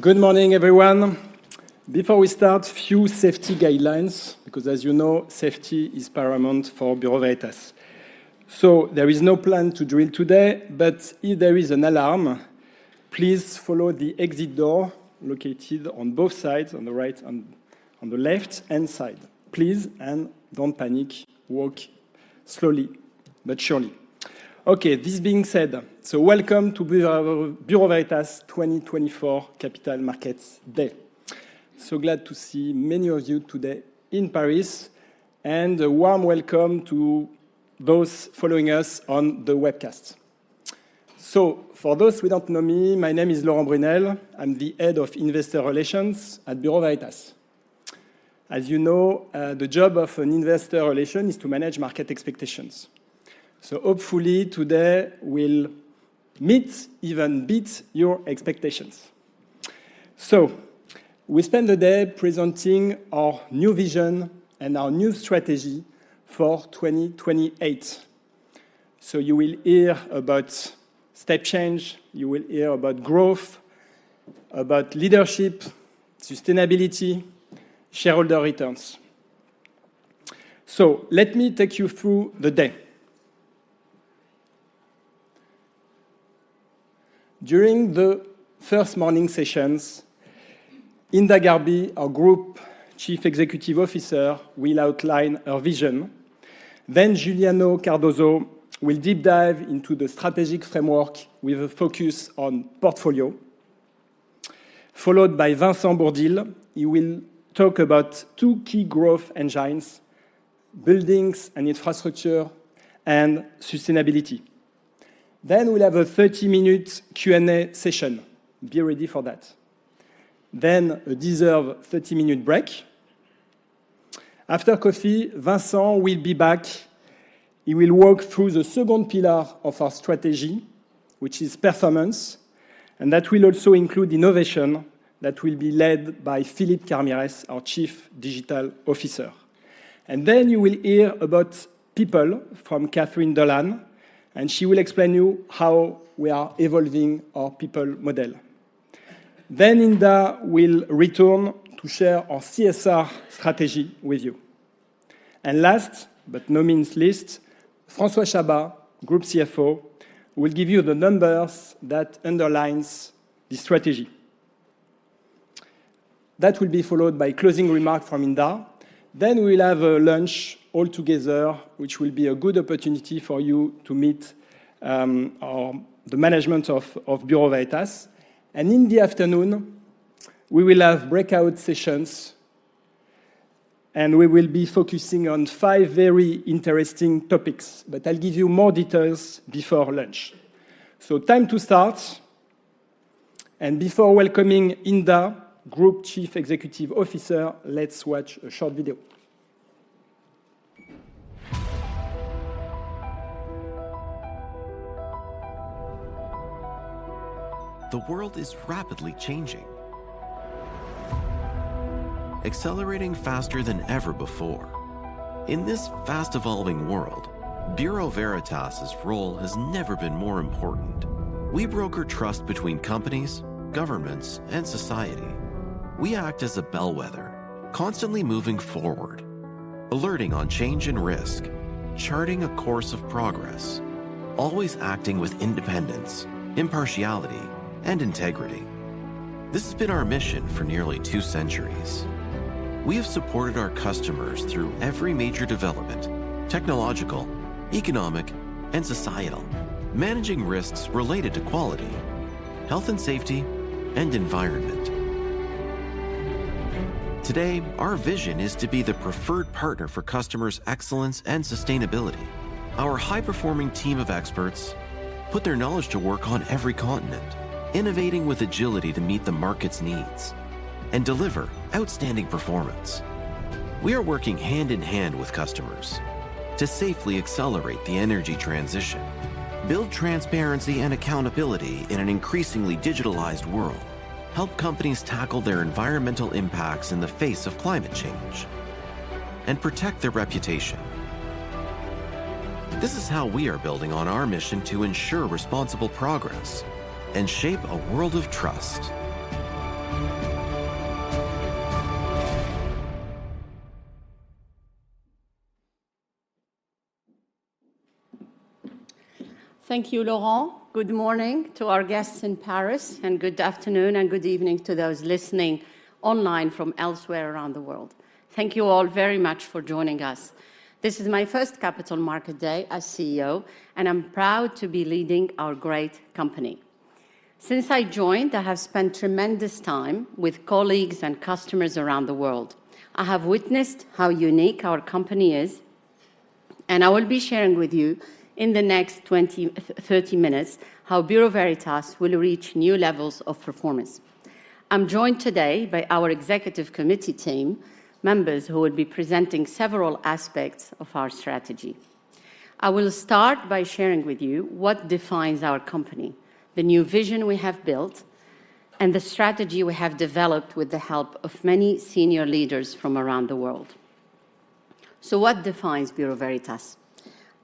Good morning, everyone. Before we start, a few safety guidelines because, as you know, safety is paramount for Bureau Veritas. There is no plan to drill today, but if there is an alarm, please follow the exit door located on both sides, on the right and on the left-hand side. Please, and don't panic. Walk slowly but surely. Okay, this being said, welcome to Bureau Veritas 2024 Capital Markets Day. Glad to see many of you today in Paris, and a warm welcome to those following us on the webcast. For those who don't know me, my name is Laurent Brunelle. I'm the Head of Investor Relations at Bureau Veritas. As you know, the job of investor relations is to manage market expectations. Hopefully today we'll meet, even beat, your expectations. So we spend the day presenting our new vision and our new strategy for 2028. So you will hear about step change. You will hear about growth, about leadership, sustainability, shareholder returns. So let me take you through the day. During the first morning sessions, Hinda Gharbi, our Group Chief Executive Officer, will outline her vision. Then Juliano Cardoso will deep dive into the strategic framework with a focus on portfolio, followed by Vincent Bourdil. He will talk about two key growth engines: buildings and infrastructure and sustainability. Then we'll have a 30-minute Q&A session. Be ready for that. Then a deserved 30-minute break. After coffee, Vincent will be back. He will walk through the second pillar of our strategy, which is performance. And that will also include innovation that will be led by Philipp Karmires, our Chief Digital Officer. Then you will hear about people from Kathryn Dolan, and she will explain to you how we are evolving our people model. Then Hinda will return to share our CSR strategy with you. And last but not least, François Chabas, Group CFO, will give you the numbers that underline this strategy. That will be followed by a closing remark from Hinda. Then we'll have a lunch all together, which will be a good opportunity for you to meet the management of Bureau Veritas. And in the afternoon, we will have breakout sessions, and we will be focusing on five very interesting topics, but I'll give you more details before lunch. So time to start. And before welcoming Hinda, Group Chief Executive Officer, let's watch a short video. The world is rapidly changing, accelerating faster than ever before. In this fast-evolving world, Bureau Veritas's role has never been more important. We broker trust between companies, governments, and society. We act as a bellwether, constantly moving forward, alerting on change and risk, charting a course of progress, always acting with independence, impartiality, and integrity. This has been our mission for nearly two centuries. We have supported our customers through every major development: technological, economic, and societal, managing risks related to quality, health and safety, and environment. Today, our vision is to be the preferred partner for customers' excellence and sustainability. Our high-performing team of experts put their knowledge to work on every continent, innovating with agility to meet the market's needs and deliver outstanding performance. We are working hand in hand with customers to safely accelerate the energy transition, build transparency and accountability in an increasingly digitalized world, help companies tackle their environmental impacts in the face of climate change, and protect their reputation. This is how we are building on our mission to ensure responsible progress and shape a world of trust. Thank you, Laurent. Good morning to our guests in Paris, and good afternoon and good evening to those listening online from elsewhere around the world. Thank you all very much for joining us. This is my first Capital Markets Day as CEO, and I'm proud to be leading our great company. Since I joined, I have spent tremendous time with colleagues and customers around the world. I have witnessed how unique our company is, and I will be sharing with you in the next 20, 30 minutes how Bureau Veritas will reach new levels of performance. I'm joined today by our executive committee team members who will be presenting several aspects of our strategy. I will start by sharing with you what defines our company, the new vision we have built, and the strategy we have developed with the help of many senior leaders from around the world. So what defines Bureau Veritas?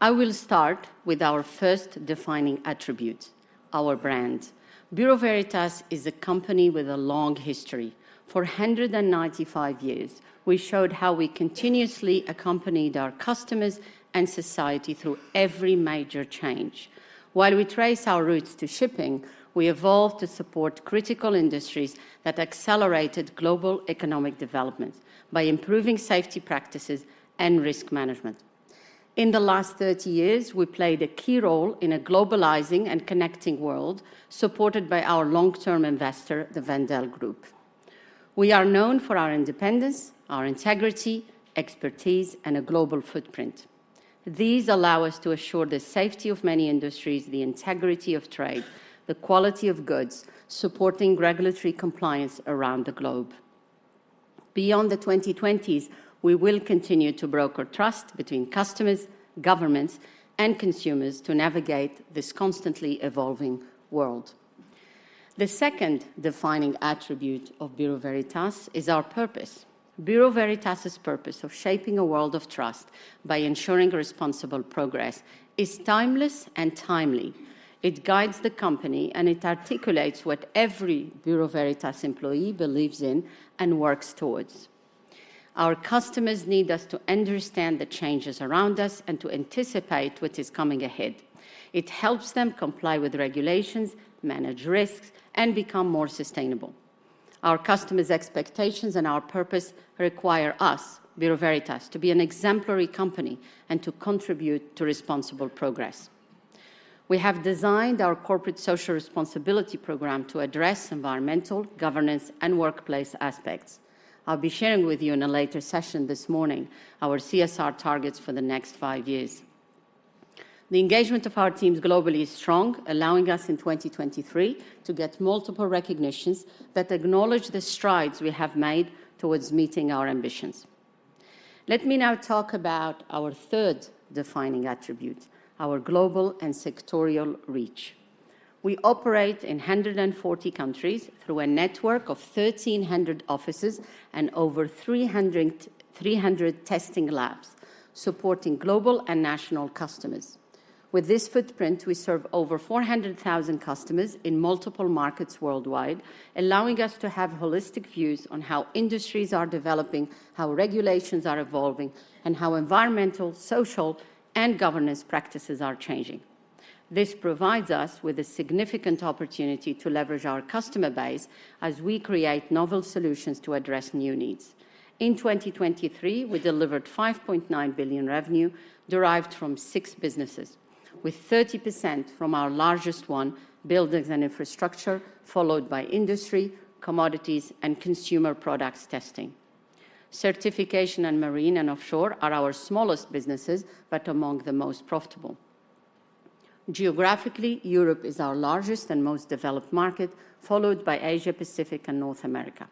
I will start with our first defining attribute: our brand. Bureau Veritas is a company with a long history. For 195 years, we showed how we continuously accompanied our customers and society through every major change. While we trace our roots to shipping, we evolved to support critical industries that accelerated global economic development by improving safety practices and risk management. In the last 30 years, we played a key role in a globalizing and connecting world supported by our long-term investor, the Wendel Group. We are known for our independence, our integrity, expertise, and a global footprint. These allow us to assure the safety of many industries, the integrity of trade, and the quality of goods, supporting regulatory compliance around the globe. Beyond the 2020s, we will continue to broker trust between customers, governments, and consumers to navigate this constantly evolving world. The second defining attribute of Bureau Veritas is our purpose. Bureau Veritas's purpose of shaping a world of trust by ensuring responsible progress is timeless and timely. It guides the company, and it articulates what every Bureau Veritas employee believes in and works towards. Our customers need us to understand the changes around us and to anticipate what is coming ahead. It helps them comply with regulations, manage risks, and become more sustainable. Our customers' expectations and our purpose require us, Bureau Veritas, to be an exemplary company and to contribute to responsible progress. We have designed our corporate social responsibility program to address environmental, governance, and workplace aspects. I'll be sharing with you in a later session this morning our CSR targets for the next five years. The engagement of our teams globally is strong, allowing us in 2023 to get multiple recognitions that acknowledge the strides we have made towards meeting our ambitions. Let me now talk about our third defining attribute: our global and sectoral reach. We operate in 140 countries through a network of 1,300 offices and over 300 testing labs supporting global and national customers. With this footprint, we serve over 400,000 customers in multiple markets worldwide, allowing us to have holistic views on how industries are developing, how regulations are evolving, and how environmental, social, and governance practices are changing. This provides us with a significant opportunity to leverage our customer base as we create novel solutions to address new needs. In 2023, we delivered 5.9 billion revenue derived from six businesses, with 30% from our largest one, Buildings and Infrastructure, followed by Industry, Commodities, and Consumer Products testing. Certification and Marine and Offshore are our smallest businesses, but among the most profitable. Geographically, Europe is our largest and most developed market, followed by Asia Pacific and North America.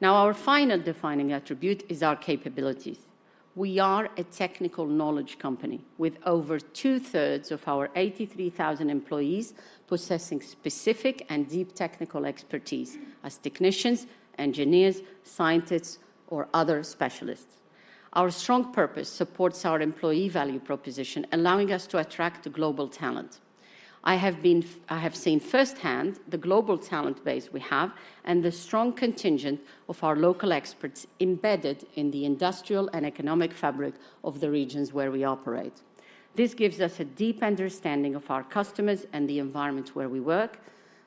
Now, our final defining attribute is our capabilities. We are a technical knowledge company, with over 2/3 of our 83,000 employees possessing specific and deep technical expertise as technicians, engineers, scientists, or other specialists. Our strong purpose supports our employee value proposition, allowing us to attract global talent. I have seen firsthand the global talent base we have and the strong contingent of our local experts embedded in the industrial and economic fabric of the regions where we operate. This gives us a deep understanding of our customers and the environments where we work,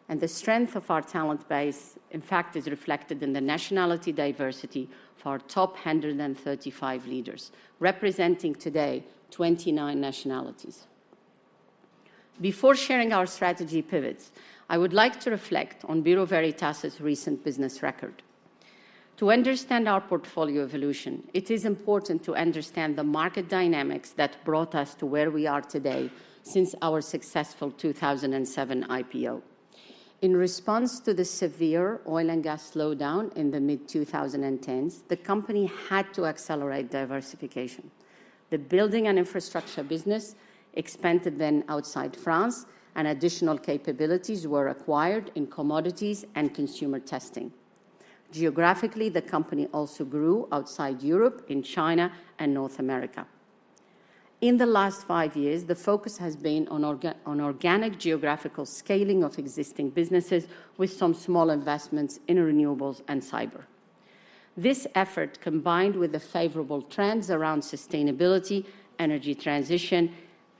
and the strength of our talent base, in fact, is reflected in the nationality diversity for our top 135 leaders representing today 29 nationalities. Before sharing our strategy pivots, I would like to reflect on Bureau Veritas's recent business record. To understand our portfolio evolution, it is important to understand the market dynamics that brought us to where we are today since our successful 2007 IPO. In response to the severe oil and gas slowdown in the mid-2010s, the company had to accelerate diversification. The building and infrastructure business expanded then outside France, and additional capabilities were acquired in commodities and consumer testing. Geographically, the company also grew outside Europe, in China, and North America. In the last five years, the focus has been on organic geographical scaling of existing businesses with some small investments in renewables and cyber. This effort, combined with the favorable trends around sustainability and energy transition,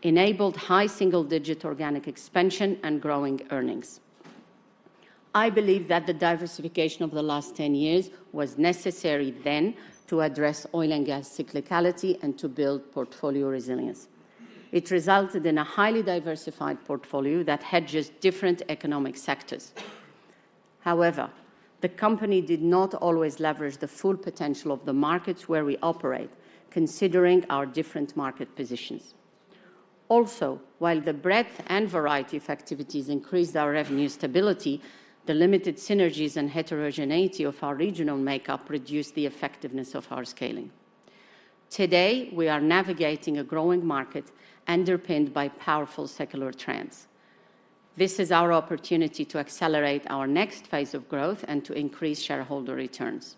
enabled high single-digit organic expansion and growing earnings. I believe that the diversification of the last 10 years was necessary then to address oil and gas cyclicality and to build portfolio resilience. It resulted in a highly diversified portfolio that hedges different economic sectors. However, the company did not always leverage the full potential of the markets where we operate, considering our different market positions. Also, while the breadth and variety of activities increased our revenue stability, the limited synergies and heterogeneity of our regional makeup reduced the effectiveness of our scaling. Today, we are navigating a growing market underpinned by powerful secular trends. This is our opportunity to accelerate our next phase of growth and to increase shareholder returns.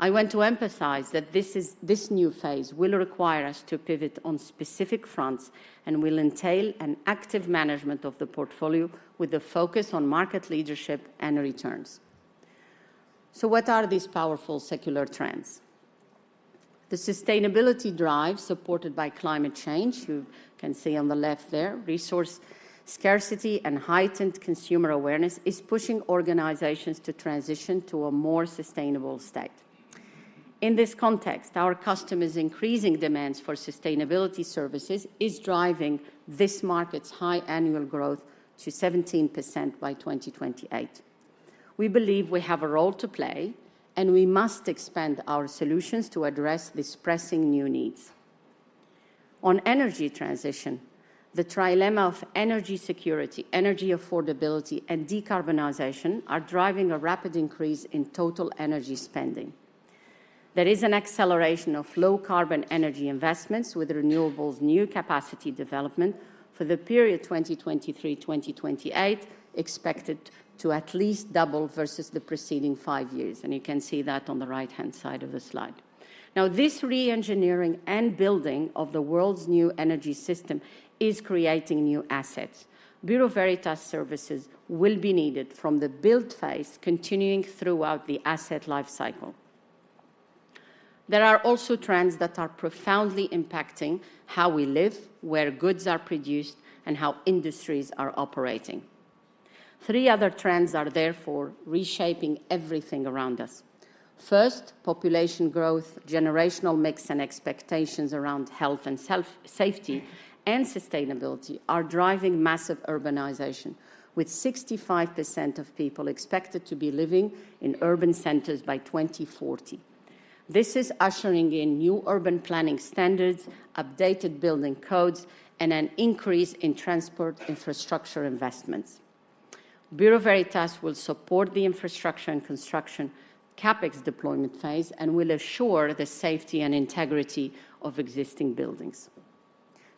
I want to emphasize that this new phase will require us to pivot on specific fronts and will entail an active management of the portfolio with a focus on market leadership and returns. So what are these powerful secular trends? The sustainability drive supported by climate change, you can see on the left there, resource scarcity and heightened consumer awareness is pushing organizations to transition to a more sustainable state. In this context, our customers' increasing demands for sustainability services are driving this market's high annual growth to 17% by 2028. We believe we have a role to play, and we must expand our solutions to address these pressing new needs. On energy transition, the trilemma of energy security, energy affordability, and decarbonization are driving a rapid increase in total energy spending. There is an acceleration of low-carbon energy investments with renewables new capacity development for the period 2023-2028 expected to at least double versus the preceding five years. You can see that on the right-hand side of the slide. Now, this re-engineering and building of the world's new energy system is creating new assets. Bureau Veritas services will be needed from the build phase continuing throughout the asset lifecycle. There are also trends that are profoundly impacting how we live, where goods are produced, and how industries are operating. Three other trends are therefore reshaping everything around us. First, population growth, generational mix, and expectations around Health and Safety and sustainability are driving massive urbanization, with 65% of people expected to be living in urban centers by 2040. This is ushering in new urban planning standards, updated building codes, and an increase in transport infrastructure investments. Bureau Veritas will support the infrastructure and construction CapEx deployment phase and will assure the safety and integrity of existing buildings.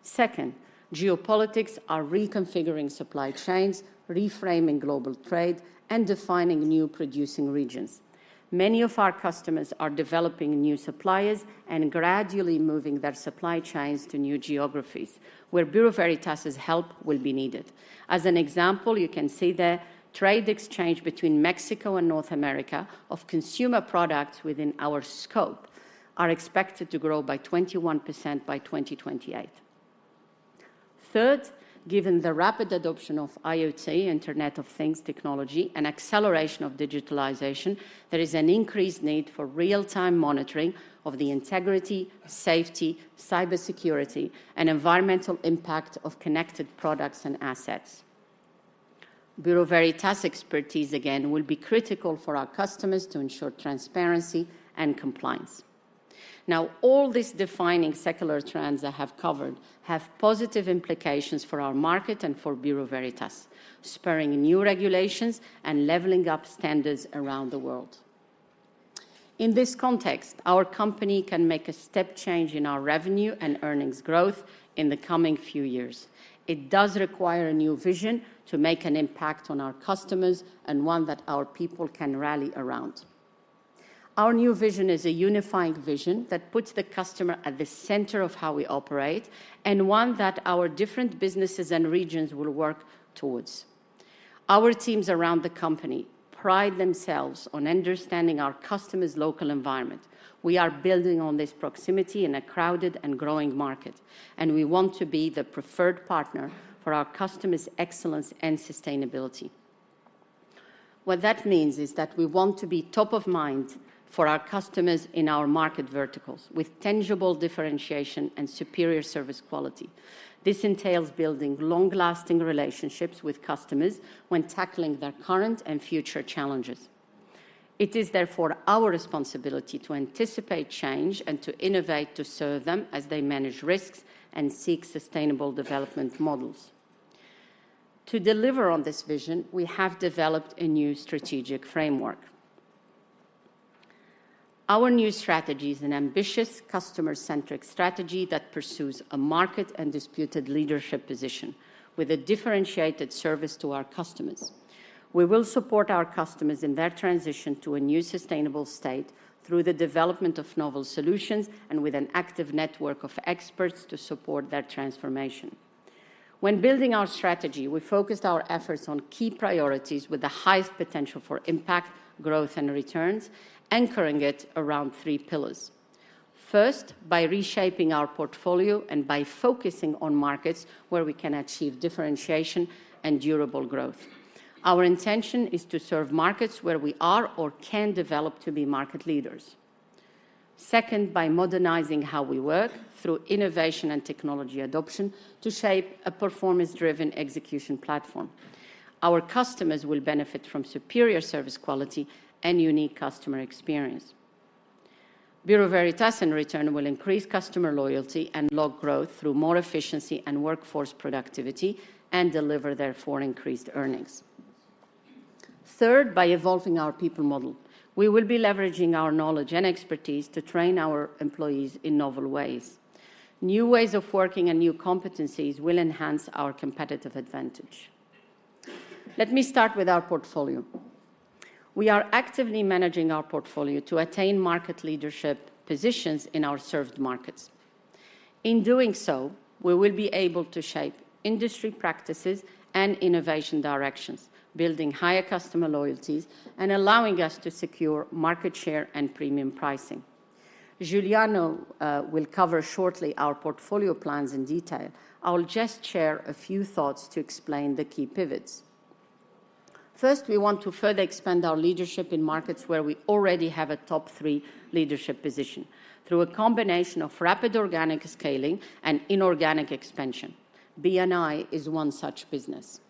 Second, geopolitics are reconfiguring supply chains, reframing global trade, and defining new producing regions. Many of our customers are developing new suppliers and gradually moving their supply chains to new geographies where Bureau Veritas's help will be needed. As an example, you can see the trade exchange between Mexico and North America of consumer products within our scope is expected to grow by 21% by 2028. Third, given the rapid adoption of IoT (Internet of Things) technology and acceleration of digitalization, there is an increased need for real-time monitoring of the integrity, safety, cybersecurity, and environmental impact of connected products and assets. Bureau Veritas's expertise, again, will be critical for our customers to ensure transparency and compliance. Now, all these defining secular trends I have covered have positive implications for our market and for Bureau Veritas, spurring new regulations and leveling up standards around the world. In this context, our company can make a step change in our revenue and earnings growth in the coming few years. It does require a new vision to make an impact on our customers and one that our people can rally around. Our new vision is a unifying vision that puts the customer at the center of how we operate and one that our different businesses and regions will work towards. Our teams around the company pride themselves on understanding our customers' local environment. We are building on this proximity in a crowded and growing market, and we want to be the preferred partner for our customers' excellence and sustainability. What that means is that we want to be top of mind for our customers in our market verticals with tangible differentiation and superior service quality. This entails building long-lasting relationships with customers when tackling their current and future challenges. It is therefore our responsibility to anticipate change and to innovate to serve them as they manage risks and seek sustainable development models. To deliver on this vision, we have developed a new strategic framework. Our new strategy is an ambitious, customer-centric strategy that pursues a market and disputed leadership position with a differentiated service to our customers. We will support our customers in their transition to a new sustainable state through the development of novel solutions and with an active network of experts to support their transformation. When building our strategy, we focused our efforts on key priorities with the highest potential for impact, growth, and returns, anchoring it around three pillars. First, by reshaping our portfolio and by focusing on markets where we can achieve differentiation and durable growth. Our intention is to serve markets where we are or can develop to be market leaders. Second, by modernizing how we work through innovation and technology adoption to shape a performance-driven execution platform. Our customers will benefit from superior service quality and unique customer experience. Bureau Veritas and return will increase customer loyalty and long growth through more efficiency and workforce productivity and deliver therefore increased earnings. Third, by evolving our people model, we will be leveraging our knowledge and expertise to train our employees in novel ways. New ways of working and new competencies will enhance our competitive advantage. Let me start with our portfolio. We are actively managing our portfolio to attain market leadership positions in our served markets. In doing so, we will be able to shape industry practices and innovation directions, building higher customer loyalties and allowing us to secure market share and premium pricing. Juliano will cover shortly our portfolio plans in detail. I will just share a few thoughts to explain the key pivots. First, we want to further expand our leadership in markets where we already have a top three leadership position through a combination of rapid organic scaling and inorganic expansion. B&I is one such business.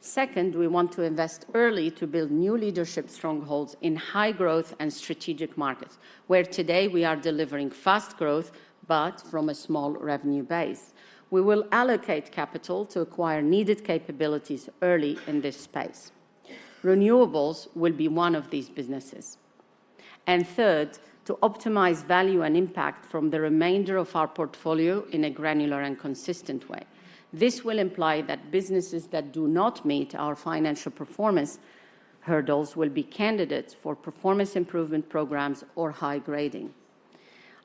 Second, we want to invest early to build new leadership strongholds in high growth and strategic markets where today we are delivering fast growth, but from a small revenue base. We will allocate capital to acquire needed capabilities early in this space. Renewables will be one of these businesses. And third, to optimize value and impact from the remainder of our portfolio in a granular and consistent way. This will imply that businesses that do not meet our financial performance hurdles will be candidates for performance improvement programs or high grading.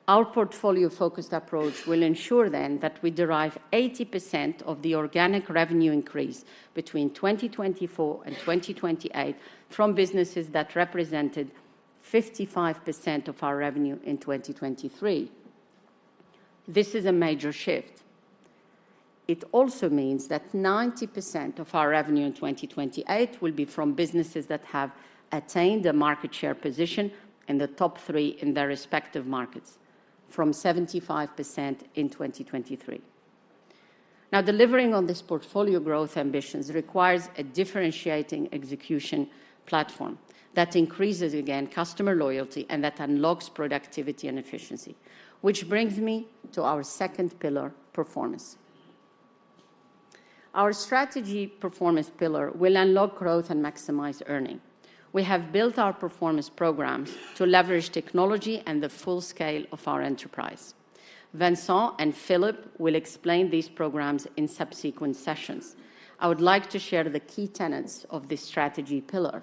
Our portfolio-focused approach will ensure then that we derive 80% of the organic revenue increase between 2024 and 2028 from businesses that represented 55% of our revenue in 2023. This is a major shift. It also means that 90% of our revenue in 2028 will be from businesses that have attained a market share position in the top three in their respective markets, from 75% in 2023. Now, delivering on this portfolio growth ambitions requires a differentiating execution platform that increases, again, customer loyalty and that unlocks productivity and efficiency, which brings me to our second pillar, performance. Our strategy performance pillar will unlock growth and maximize earning. We have built our performance programs to leverage technology and the full scale of our enterprise. Vincent and Philipp will explain these programs in subsequent sessions. I would like to share the key tenets of this strategy pillar.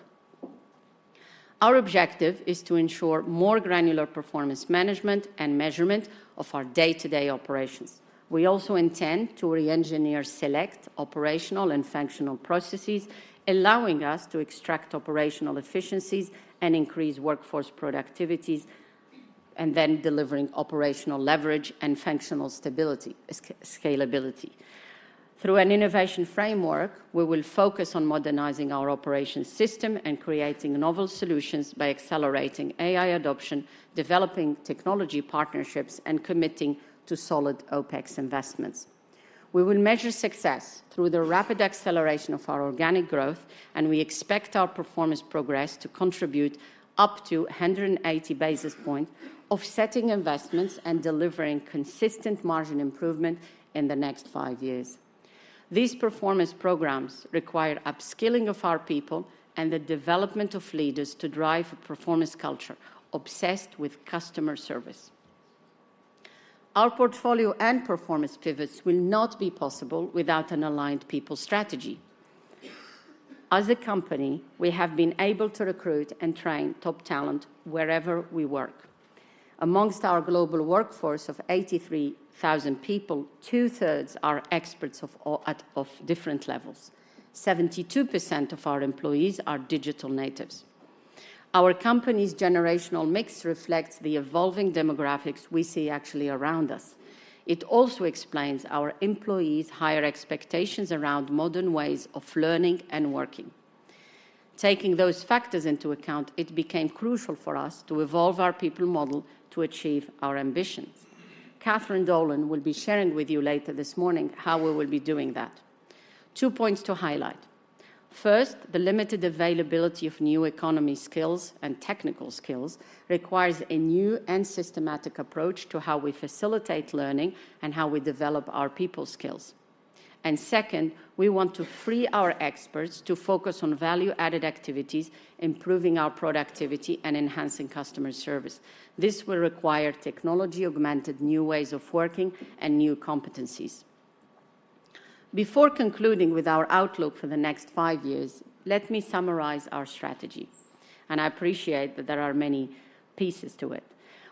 Our objective is to ensure more granular performance management and measurement of our day-to-day operations. We also intend to re-engineer select operational and functional processes, allowing us to extract operational efficiencies and increase workforce productivities, and then delivering operational leverage and functional stability, scalability through an innovation framework. We will focus on modernizing our operations system and creating novel solutions by accelerating AI adoption, developing technology partnerships, and committing to solid OpEx investments. We will measure success through the rapid acceleration of our organic growth, and we expect our performance progress to contribute up to 180 basis points of setting investments and delivering consistent margin improvement in the next five years. These performance programs require upskilling of our people and the development of leaders to drive a performance culture obsessed with customer service. Our portfolio and performance pivots will not be possible without an aligned people strategy. As a company, we have been able to recruit and train top talent wherever we work. Among our global workforce of 83,000 people, 2/3 are experts at different levels. 72% of our employees are digital natives. Our company's generational mix reflects the evolving demographics we see actually around us. It also explains our employees' higher expectations around modern ways of learning and working. Taking those factors into account, it became crucial for us to evolve our people model to achieve our ambitions. Kathryn Dolan will be sharing with you later this morning how we will be doing that. Two points to highlight. First, the limited availability of new economy skills and technical skills requires a new and systematic approach to how we facilitate learning and how we develop our people skills. And second, we want to free our experts to focus on value-added activities, improving our productivity and enhancing customer service. This will require technology-augmented new ways of working and new competencies. Before concluding with our outlook for the next five years, let me summarize our strategy, and I appreciate that there are many pieces to it.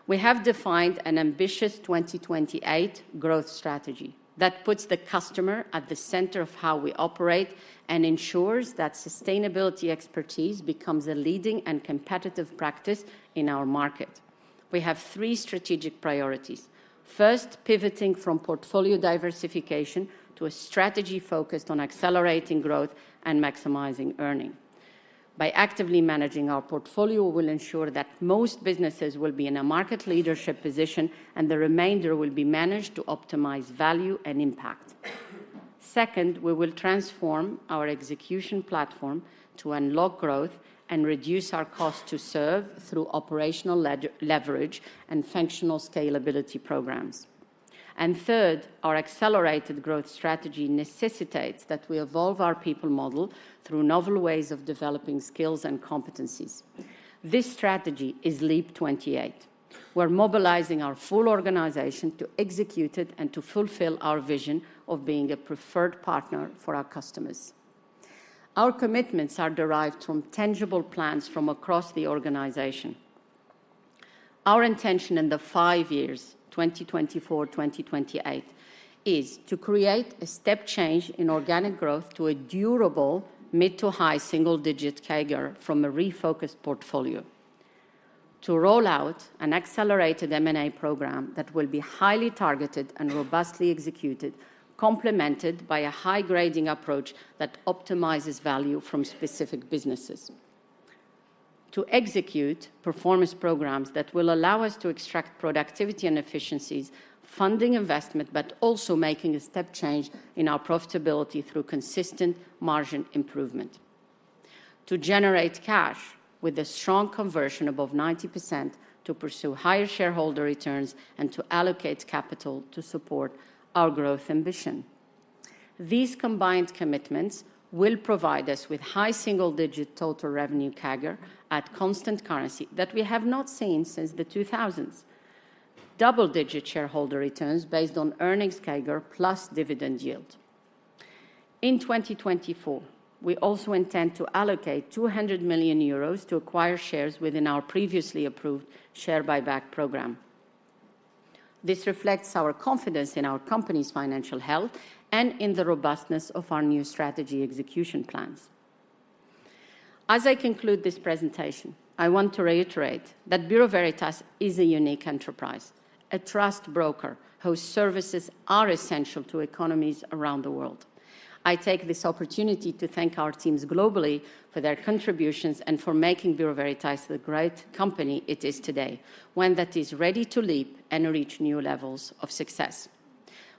We have defined an ambitious 2028 growth strategy that puts the customer at the center of how we operate and ensures that sustainability expertise becomes a leading and competitive practice in our market. We have three strategic priorities. First, pivoting from portfolio diversification to a strategy focused on accelerating growth and maximizing earning by actively managing our portfolio will ensure that most businesses will be in a market leadership position and the remainder will be managed to optimize value and impact. Second, we will transform our execution platform to unlock growth and reduce our cost to serve through operational leverage and functional scalability programs. And third, our accelerated growth strategy necessitates that we evolve our people model through novel ways of developing skills and competencies. This strategy is LEAP | 28. We're mobilizing our full organization to execute it and to fulfill our vision of being a preferred partner for our customers. Our commitments are derived from tangible plans from across the organization. Our intention in the five years 2024-2028 is to create a step change in organic growth to a durable mid to high single-digit CAGR from a refocused portfolio, to roll out an accelerated M&A program that will be highly targeted and robustly executed, complemented by a high-grading approach that optimizes value from specific businesses, to execute performance programs that will allow us to extract productivity and efficiencies, funding investment, but also making a step change in our profitability through consistent margin improvement, to generate cash with a strong conversion above 90% to pursue higher shareholder returns and to allocate capital to support our growth ambition. These combined commitments will provide us with high single-digit total revenue CAGR at constant currency that we have not seen since the 2000s, double-digit shareholder returns based on earnings CAGR plus dividend yield. In 2024, we also intend to allocate 200 million euros to acquire shares within our previously approved share buyback program. This reflects our confidence in our company's financial health and in the robustness of our new strategy execution plans. As I conclude this presentation, I want to reiterate that Bureau Veritas is a unique enterprise, a trust broker whose services are essential to economies around the world. I take this opportunity to thank our teams globally for their contributions and for making Bureau Veritas the great company it is today, one that is ready to leap and reach new levels of success.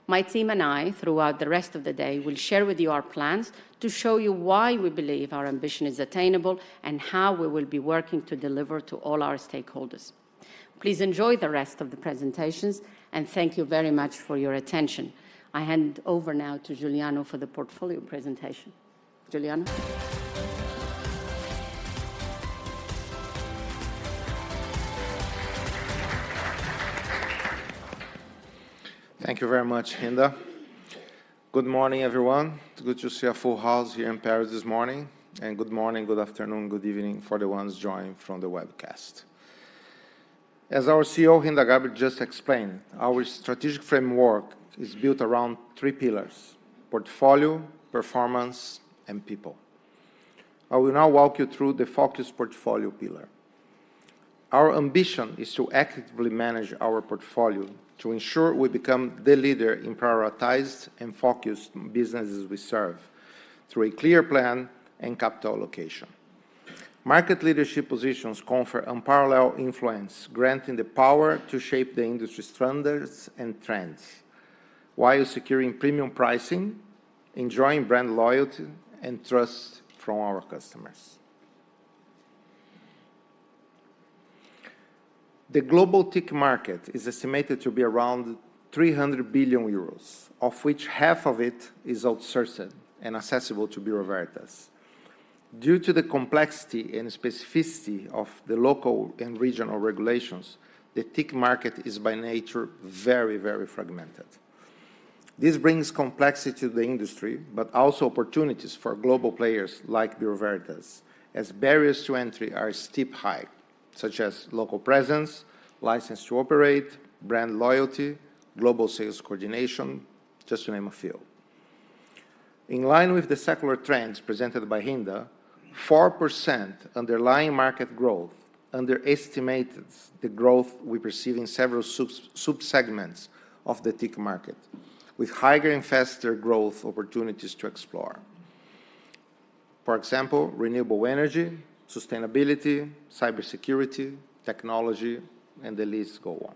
My team and I, throughout the rest of the day, will share with you our plans to show you why we believe our ambition is attainable and how we will be working to deliver to all our stakeholders. Please enjoy the rest of the presentations, and thank you very much for your attention. I hand over now to Juliano for the portfolio presentation. Juliano. Thank you very much, Hinda. Good morning, everyone. It's good to see a full house here in Paris this morning. And good morning. Good afternoon. Good evening for the ones joining from the webcast. As our CEO, Hinda Gharbi, just explained, our strategic framework is built around three pillars: portfolio, performance, and people. I will now walk you through the focused portfolio pillar. Our ambition is to actively manage our portfolio to ensure we become the leader in prioritized and focused businesses we serve through a clear plan and capital allocation. Market leadership positions confer unparalleled influence, granting the power to shape the industry's standards and trends while securing premium pricing, enjoying brand loyalty and trust from our customers. The global TIC market is estimated to be around 300 billion euros, of which half of it is outsourced and accessible to Bureau Veritas. Due to the complexity and specificity of the local and regional regulations, the TIC market is by nature very, very fragmented. This brings complexity to the industry, but also opportunities for global players like Bureau Veritas, as barriers to entry are steep-high, such as local presence, license to operate, brand loyalty, global sales coordination, just to name a few. In line with the secular trends presented by Hinda, 4% underlying market growth underestimates the growth we perceive in several subsegments of the TIC market, with higher and faster growth opportunities to explore. For example, renewable energy, sustainability, cybersecurity, technology, and the list goes on.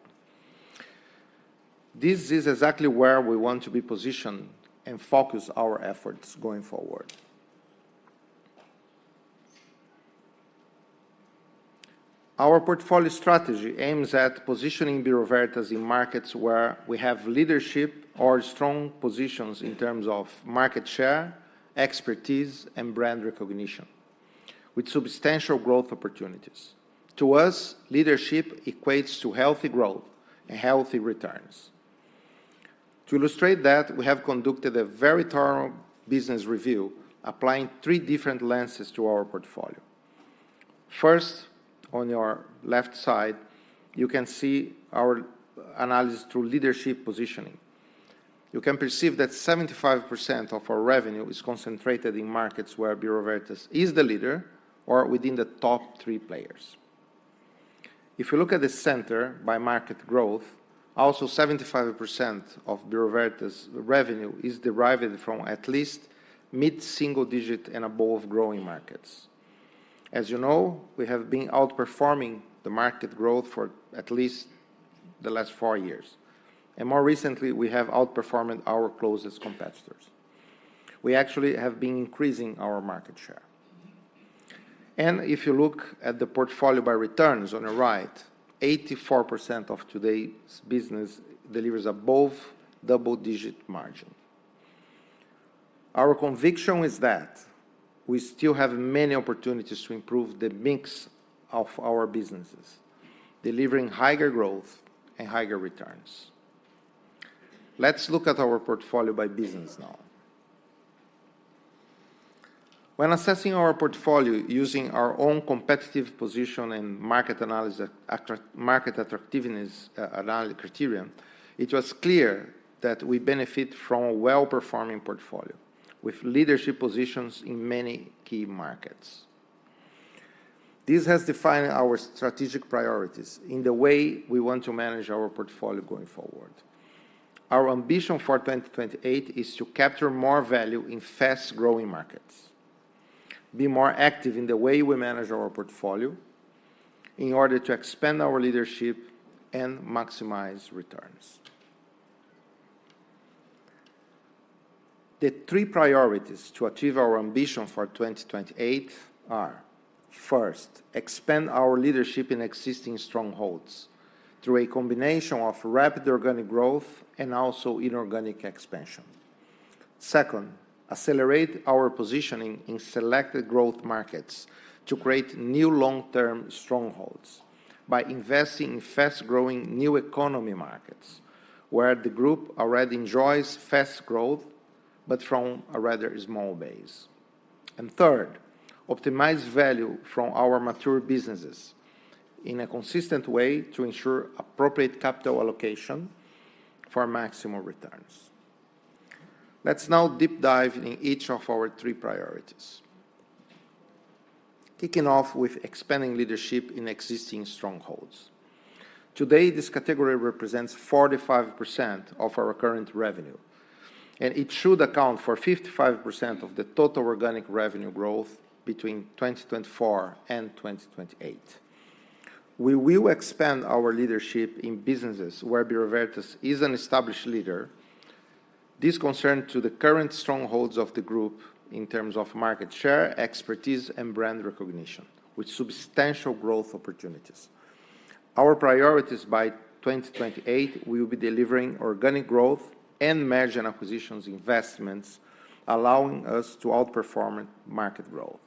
This is exactly where we want to be positioned and focus our efforts going forward. Our portfolio strategy aims at positioning Bureau Veritas in markets where we have leadership or strong positions in terms of market share, expertise, and brand recognition with substantial growth opportunities. To us, leadership equates to healthy growth and healthy returns. To illustrate that, we have conducted a very thorough business review applying three different lenses to our portfolio. First, on your left side, you can see our analysis through leadership positioning. You can perceive that 75% of our revenue is concentrated in markets where Bureau Veritas is the leader or within the top three players. If you look at the center by market growth, also 75% of Bureau Veritas' revenue is derived from at least mid-single-digit and above growing markets. As you know, we have been outperforming the market growth for at least the last four years, and more recently, we have outperformed our closest competitors. We actually have been increasing our market share. If you look at the portfolio by returns on the right, 84% of today's business delivers above double-digit margin. Our conviction is that we still have many opportunities to improve the mix of our businesses, delivering higher growth and higher returns. Let's look at our portfolio by business now. When assessing our portfolio using our own competitive position and market attractiveness criteria, it was clear that we benefit from a well-performing portfolio with leadership positions in many key markets. This has defined our strategic priorities in the way we want to manage our portfolio going forward. Our ambition for 2028 is to capture more value in fast-growing markets, be more active in the way we manage our portfolio in order to expand our leadership and maximize returns. The three priorities to achieve our ambition for 2028 are, first, expand our leadership in existing strongholds through a combination of rapid organic growth and also inorganic expansion. Second, accelerate our positioning in selected growth markets to create new long-term strongholds by investing in fast-growing new economy markets where the group already enjoys fast growth but from a rather small base. And third, optimize value from our mature businesses in a consistent way to ensure appropriate capital allocation for maximum returns. Let's now deep dive in each of our three priorities. Kicking off with expanding leadership in existing strongholds. Today, this category represents 45% of our current revenue, and it should account for 55% of the total organic revenue growth between 2024 and 2028. We will expand our leadership in businesses where Bureau Veritas is an established leader. This concerns the current strongholds of the group in terms of market share, expertise, and brand recognition with substantial growth opportunities. Our priorities by 2028 will be delivering organic growth and merger and acquisitions investments, allowing us to outperform market growth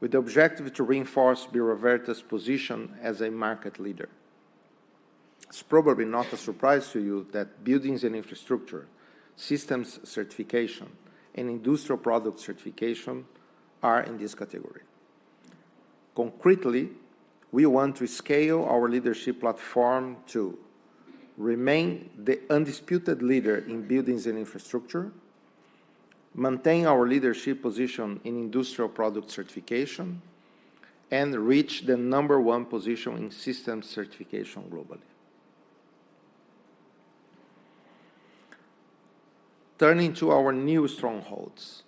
with the objective to reinforce Bureau Veritas' position as a market leader. It's probably not a surprise to you that Buildings & Infrastructure Systems Certification and Industrial Product Certification are in this category. Concretely, we want to scale our leadership platform to remain the undisputed leader in Buildings & Infrastructure, maintain our leadership position in Industrial Product Certification, and reach the number one position in System Certification globally. Turning to our new strongholds,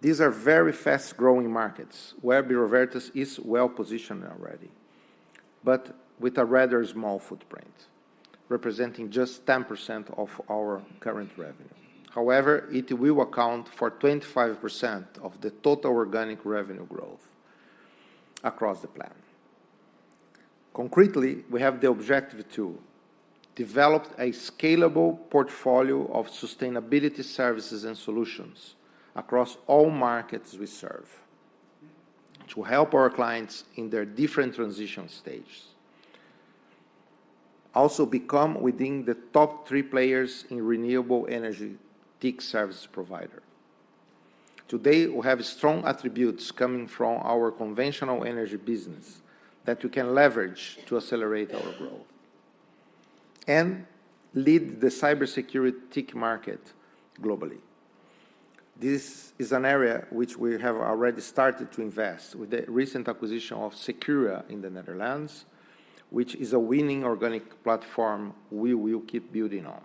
these are very fast-growing markets where Bureau Veritas is well-positioned already, but with a rather small footprint representing just 10% of our current revenue. However, it will account for 25% of the total organic revenue growth across the plan. Concretely, we have the objective to develop a scalable portfolio of Sustainability Services and Solutions across all markets we serve to help our clients in their different transition stages, also become within the top three players in renewable energy tech services provider. Today, we have strong attributes coming from our conventional energy business that we can leverage to accelerate our growth and lead the cybersecurity tech market globally. This is an area which we have already started to invest with the recent acquisition of Secura in the Netherlands, which is a winning organic platform we will keep building on.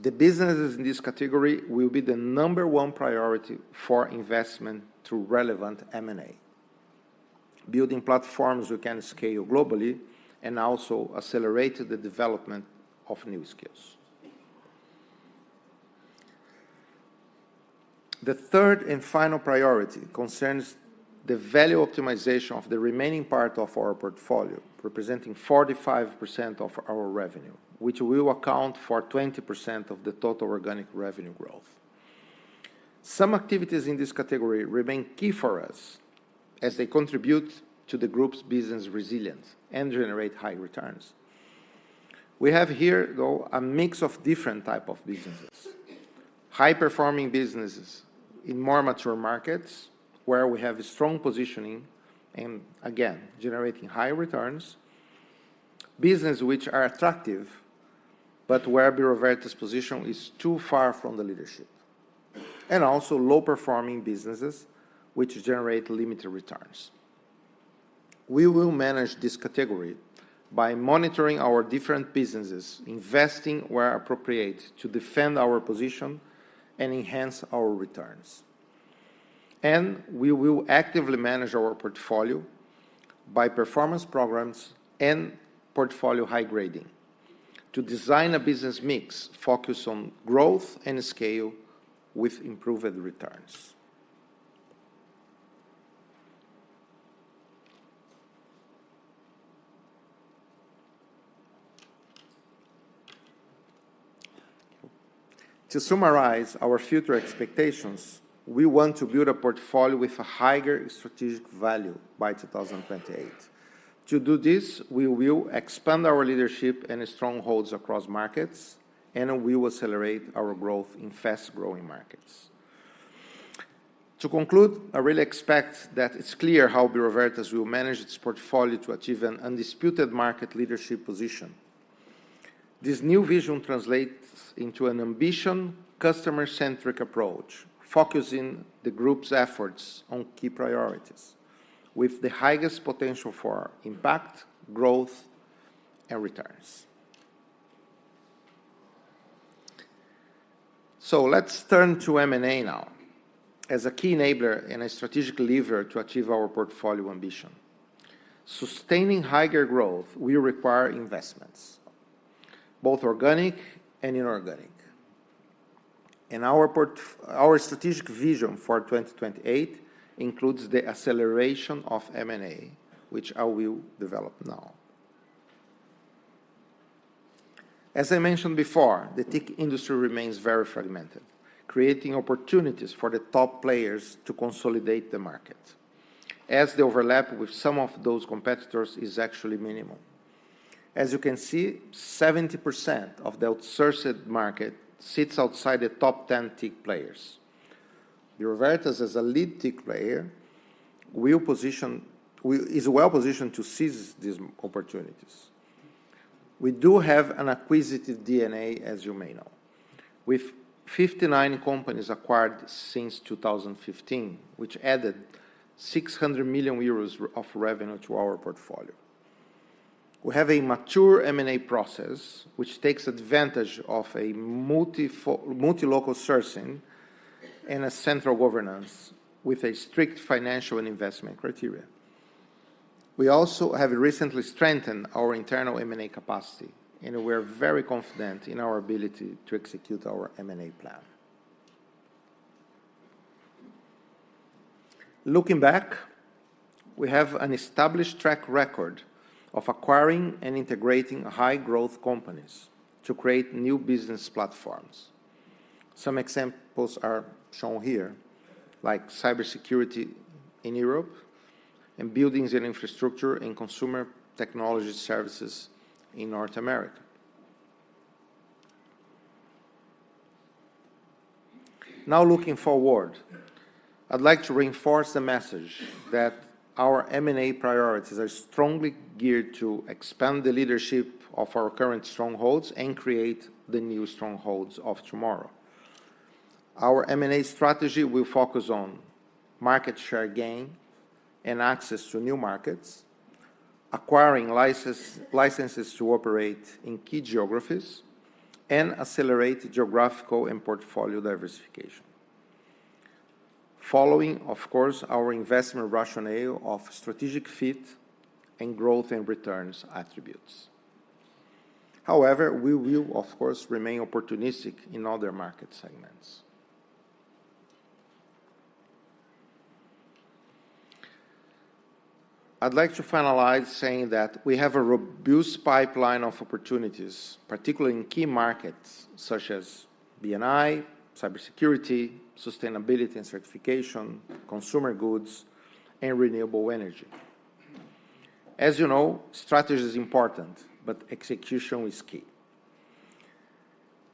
The businesses in this category will be the number one priority for investment through relevant M&A, building platforms we can scale globally and also accelerate the development of new skills. The third and final priority concerns the value optimization of the remaining part of our portfolio, representing 45% of our revenue, which will account for 20% of the total organic revenue growth. Some activities in this category remain key for us as they contribute to the group's business resilience and generate high returns. We have here, though, a mix of different types of businesses: high-performing businesses in more mature markets where we have strong positioning and, again, generating high returns, businesses which are attractive but where Bureau Veritas' position is too far from the leadership, and also low-performing businesses which generate limited returns. We will manage this category by monitoring our different businesses, investing where appropriate to defend our position and enhance our returns. We will actively manage our portfolio by performance programs and portfolio high grading to design a business mix focused on growth and scale with improved returns. To summarize our future expectations, we want to build a portfolio with a higher strategic value by 2028. To do this, we will expand our leadership and strongholds across markets, and we will accelerate our growth in fast-growing markets. To conclude, I really expect that it's clear how Bureau Veritas will manage its portfolio to achieve an undisputed market leadership position. This new vision translates into an ambition, customer-centric approach focusing the group's efforts on key priorities with the highest potential for impact, growth, and returns. Let's turn to M&A now as a key enabler and a strategic lever to achieve our portfolio ambition. Sustaining higher growth will require investments, both organic and inorganic. Our strategic vision for 2028 includes the acceleration of M&A, which I will develop now. As I mentioned before, the TIC industry remains very fragmented, creating opportunities for the top players to consolidate the market as they overlap with some of those competitors is actually minimal. As you can see, 70% of the outsourced market sits outside the top 10 TIC players. Bureau Veritas, as a lead TIC player, is well-positioned to seize these opportunities. We do have an acquisitive DNA, as you may know, with 59 companies acquired since 2015, which added 600 million euros of revenue to our portfolio. We have a mature M&A process which takes advantage of multilocal sourcing and central governance with a strict financial and investment criteria. We also have recently strengthened our internal M&A capacity, and we are very confident in our ability to execute our M&A plan. Looking back, we have an established track record of acquiring and integrating high-growth companies to create new business platforms. Some examples are shown here, like cybersecurity in Europe and Buildings & Infrastructure and Consumer Technology Services in North America. Now, looking forward, I'd like to reinforce the message that our M&A priorities are strongly geared to expand the leadership of our current strongholds and create the new strongholds of tomorrow. Our M&A strategy will focus on market share gain and access to new markets, acquiring licenses to operate in key geographies, and accelerating geographical and portfolio diversification, following, of course, our investment rationale of strategic fit and growth and returns attributes. However, we will, of course, remain opportunistic in other market segments. I'd like to finalize saying that we have a robust pipeline of opportunities, particularly in key markets such as B&I, cybersecurity, sustainability and certification, consumer goods, and renewable energy. As you know, strategy is important, but execution is key.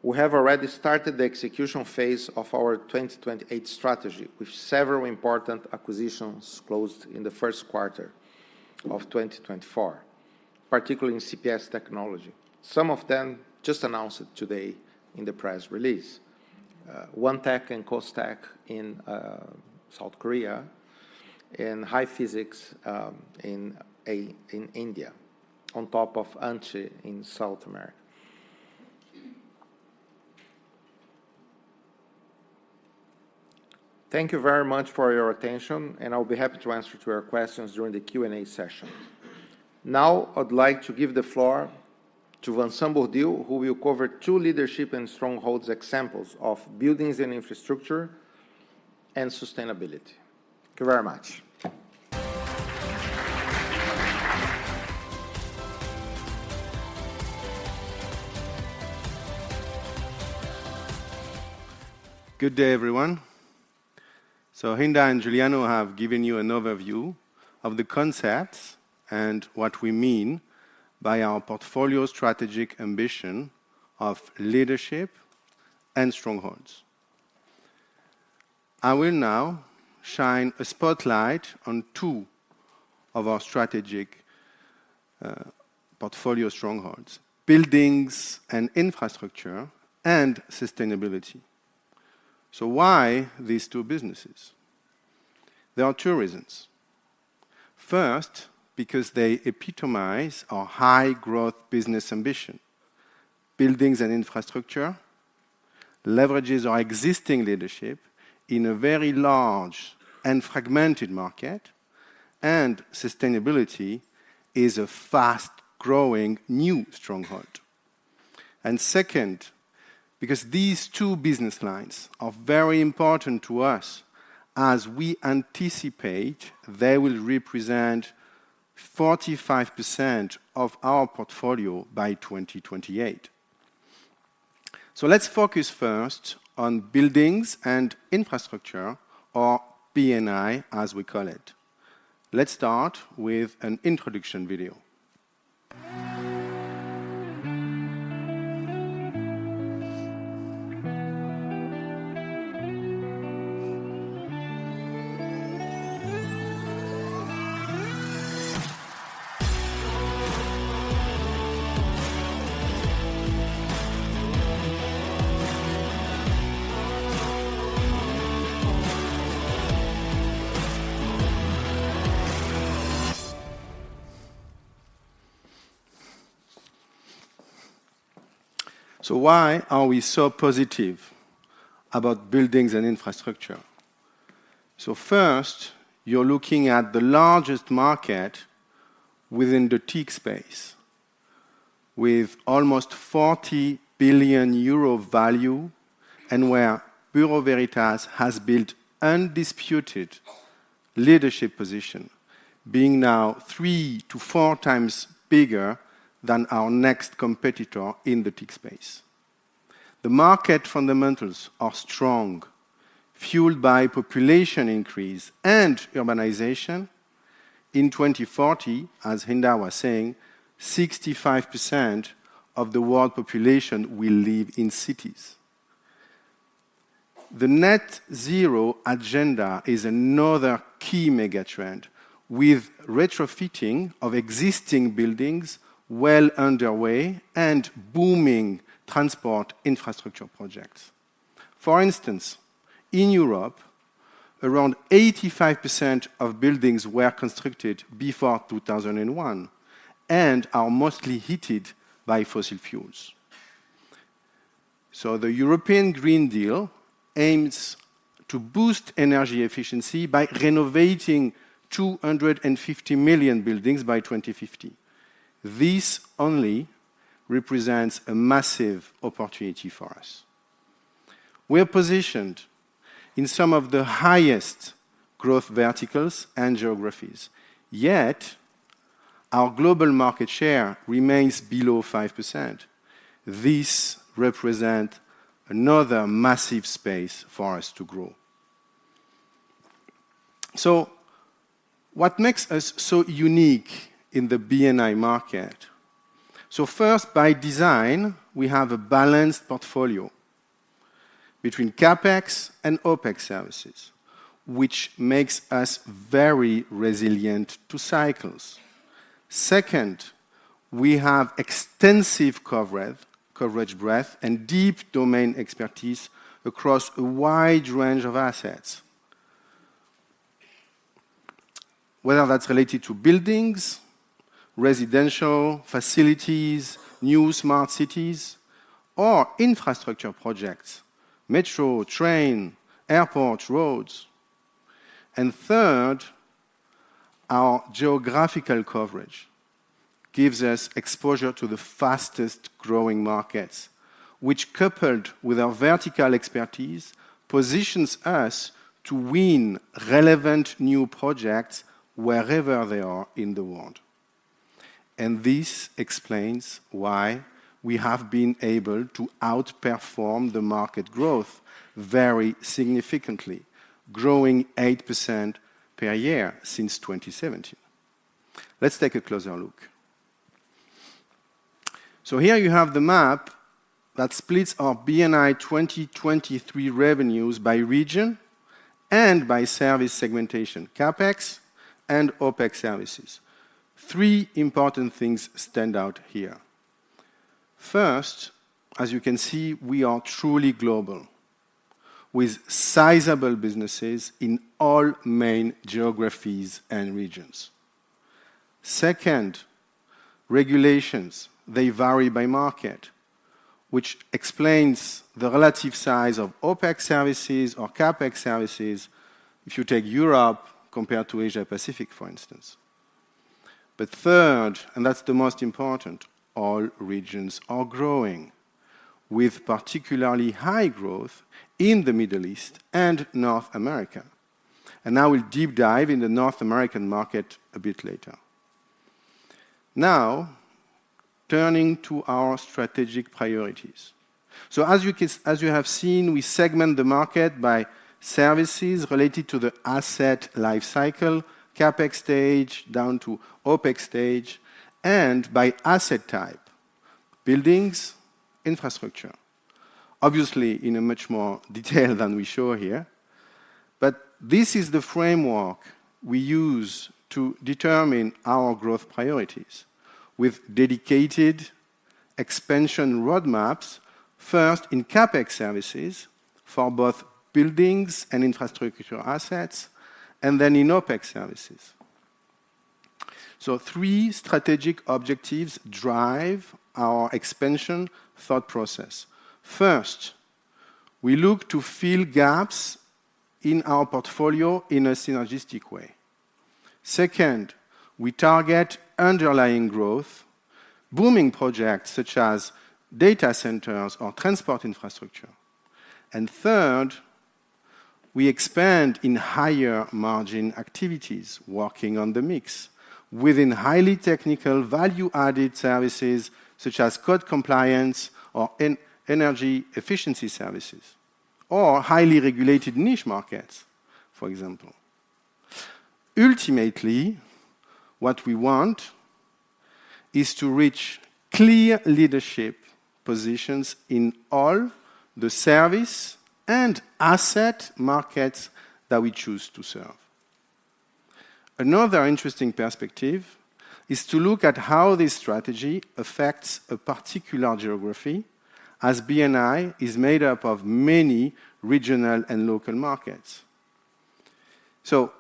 We have already started the execution phase of our 2028 strategy with several important acquisitions closed in the first quarter of 2024, particularly in CPS technology. Some of them just announced today in the press release: ONETECH and KOSTEC in South Korea and Hi Physix in India, on top of ANCE in South America. Thank you very much for your attention, and I'll be happy to answer your questions during the Q&A session. Now, I'd like to give the floor to Vincent Bourdil, who will cover two leadership and strongholds examples of Buildings & Infrastructure and Sustainability. Thank you very much. Good day, everyone. So Hinda and Juliano have given you an overview of the concepts and what we mean by our portfolio strategic ambition of leadership and strongholds. I will now shine a spotlight on two of our strategic portfolio strongholds: Buildings & Infrastructure and Sustainability. So why these two businesses? There are two reasons. First, because they epitomize our high-growth business ambition: Buildings & Infrastructure leverages our existing leadership in a very large and fragmented market, and sustainability is a fast-growing new stronghold. And second, because these two business lines are very important to us as we anticipate they will represent 45% of our portfolio by 2028. So let's focus first on Buildings & Infrastructure, or B&I as we call it. Let's start with an introduction video. So why are we so positive about Buildings & Infrastructure? So first, you're looking at the largest market within the TIC space with almost 40 billion euro value and where Bureau Veritas has built an undisputed leadership position, being now three to four times bigger than our next competitor in the TIC space. The market fundamentals are strong, fueled by population increase and urbanization. In 2040, as Hinda was saying, 65% of the world population will live in cities. The net-zero agenda is another key megatrend with retrofitting of existing buildings well underway and booming transport infrastructure projects. For instance, in Europe, around 85% of buildings were constructed before 2001 and are mostly heated by fossil fuels. So the European Green Deal aims to boost energy efficiency by renovating 250 million buildings by 2050. This only represents a massive opportunity for us. We are positioned in some of the highest growth verticals and geographies, yet our global market share remains below 5%. This represents another massive space for us to grow. So what makes us so unique in the B&I market? So first, by design, we have a balanced portfolio between CapEx and OpEx services, which makes us very resilient to cycles. Second, we have extensive coverage breadth and deep domain expertise across a wide range of assets, whether that's related to buildings, residential facilities, new smart cities, or infrastructure projects: metro, train, airport, roads. And third, our geographical coverage gives us exposure to the fastest-growing markets, which, coupled with our vertical expertise, positions us to win relevant new projects wherever they are in the world. And this explains why we have been able to outperform the market growth very significantly, growing 8% per year since 2017. Let's take a closer look. So here you have the map that splits our B&I 2023 revenues by region and by service segmentation: CapEx and OpEx services. Three important things stand out here. First, as you can see, we are truly global with sizable businesses in all main geographies and regions. Second, regulations, they vary by market, which explains the relative size of OpEx services or CapEx services if you take Europe compared to Asia-Pacific, for instance. But third, and that's the most important, all regions are growing with particularly high growth in the Middle East and North America. And I will deep dive in the North American market a bit later. Now, turning to our strategic priorities. So as you have seen, we segment the market by services related to the asset lifecycle, CapEx stage down to OpEx stage, and by asset type: buildings, infrastructure. Obviously, in much more detail than we show here. This is the framework we use to determine our growth priorities with dedicated expansion roadmaps, first in CapEx services for both buildings and infrastructure assets, and then in OpEx services. Three strategic objectives drive our expansion thought process. First, we look to fill gaps in our portfolio in a synergistic way. Second, we target underlying growth, booming projects such as data centers or transport infrastructure. And third, we expand in higher-margin activities, working on the mix within highly technical value-added services such as Code Compliance or Energy Efficiency Services or highly regulated niche markets, for example. Ultimately, what we want is to reach clear leadership positions in all the service and asset markets that we choose to serve. Another interesting perspective is to look at how this strategy affects a particular geography as B&I is made up of many regional and local markets. So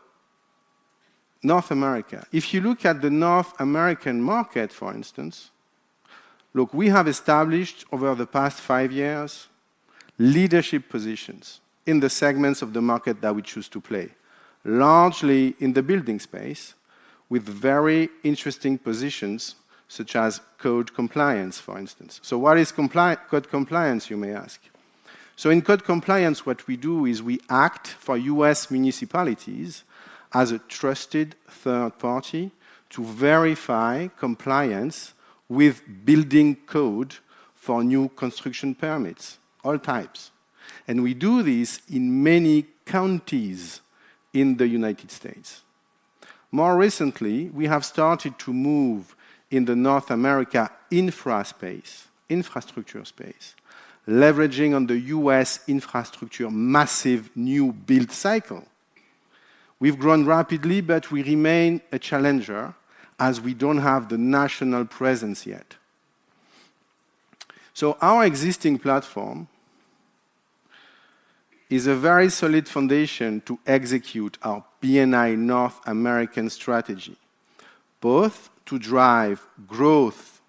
North America, if you look at the North American market, for instance, look, we have established over the past five years leadership positions in the segments of the market that we choose to play, largely in the building space with very interesting positions such as Code Compliance, for instance. So what is Code Compliance, you may ask? So in Code Compliance, what we do is we act for U.S. municipalities as a trusted third party to verify compliance with building code for new construction permits, all types. We do this in many counties in the United States. More recently, we have started to move in the North America infrastructure space, leveraging on the U.S. infrastructure massive new build cycle. We've grown rapidly, but we remain a challenger as we don't have the national presence yet. So our existing platform is a very solid foundation to execute our B&I North American strategy, both to drive growth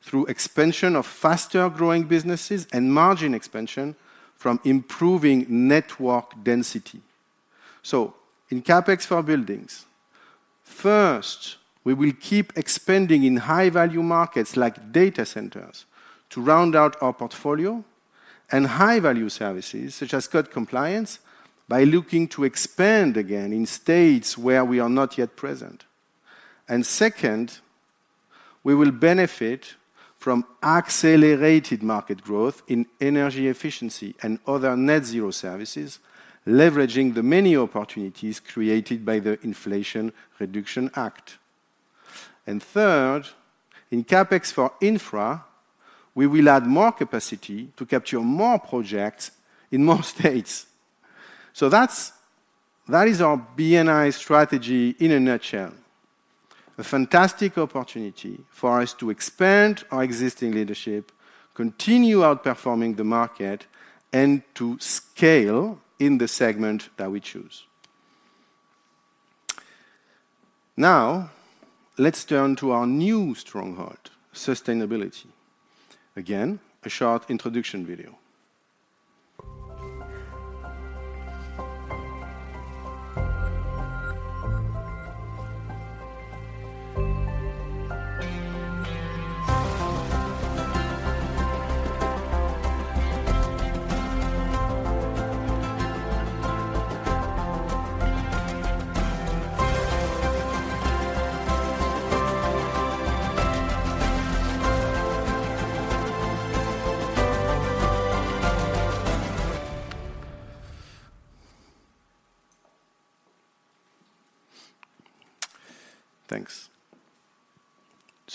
through expansion of faster-growing businesses and margin expansion from improving network density. So in CapEx for buildings, first, we will keep expanding in high-value markets like data centers to round out our portfolio and high-value services such as Code Compliance by looking to expand again in states where we are not yet present. And second, we will benefit from accelerated market growth in energy efficiency and other net-zero services, leveraging the many opportunities created by the Inflation Reduction Act. And third, in CapEx for infra, we will add more capacity to capture more projects in more states. So that is our B&I strategy in a nutshell, a fantastic opportunity for us to expand our existing leadership, continue outperforming the market, and to scale in the segment that we choose. Now, let's turn to our new stronghold, sustainability. Again, a short introduction video.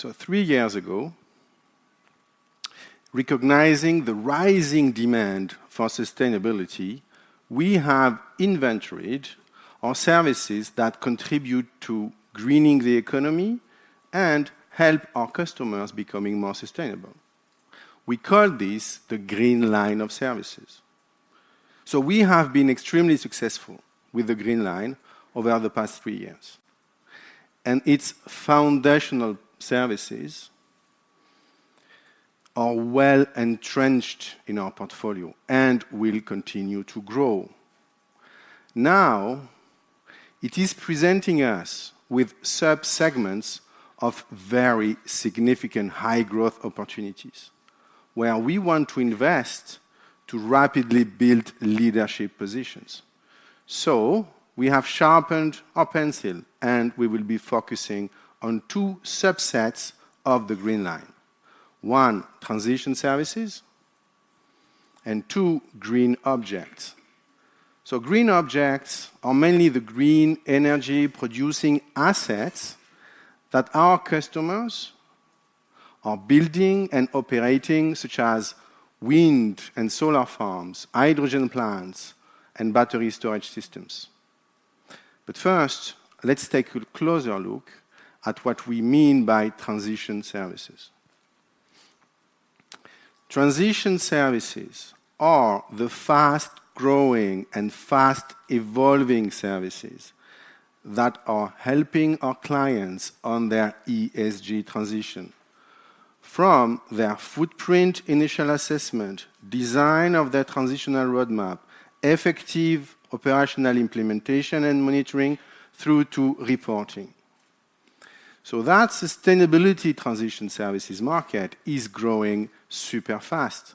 Thanks. Three years ago, recognizing the rising demand for sustainability, we have inventoried our services that contribute to greening the economy and help our customers become more sustainable. We call this the Green Line of Services. We have been extremely successful with the Green Line over the past three years. Its foundational services are well entrenched in our portfolio and will continue to grow. Now, it is presenting us with subsegments of very significant high-growth opportunities where we want to invest to rapidly build leadership positions. We have sharpened our pencil, and we will be focusing on two subsets of the Green Line: one, Transition Services, and two, Green Objects. So Green Objects are mainly the green energy-producing assets that our customers are building and operating, such as wind and solar farms, hydrogen plants, and battery storage systems. But first, let's take a closer look at what we mean by Transition Services. Transition Services are the fast-growing and fast-evolving services that are helping our clients on their ESG transition from their footprint, initial assessment, design of their transitional roadmap, effective operational implementation and monitoring, through to reporting. So that Sustainability Transition Services market is growing super fast,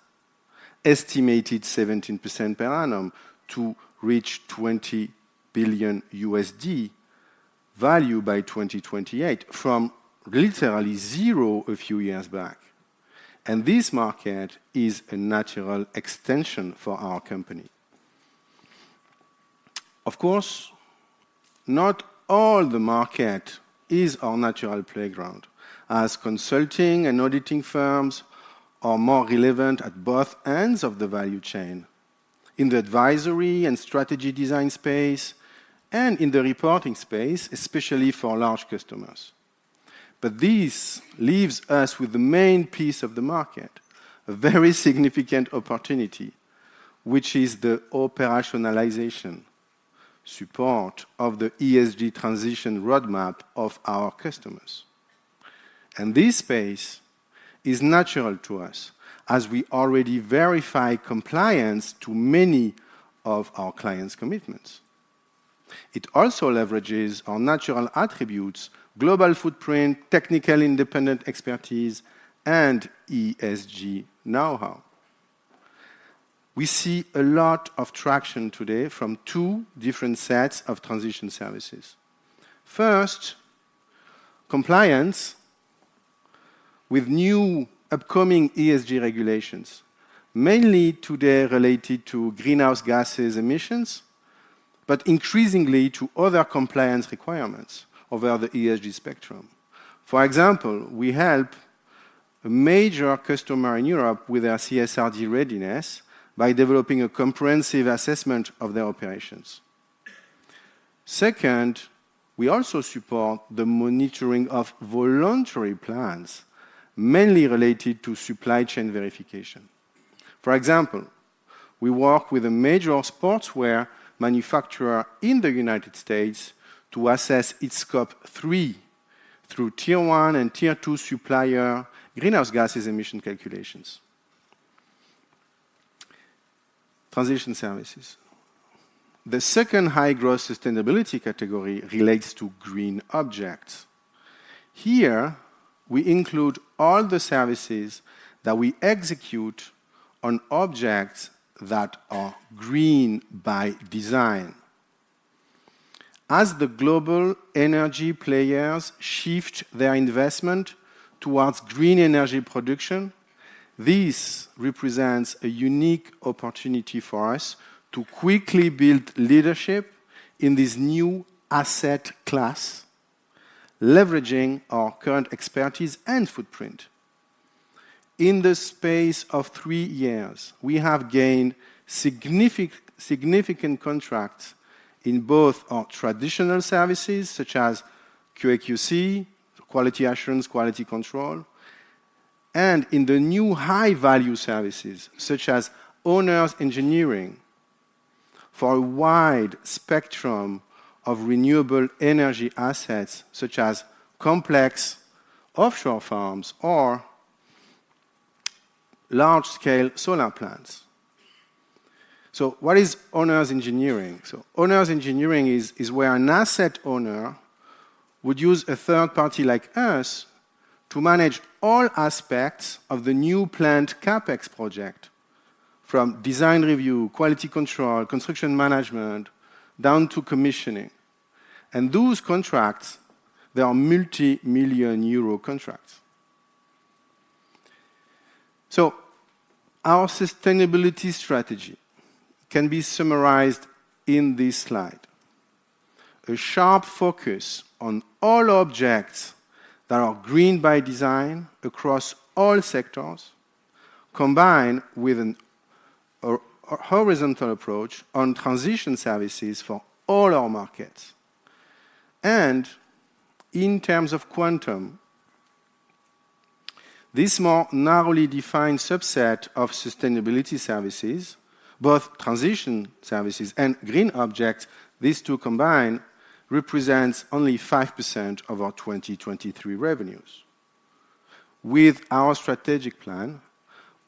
estimated 17% per annum to reach $20 billion by 2028 from literally zero a few years back. And this market is a natural extension for our company. Of course, not all the market is our natural playground, as consulting and auditing firms are more relevant at both ends of the value chain, in the advisory and strategy design space, and in the reporting space, especially for large customers. But this leaves us with the main piece of the market, a very significant opportunity, which is the operationalization support of the ESG transition roadmap of our customers. And this space is natural to us as we already verify compliance to many of our clients' commitments. It also leverages our natural attributes: global footprint, technical independent expertise, and ESG know-how. We see a lot of traction today from two different sets of Transition Services. First, compliance with new upcoming ESG regulations, mainly today related to greenhouse gases emissions, but increasingly to other compliance requirements over the ESG spectrum. For example, we help a major customer in Europe with their CSRD readiness by developing a comprehensive assessment of their operations. Second, we also support the monitoring of voluntary plans, mainly related to supply chain verification. For example, we work with a major sportswear manufacturer in the United States to assess its Scope 3 through Tier 1 and Tier 2 supplier greenhouse gases emission calculations. Transition Services. The second high-growth sustainability category relates to green objects. Here, we include all the services that we execute on objects that are green by design. As the global energy players shift their investment towards green energy production, this represents a unique opportunity for us to quickly build leadership in this new asset class, leveraging our current expertise and footprint. In the space of three years, we have gained significant contracts in both our traditional services such as QAQC, quality assurance, quality control, and in the new high-value services such as owners' engineering for a wide spectrum of renewable energy assets such as complex offshore farms or large-scale solar plants. So what is owners' engineering? So owners' engineering is where an asset owner would use a third party like us to manage all aspects of the new planned CapEx project from design review, quality control, construction management, down to commissioning. And those contracts, they are multi-million euro contracts. So our sustainability strategy can be summarized in this slide: a sharp focus on all objects that are green by design across all sectors, combined with a horizontal approach on Transition Services for all our markets. In terms of quantum, this more narrowly defined subset of Sustainability Services, both Transition Services and Green Objects, these two combined represent only 5% of our 2023 revenues. With our strategic plan,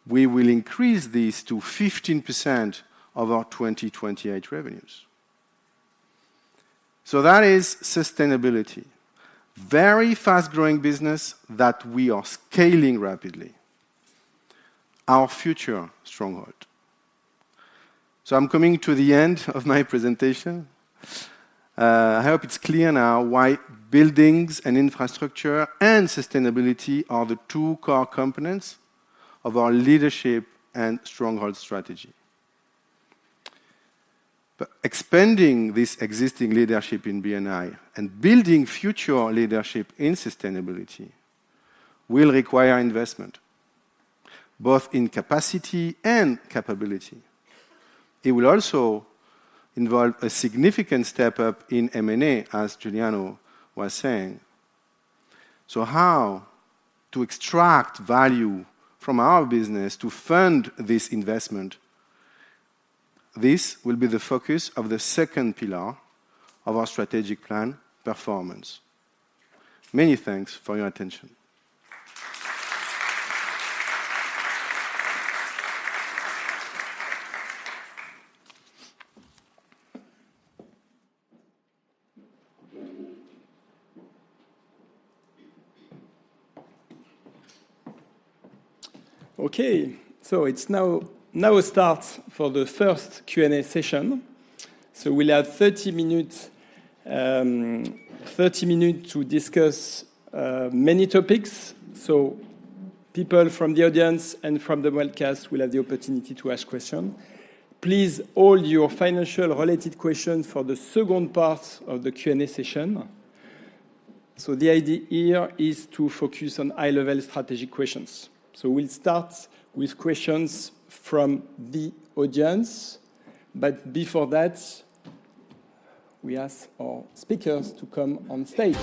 we will increase these to 15% of our 2028 revenues. That is Sustainability, very fast-growing business that we are scaling rapidly, our future stronghold. I'm coming to the end of my presentation. I hope it's clear now why Buildings & Infrastructure and Sustainability are the two core components of our leadership and stronghold strategy. Expanding this existing leadership in B&I and building future leadership in Sustainability will require investment, both in capacity and capability. It will also involve a significant step up in M&A, as Juliano was saying. How to extract value from our business to fund this investment, this will be the focus of the second pillar of our strategic plan, performance. Many thanks for your attention. Okay. So now starts for the first Q&A session. We'll have 30 minutes to discuss many topics. People from the audience and from the webcast will have the opportunity to ask questions. Please hold your financial-related questions for the second part of the Q&A session. The idea here is to focus on high-level strategic questions. We'll start with questions from the audience. But before that, we ask our speakers to come on stage.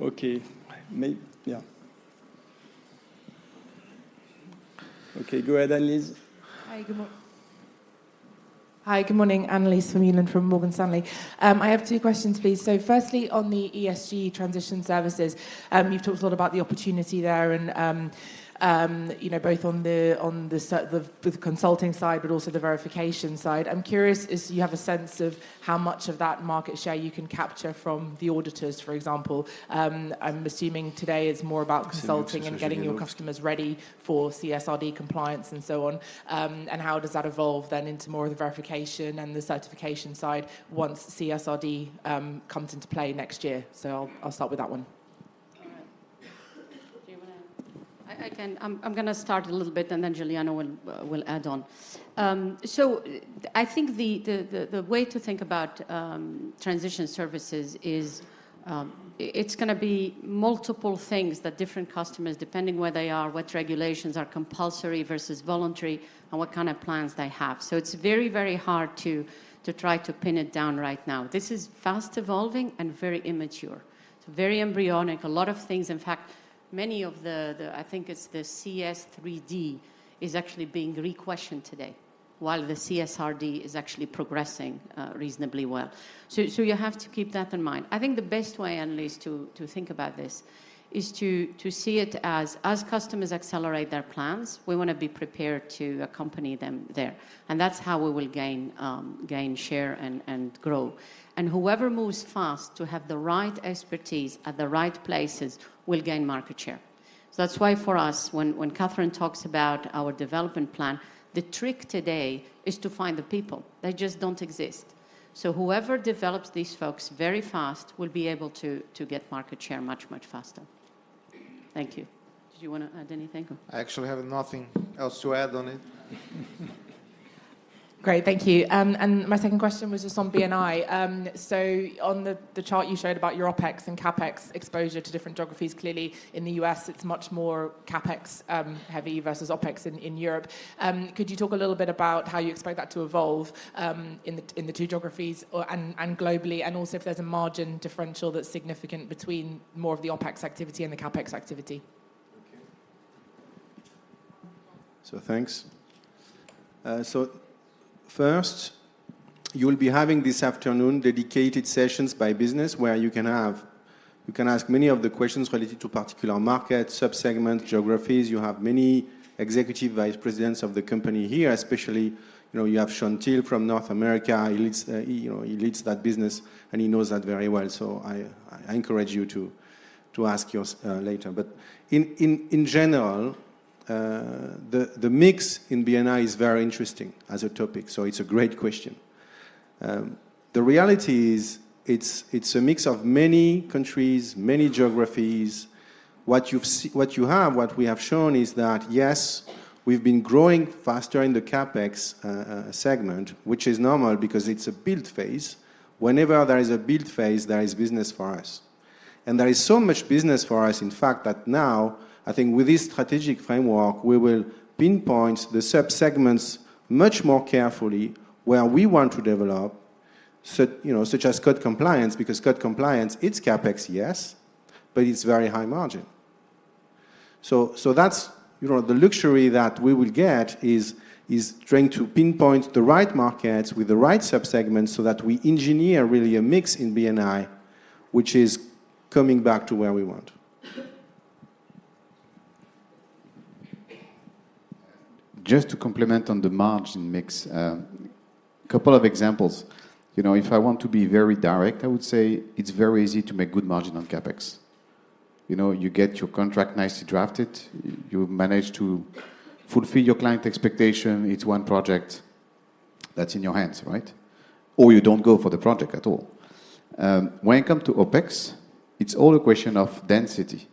Okay. Yeah. Okay. Go ahead, Annelies. Hi. Hi. Good morning, Annelies from Munich from Morgan Stanley. I have two questions, please. So firstly, on the ESG Transition Services, you've talked a lot about the opportunity there and both on the consulting side but also the verification side. I'm curious, do you have a sense of how much of that market share you can capture from the auditors, for example? I'm assuming today it's more about consulting and getting your customers ready for CSRD compliance and so on. And how does that evolve then into more of the verification and the certification side once CSRD comes into play next year? So I'll start with that one. All right. Do you want to? Again, I'm going to start a little bit, and then Juliano will add on. So I think the way to think about Transition Services is it's going to be multiple things that different customers, depending where they are, what regulations are compulsory versus voluntary, and what kind of plans they have. So it's very, very hard to try to pin it down right now. This is fast evolving and very immature. It's very embryonic. A lot of things, in fact, many of the—I think it's the CS3D—is actually being re-questioned today while the CSRD is actually progressing reasonably well. So you have to keep that in mind. I think the best way, Annelies, to think about this is to see it as customers accelerate their plans, we want to be prepared to accompany them there. That's how we will gain share and grow. Whoever moves fast to have the right expertise at the right places will gain market share. That's why for us, when Kathryn talks about our development plan, the trick today is to find the people. They just don't exist. Whoever develops these folks very fast will be able to get market share much, much faster. Thank you. Did you want to add anything, or? I actually haven't nothing else to add on it. Great. Thank you. My second question was just on B&I. On the chart you showed about your OpEx and CapEx exposure to different geographies, clearly in the U.S., it's much more CapEx-heavy versus OpEx in Europe. Could you talk a little bit about how you expect that to evolve in the two geographies and globally, and also if there's a margin differential that's significant between more of the OpEx activity and the CapEx activity? Okay. So thanks. First, you will be having this afternoon dedicated sessions by business where you can ask many of the questions related to particular markets, subsegments, geographies. You have many Executive Vice Presidents of the company here, especially you have Shawn Till from North America. He leads that business, and he knows that very well. So I encourage you to ask later. But in general, the mix in B&I is very interesting as a topic. So it's a great question. The reality is it's a mix of many countries, many geographies. What you have, what we have shown is that, yes, we've been growing faster in the CapEx segment, which is normal because it's a build phase. Whenever there is a build phase, there is business for us. There is so much business for us, in fact, that now, I think with this strategic framework, we will pinpoint the subsegments much more carefully where we want to develop, such as Code Compliance, because Code Compliance, it's CapEx, yes, but it's very high margin. That's the luxury that we will get is trying to pinpoint the right markets with the right subsegments so that we engineer really a mix in B&I, which is coming back to where we want. Just to complement on the margin mix, a couple of examples. If I want to be very direct, I would say it's very easy to make good margin on CapEx. You get your contract nicely drafted. You manage to fulfill your client expectation. It's one project that's in your hands, right? Or you don't go for the project at all. When it comes to OpEx, it's all a question of density.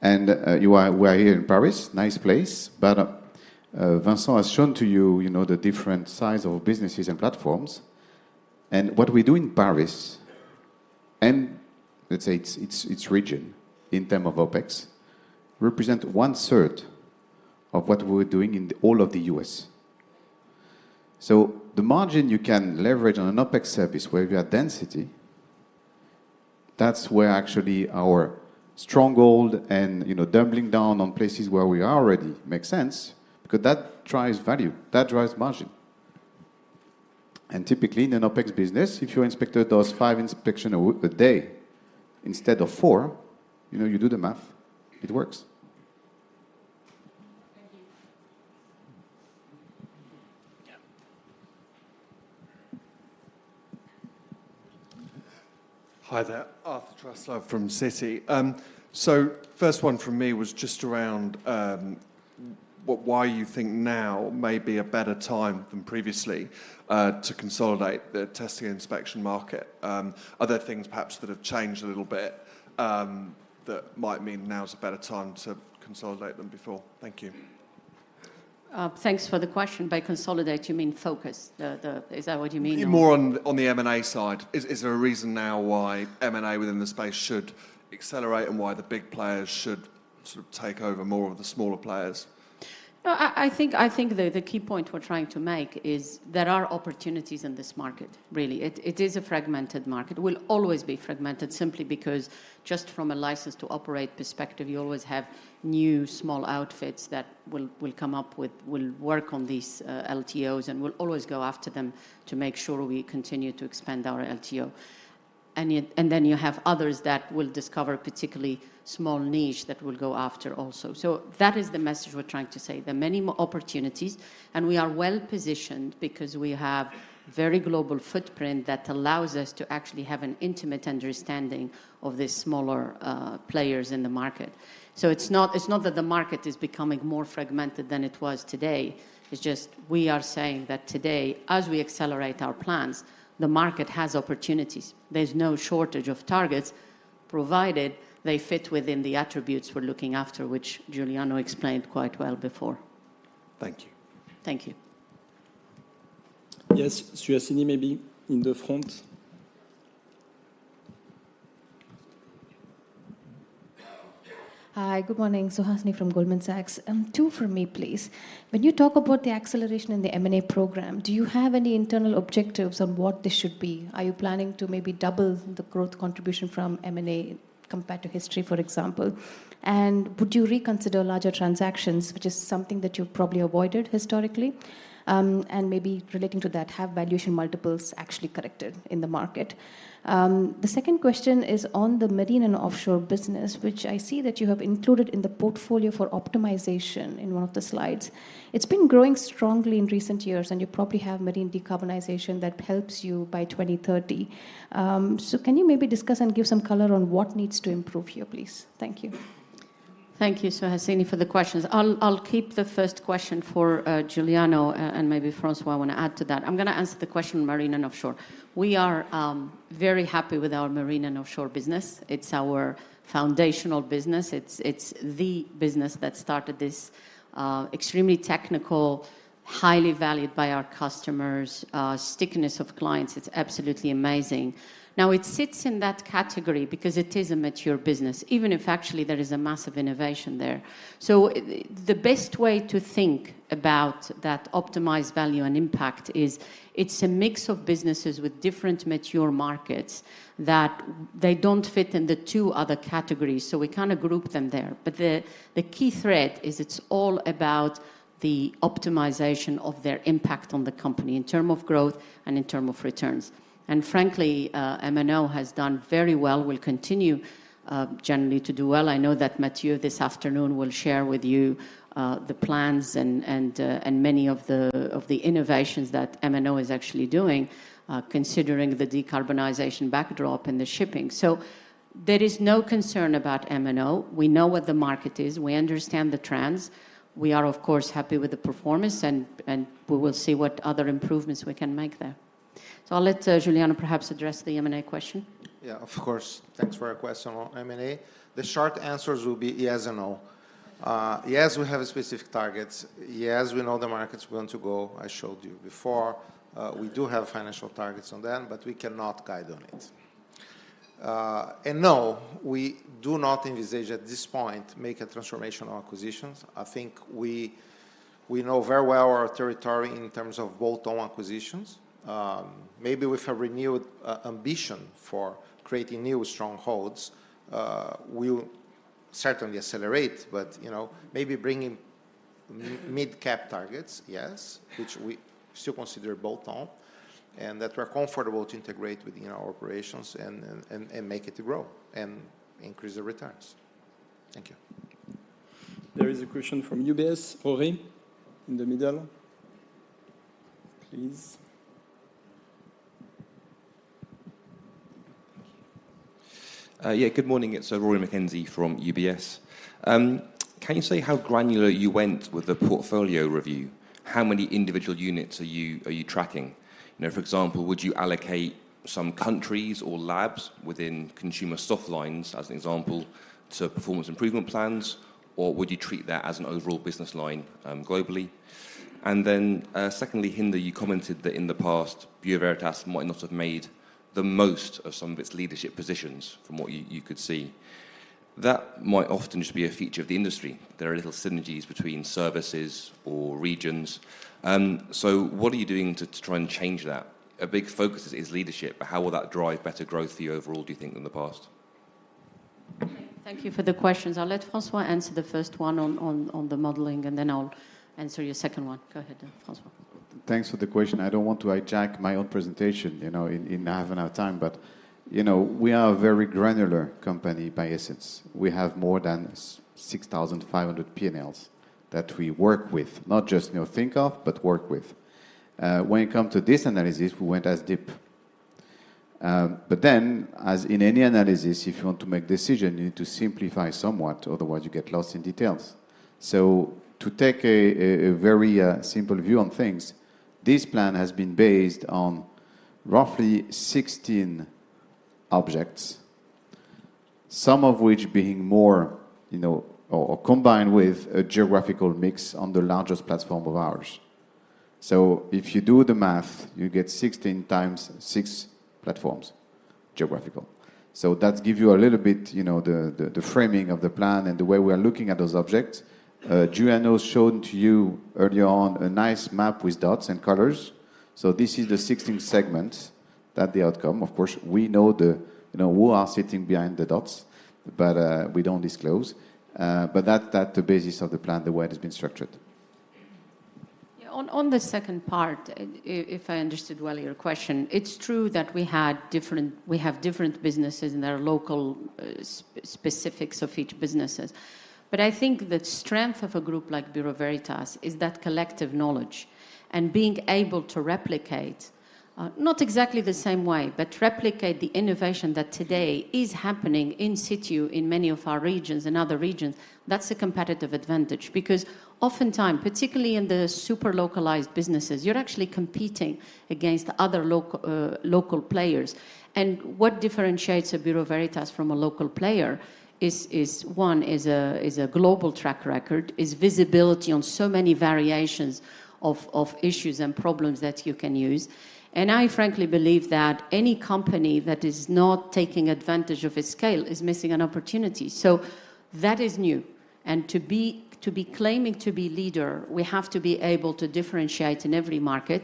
And we are here in Paris, nice place. But Vincent has shown to you the different size of businesses and platforms. And what we do in Paris, and let's say its region in terms of OpEx, represents 1/3 of what we're doing in all of the U.S. So the margin you can leverage on an OpEx service where you have density, that's where actually our stronghold and doubling down on places where we are already makes sense because that drives value. That drives margin. And typically, in an OpEx business, if your inspector does five inspections a day instead of four, you do the math. It works. Thank you. Hi there. Arthur Truslove from Citi. So first one from me was just around why you think now may be a better time than previously to consolidate the testing and inspection market. Are there things perhaps that have changed a little bit that might mean now's a better time to consolidate than before? Thank you. Thanks for the question. By consolidate, you mean focus? Is that what you mean? More on the M&A side. Is there a reason now why M&A within the space should accelerate and why the big players should sort of take over more of the smaller players? No, I think the key point we're trying to make is there are opportunities in this market, really. It is a fragmented market. It will always be fragmented simply because just from a license-to-operate perspective, you always have new small outfits that will come up with will work on these LTOs and will always go after them to make sure we continue to expand our LTO. And then you have others that will discover particularly small niche that will go after also. So that is the message we're trying to say. There are many more opportunities. And we are well-positioned because we have a very global footprint that allows us to actually have an intimate understanding of these smaller players in the market. So it's not that the market is becoming more fragmented than it was today. It's just we are saying that today, as we accelerate our plans, the market has opportunities. There's no shortage of targets provided they fit within the attributes we're looking after, which Juliano explained quite well before. Thank you. Thank you. Yes. Suhasini, maybe in the front. Hi. Good morning. Suhasini Varanasi from Goldman Sachs. Two from me, please. When you talk about the acceleration in the M&A program, do you have any internal objectives on what this should be? Are you planning to maybe double the growth contribution from M&A compared to history, for example? And would you reconsider larger transactions, which is something that you've probably avoided historically? And maybe relating to that, have valuation multiples actually corrected in the market? The second question is on the marine and offshore business, which I see that you have included in the portfolio for optimization in one of the slides. It's been growing strongly in recent years, and you probably have marine decarbonization that helps you by 2030. So can you maybe discuss and give some color on what needs to improve here, please? Thank you. Thank you, Suhasini, for the questions. I'll keep the first question for Juliano, and maybe François want to add to that. I'm going to answer the question on Marine and Offshore. We are very happy with our Marine and Offshore business. It's our foundational business. It's the business that started this extremely technical, highly valued by our customers, stickiness of clients. It's absolutely amazing. Now, it sits in that category because it is a mature business, even if actually there is a massive innovation there. So the best way to think about that optimized value and impact is it's a mix of businesses with different mature markets that they don't fit in the two other categories. So we kind of group them there. But the key thread is it's all about the optimization of their impact on the company in terms of growth and in terms of returns. Frankly, M&O has done very well. Will continue generally to do well. I know that Matthieu this afternoon will share with you the plans and many of the innovations that M&O is actually doing, considering the decarbonization backdrop and the shipping. So there is no concern about M&O. We know what the market is. We understand the trends. We are, of course, happy with the performance, and we will see what other improvements we can make there. So I'll let Juliano perhaps address the M&A question. Yeah, of course. Thanks for your question on M&A. The short answers will be yes and no. Yes, we have specific targets. Yes, we know the markets we want to go. I showed you before. We do have financial targets on them, but we cannot guide on it. And no, we do not envisage at this point making a transformation on acquisitions. I think we know very well our territory in terms of bolt-on acquisitions. Maybe with a renewed ambition for creating new strongholds, we'll certainly accelerate. But maybe bringing mid-cap targets, yes, which we still consider bolt-on, and that we're comfortable to integrate within our operations and make it to grow and increase the returns. Thank you. There is a question from UBS, Rory, in the middle. Please. Yeah. Good morning. It's Rory McKenzie from UBS. Can you say how granular you went with the portfolio review? How many individual units are you tracking? For example, would you allocate some countries or labs within Consumer Softlines, as an example, to performance improvement plans, or would you treat that as an overall business line globally? And then secondly, Hinda, you commented that in the past, Bureau Veritas might not have made the most of some of its leadership positions from what you could see. That might often just be a feature of the industry. There are little synergies between services or regions. So what are you doing to try and change that? A big focus is leadership, but how will that drive better growth for you overall, do you think, than the past? Thank you for the questions. I'll let François answer the first one on the modeling, and then I'll answer your second one. Go ahead, François. Thanks for the question. I don't want to hijack my own presentation in half an hour's time. But we are a very granular company by essence. We have more than 6,500 P&Ls that we work with, not just think of but work with. When it comes to this analysis, we went as deep. But then, as in any analysis, if you want to make decisions, you need to simplify somewhat. Otherwise, you get lost in details. So to take a very simple view on things, this plan has been based on roughly 16 objects, some of which being more or combined with a geographical mix on the largest platform of ours. So if you do the math, you get 16 times six platforms, geographical. So that gives you a little bit the framing of the plan and the way we are looking at those objects. Juliano showed to you earlier on a nice map with dots and colors. So this is the 16 segments that the outcome of course, we know who are sitting behind the dots, but we don't disclose. But that's the basis of the plan, the way it has been structured. Yeah. On the second part, if I understood well your question, it's true that we have different businesses, and there are local specifics of each businesses. But I think the strength of a group like Bureau Veritas is that collective knowledge and being able to replicate not exactly the same way, but replicate the innovation that today is happening in situ in many of our regions and other regions. That's a competitive advantage because oftentimes, particularly in the super-localized businesses, you're actually competing against other local players. And what differentiates a Bureau Veritas from a local player is, one, is a global track record, is visibility on so many variations of issues and problems that you can use. And I, frankly, believe that any company that is not taking advantage of its scale is missing an opportunity. So that is new. To be claiming to be leader, we have to be able to differentiate in every market.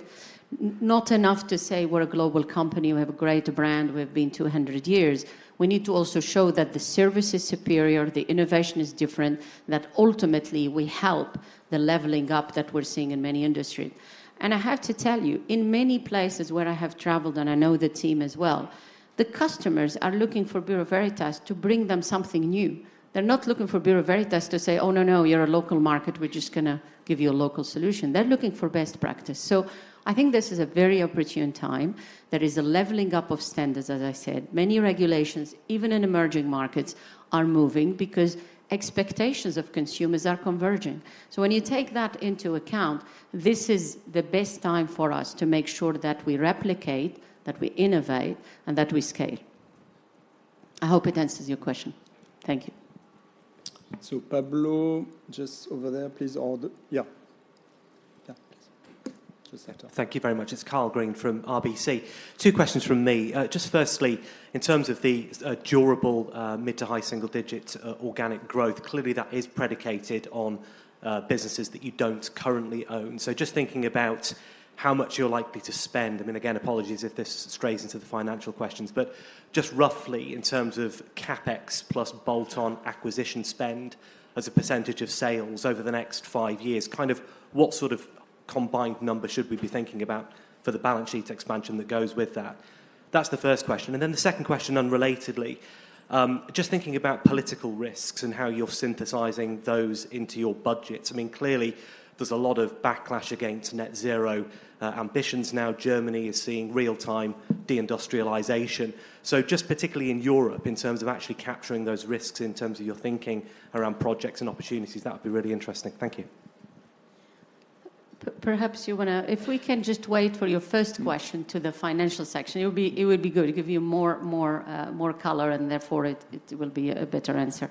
Not enough to say we're a global company. We have a great brand. We have been 200 years. We need to also show that the service is superior, the innovation is different, that ultimately, we help the leveling up that we're seeing in many industries. And I have to tell you, in many places where I have traveled, and I know the team as well, the customers are looking for Bureau Veritas to bring them something new. They're not looking for Bureau Veritas to say, "Oh, no, no. You're a local market. We're just going to give you a local solution." They're looking for best practice. So I think this is a very opportune time. There is a leveling up of standards, as I said. Many regulations, even in emerging markets, are moving because expectations of consumers are converging. So when you take that into account, this is the best time for us to make sure that we replicate, that we innovate, and that we scale. I hope it answers your question. Thank you. So Pablo, just over there, please. Yeah. Yeah, please. Just there. Thank you very much. It's Karl Green from RBC. Two questions from me. Just firstly, in terms of the durable mid- to high single-digit organic growth, clearly, that is predicated on businesses that you don't currently own. So just thinking about how much you're likely to spend. I mean, again, apologies if this strays into the financial questions. But just roughly, in terms of CapEx plus bolt-on acquisition spend as a percentage of sales over the next five years, kind of what sort of combined number should we be thinking about for the balance sheet expansion that goes with that? That's the first question. And then the second question, unrelatedly, just thinking about political risks and how you're synthesizing those into your budgets. I mean, clearly, there's a lot of backlash against net-zero ambitions now. Germany is seeing real-time deindustrialization. Just particularly in Europe, in terms of actually capturing those risks in terms of your thinking around projects and opportunities, that would be really interesting. Thank you. Perhaps you want to if we can just wait for your first question to the financial section; it would be good. It gives you more color and, therefore, it will be a better answer.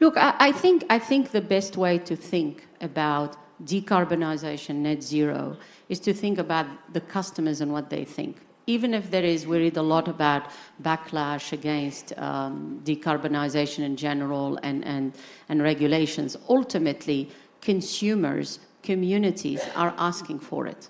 Look, I think the best way to think about decarbonization, net-zero, is to think about the customers and what they think. Even if there is, we read a lot about backlash against decarbonization in general and regulations. Ultimately, consumers, communities are asking for it.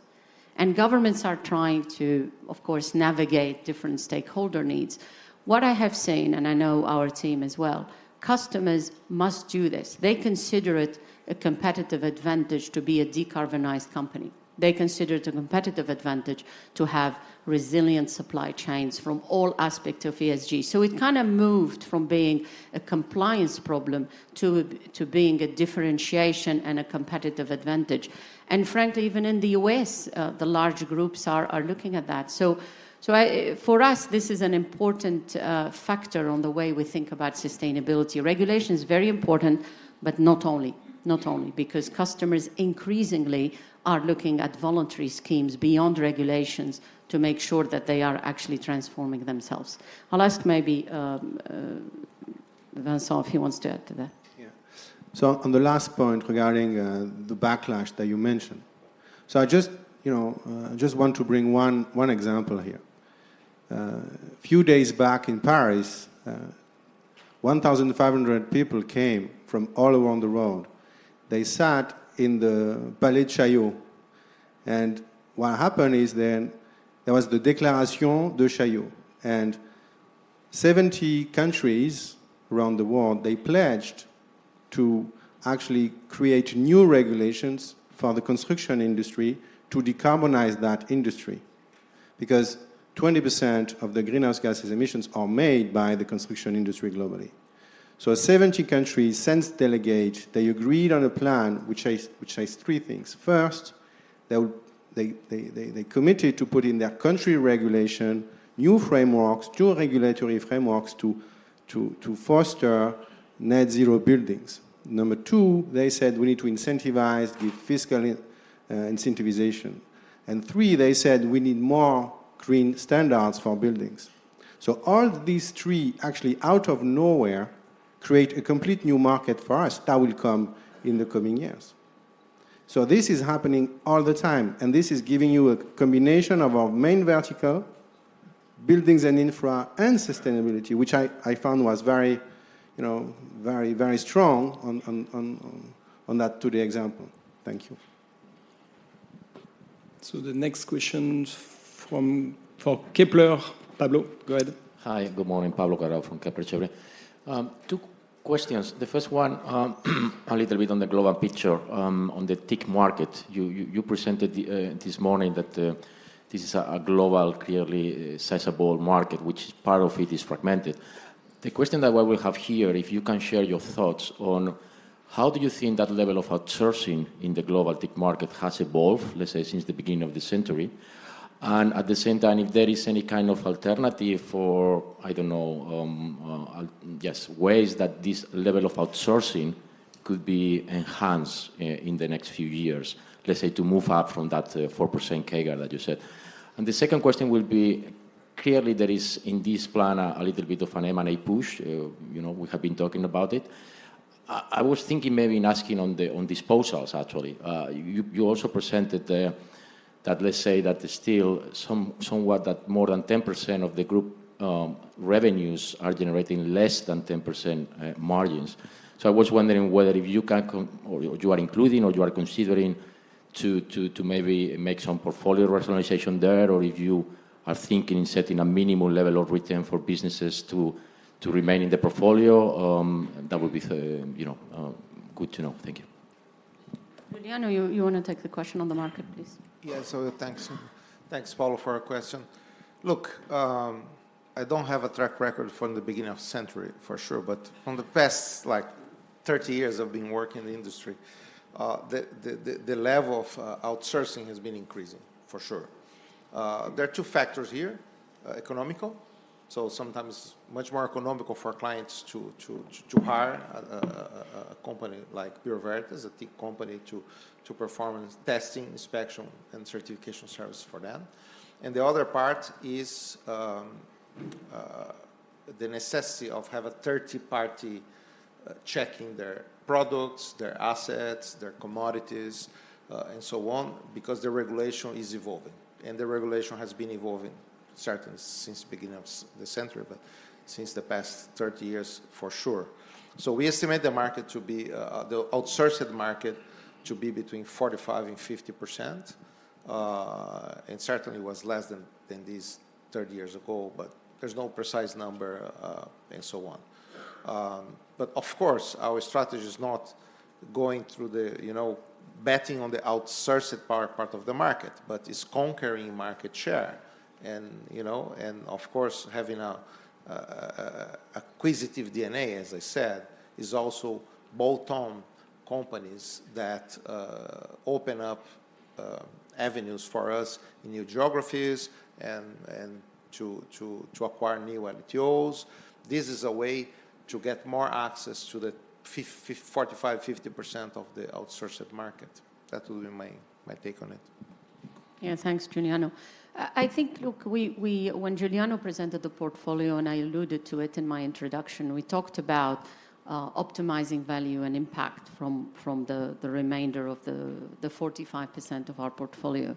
And governments are trying to, of course, navigate different stakeholder needs. What I have seen, and I know our team as well, customers must do this. They consider it a competitive advantage to be a decarbonized company. They consider it a competitive advantage to have resilient supply chains from all aspects of ESG. So it kind of moved from being a compliance problem to being a differentiation and a competitive advantage. And frankly, even in the U.S., the large groups are looking at that. So for us, this is an important factor on the way we think about sustainability. Regulation is very important, but not only, not only, because customers increasingly are looking at voluntary schemes beyond regulations to make sure that they are actually transforming themselves. I'll ask maybe Vincent if he wants to add to that. Yeah. So on the last point regarding the backlash that you mentioned, so I just want to bring one example here. A few days back in Paris, 1,500 people came from all around the world. They sat in the Palais de Chaillot. And what happened is then there was the Déclaration de Chaillot. And 70 countries around the world, they pledged to actually create new regulations for the construction industry to decarbonize that industry because 20% of the greenhouse gas emissions are made by the construction industry globally. So 70 countries since delegate, they agreed on a plan which says three things. First, they committed to put in their country regulation, new frameworks, two regulatory frameworks to foster net-zero buildings. Number two, they said, "We need to incentivize, give fiscal incentivization." And three, they said, "We need more green standards for buildings." So all these three, actually out of nowhere, create a complete new market for us that will come in the coming years. So this is happening all the time. And this is giving you a combination of our main vertical, Buildings & Infra, and Sustainability, which I found was very, very strong on that today example. Thank you. So the next question for Kepler. Pablo, go ahead. Hi. Good morning. Pablo Cuadrado from Kepler Cheuvreux. Two questions. The first one, a little bit on the global picture, on the TIC market. You presented this morning that this is a global, clearly sizable market, which part of it is fragmented. The question that I will have here, if you can share your thoughts on how do you think that level of outsourcing in the global TIC market has evolved, let's say, since the beginning of the century? And at the same time, if there is any kind of alternative for, I don't know, yes, ways that this level of outsourcing could be enhanced in the next few years, let's say, to move up from that 4% CAGR that you said. And the second question will be, clearly, there is in this plan a little bit of an M&A push. We have been talking about it. I was thinking maybe in asking on disposals, actually. You also presented that, let's say, that still somewhat that more than 10% of the group revenues are generating less than 10% margins. So I was wondering whether if you can or you are including or you are considering to maybe make some portfolio rationalization there or if you are thinking in setting a minimum level of return for businesses to remain in the portfolio, that would be good to know. Thank you. Juliano, you want to take the question on the market, please? Yeah. So thanks. Thanks, Pablo, for a question. Look, I don't have a track record from the beginning of the century, for sure. But from the past 30 years I've been working in the industry, the level of outsourcing has been increasing, for sure. There are two factors here, economical. So sometimes, it's much more economical for clients to hire a company like Bureau Veritas, a TIC company, to perform testing, inspection, and certification service for them. And the other part is the necessity of having a third-party checking their products, their assets, their commodities, and so on because the regulation is evolving. And the regulation has been evolving, certainly, since the beginning of the century, but since the past 30 years, for sure. So we estimate the outsourced market to be between 45%-50%. And certainly, it was less than these 30 years ago, but there's no precise number and so on. But of course, our strategy is not going through the betting on the outsourced part of the market, but is conquering market share. And of course, having an acquisitive DNA, as I said, is also bolt-on companies that open up avenues for us in new geographies and to acquire new LTOs. This is a way to get more access to the 45%-50% of the outsourced market. That would be my take on it. Yeah. Thanks, Juliano. I think, look, when Juliano presented the portfolio, and I alluded to it in my introduction, we talked about optimizing value and impact from the remainder of the 45% of our portfolio.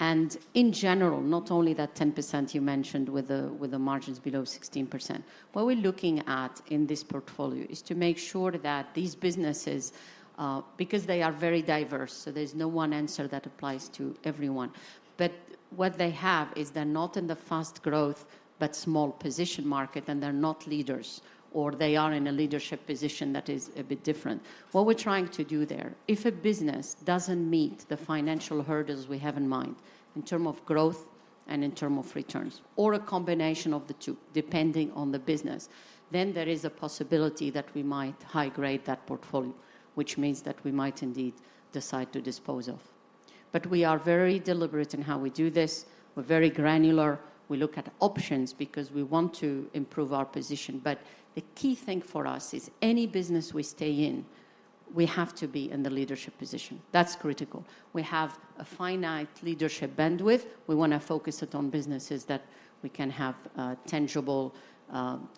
In general, not only that 10% you mentioned with the margins below 16%, what we're looking at in this portfolio is to make sure that these businesses because they are very diverse, so there's no one answer that applies to everyone. But what they have is they're not in the fast growth, but small position market, and they're not leaders, or they are in a leadership position that is a bit different. What we're trying to do there, if a business doesn't meet the financial hurdles we have in mind in terms of growth and in terms of returns or a combination of the two, depending on the business, then there is a possibility that we might high-grade that portfolio, which means that we might indeed decide to dispose of. But we are very deliberate in how we do this. We're very granular. We look at options because we want to improve our position. But the key thing for us is any business we stay in, we have to be in the leadership position. That's critical. We have a finite leadership bandwidth. We want to focus it on businesses that we can have tangible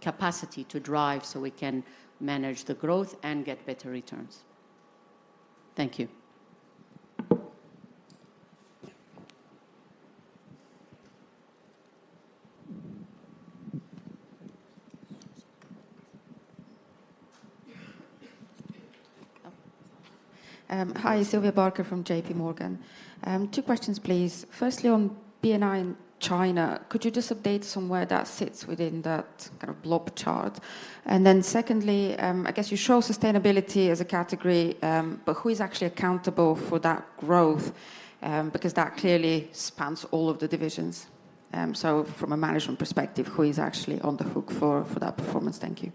capacity to drive so we can manage the growth and get better returns. Thank you. Hi. Sylvia Barker from JPMorgan. Two questions, please. Firstly, on B&I in China, could you just update somewhere that sits within that kind of blob chart? And then secondly, I guess you show Sustainability as a category, but who is actually accountable for that growth? Because that clearly spans all of the divisions. So from a management perspective, who is actually on the hook for that performance? Thank you.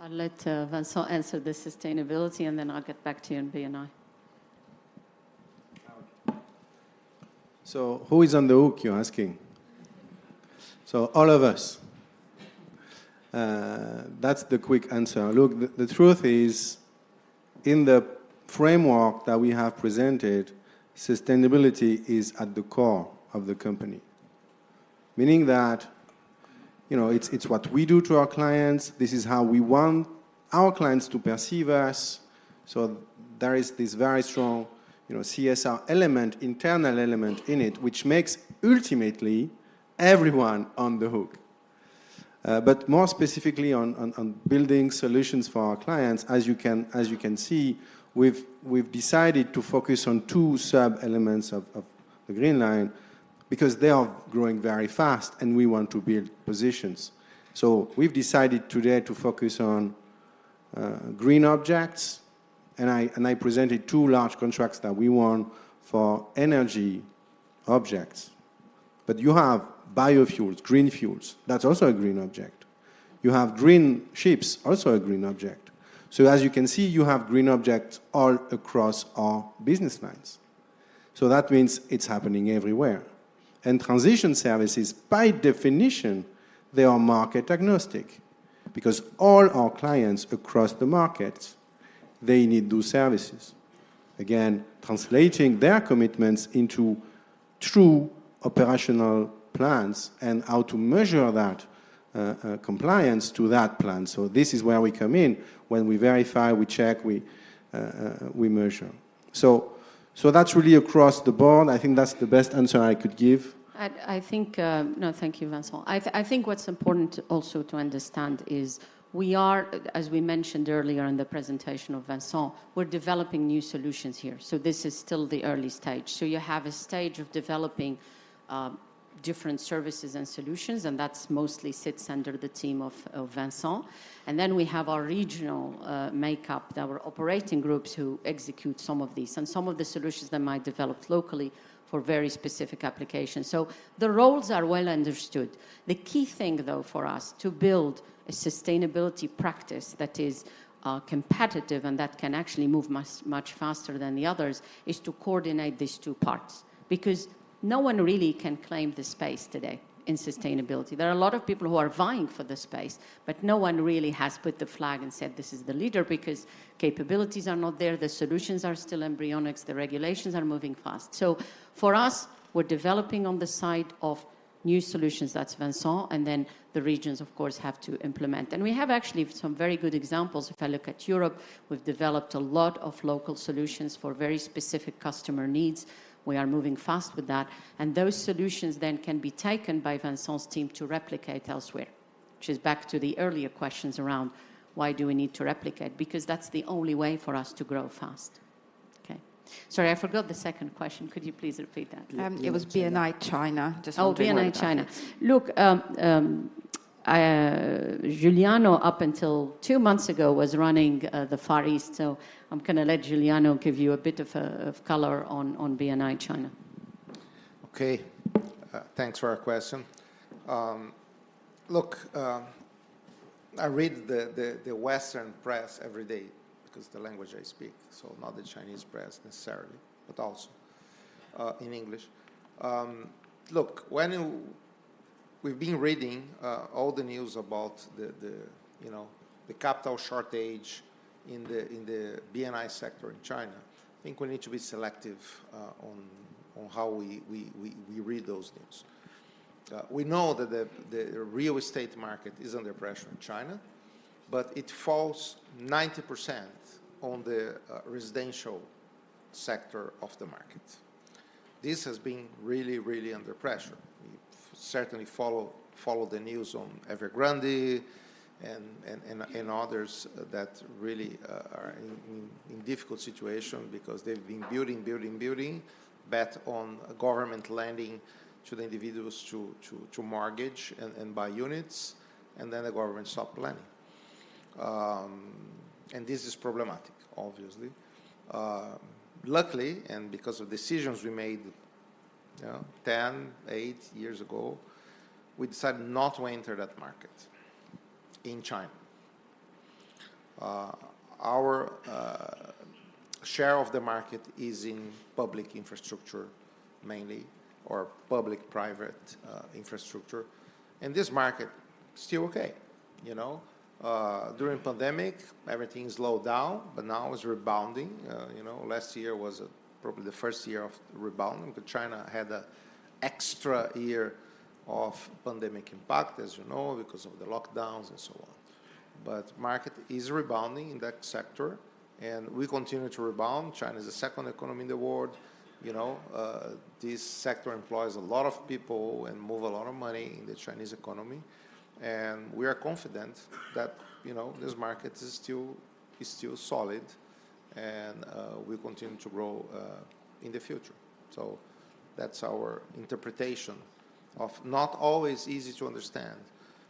I'll let Vincent answer the Sustainability, and then I'll get back to you on B&I. So who is on the hook, you're asking? So all of us. That's the quick answer. Look, the truth is, in the framework that we have presented, Sustainability is at the core of the company, meaning that it's what we do to our clients. This is how we want our clients to perceive us. So there is this very strong CSR element, internal element in it, which makes ultimately everyone on the hook. But more specifically, on building solutions for our clients, as you can see, we've decided to focus on two sub-elements of the Green Line because they are growing very fast, and we want to build positions. So we've decided today to focus on Green Objects. And I presented two large contracts that we won for energy objects. But you have biofuels, green fuels. That's also a Green Object. You have green ships, also a Green Object. So as you can see, you have Green Objects all across our business lines. So that means it's happening everywhere. And Transition Services, by definition, they are market agnostic because all our clients across the markets, they need those services, again, translating their commitments into true operational plans and how to measure that compliance to that plan. So this is where we come in. When we verify, we check, we measure. So that's really across the board. I think that's the best answer I could give. I think, no, thank you, Vincent. I think what's important also to understand is we are, as we mentioned earlier in the presentation of Vincent, we're developing new solutions here. So this is still the early stage. So you have a stage of developing different services and solutions, and that mostly sits under the team of Vincent. And then we have our regional makeup, our operating groups, who execute some of these and some of the solutions that might be developed locally for very specific applications. So the roles are well understood. The key thing, though, for us to build a sustainability practice that is competitive and that can actually move much faster than the others is to coordinate these two parts because no one really can claim the space today in sustainability. There are a lot of people who are vying for the space, but no one really has put the flag and said, "This is the leader," because capabilities are not there. The solutions are still embryonic. The regulations are moving fast. So for us, we're developing on the side of new solutions. That's Vincent. And then the regions, of course, have to implement. And we have actually some very good examples. If I look at Europe, we've developed a lot of local solutions for very specific customer needs. We are moving fast with that. And those solutions then can be taken by Vincent's team to replicate elsewhere, which is back to the earlier questions around why do we need to replicate? Because that's the only way for us to grow fast. Okay? Sorry, I forgot the second question. Could you please repeat that? It was B&I China, just wanted to mention. Oh, B&I China. Look, Juliano, up until two months ago, was running the Far East. So I'm going to let Juliano give you a bit of color on B&I China. Okay. Thanks for our question. Look, I read the Western press every day because it's the language I speak, so not the Chinese press necessarily, but also in English. Look, we've been reading all the news about the capital shortage in the B&I sector in China. I think we need to be selective on how we read those news. We know that the real estate market is under pressure in China, but it falls 90% on the residential sector of the market. This has been really, really under pressure. We certainly follow the news on Evergrande and others that really are in difficult situations because they've been building, building, building, bet on government lending to the individuals to mortgage and buy units, and then the government stopped lending. And this is problematic, obviously. Luckily, and because of decisions we made 10, eight years ago, we decided not to enter that market in China. Our share of the market is in public infrastructure mainly or public-private infrastructure. This market is still okay. During the pandemic, everything slowed down, but now it's rebounding. Last year was probably the first year of rebounding because China had an extra year of pandemic impact, as you know, because of the lockdowns and so on. But the market is rebounding in that sector, and we continue to rebound. China is the second economy in the world. This sector employs a lot of people and moves a lot of money in the Chinese economy. We are confident that this market is still solid, and we continue to grow in the future. So that's our interpretation of not always easy to understand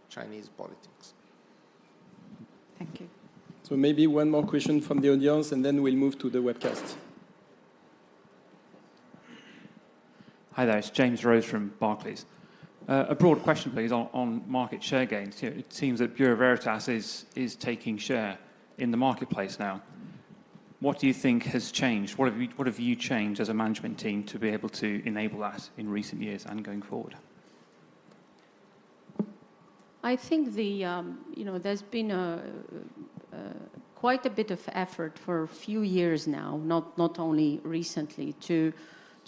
Chinese politics. Thank you. Maybe one more question from the audience, and then we'll move to the webcast. Hi there. It's James Rose from Barclays. A broad question, please, on market share gains. It seems that Bureau Veritas is taking share in the marketplace now. What do you think has changed? What have you changed as a management team to be able to enable that in recent years and going forward? I think there's been quite a bit of effort for a few years now, not only recently, to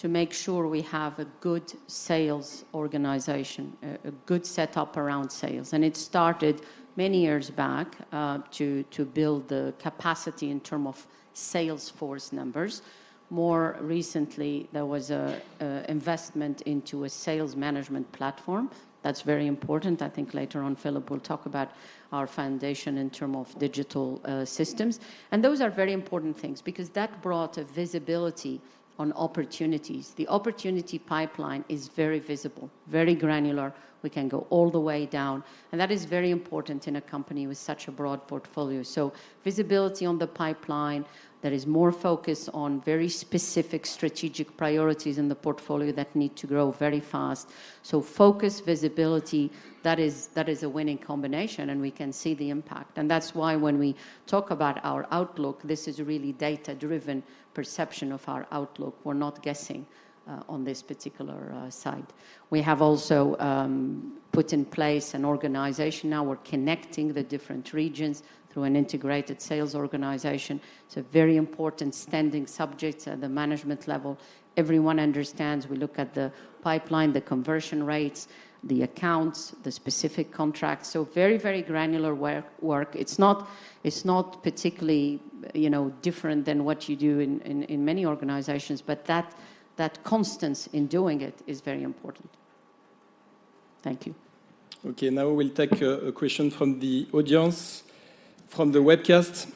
make sure we have a good sales organization, a good setup around sales. It started many years back to build the capacity in terms of salesforce numbers. More recently, there was an investment into a sales management platform. That's very important. I think later on, Philipp will talk about our foundation in terms of digital systems. Those are very important things because that brought visibility on opportunities. The opportunity pipeline is very visible, very granular. We can go all the way down. That is very important in a company with such a broad portfolio. So visibility on the pipeline. There is more focus on very specific strategic priorities in the portfolio that need to grow very fast. So focus, visibility, that is a winning combination, and we can see the impact. That's why when we talk about our outlook, this is really a data-driven perception of our outlook. We're not guessing on this particular side. We have also put in place an organization now. We're connecting the different regions through an integrated sales organization. It's a very important standing subject at the management level. Everyone understands. We look at the pipeline, the conversion rates, the accounts, the specific contracts. So very, very granular work. It's not particularly different than what you do in many organizations, but that consistency in doing it is very important. Thank you. Okay. Now we'll take a question from the audience from the webcast.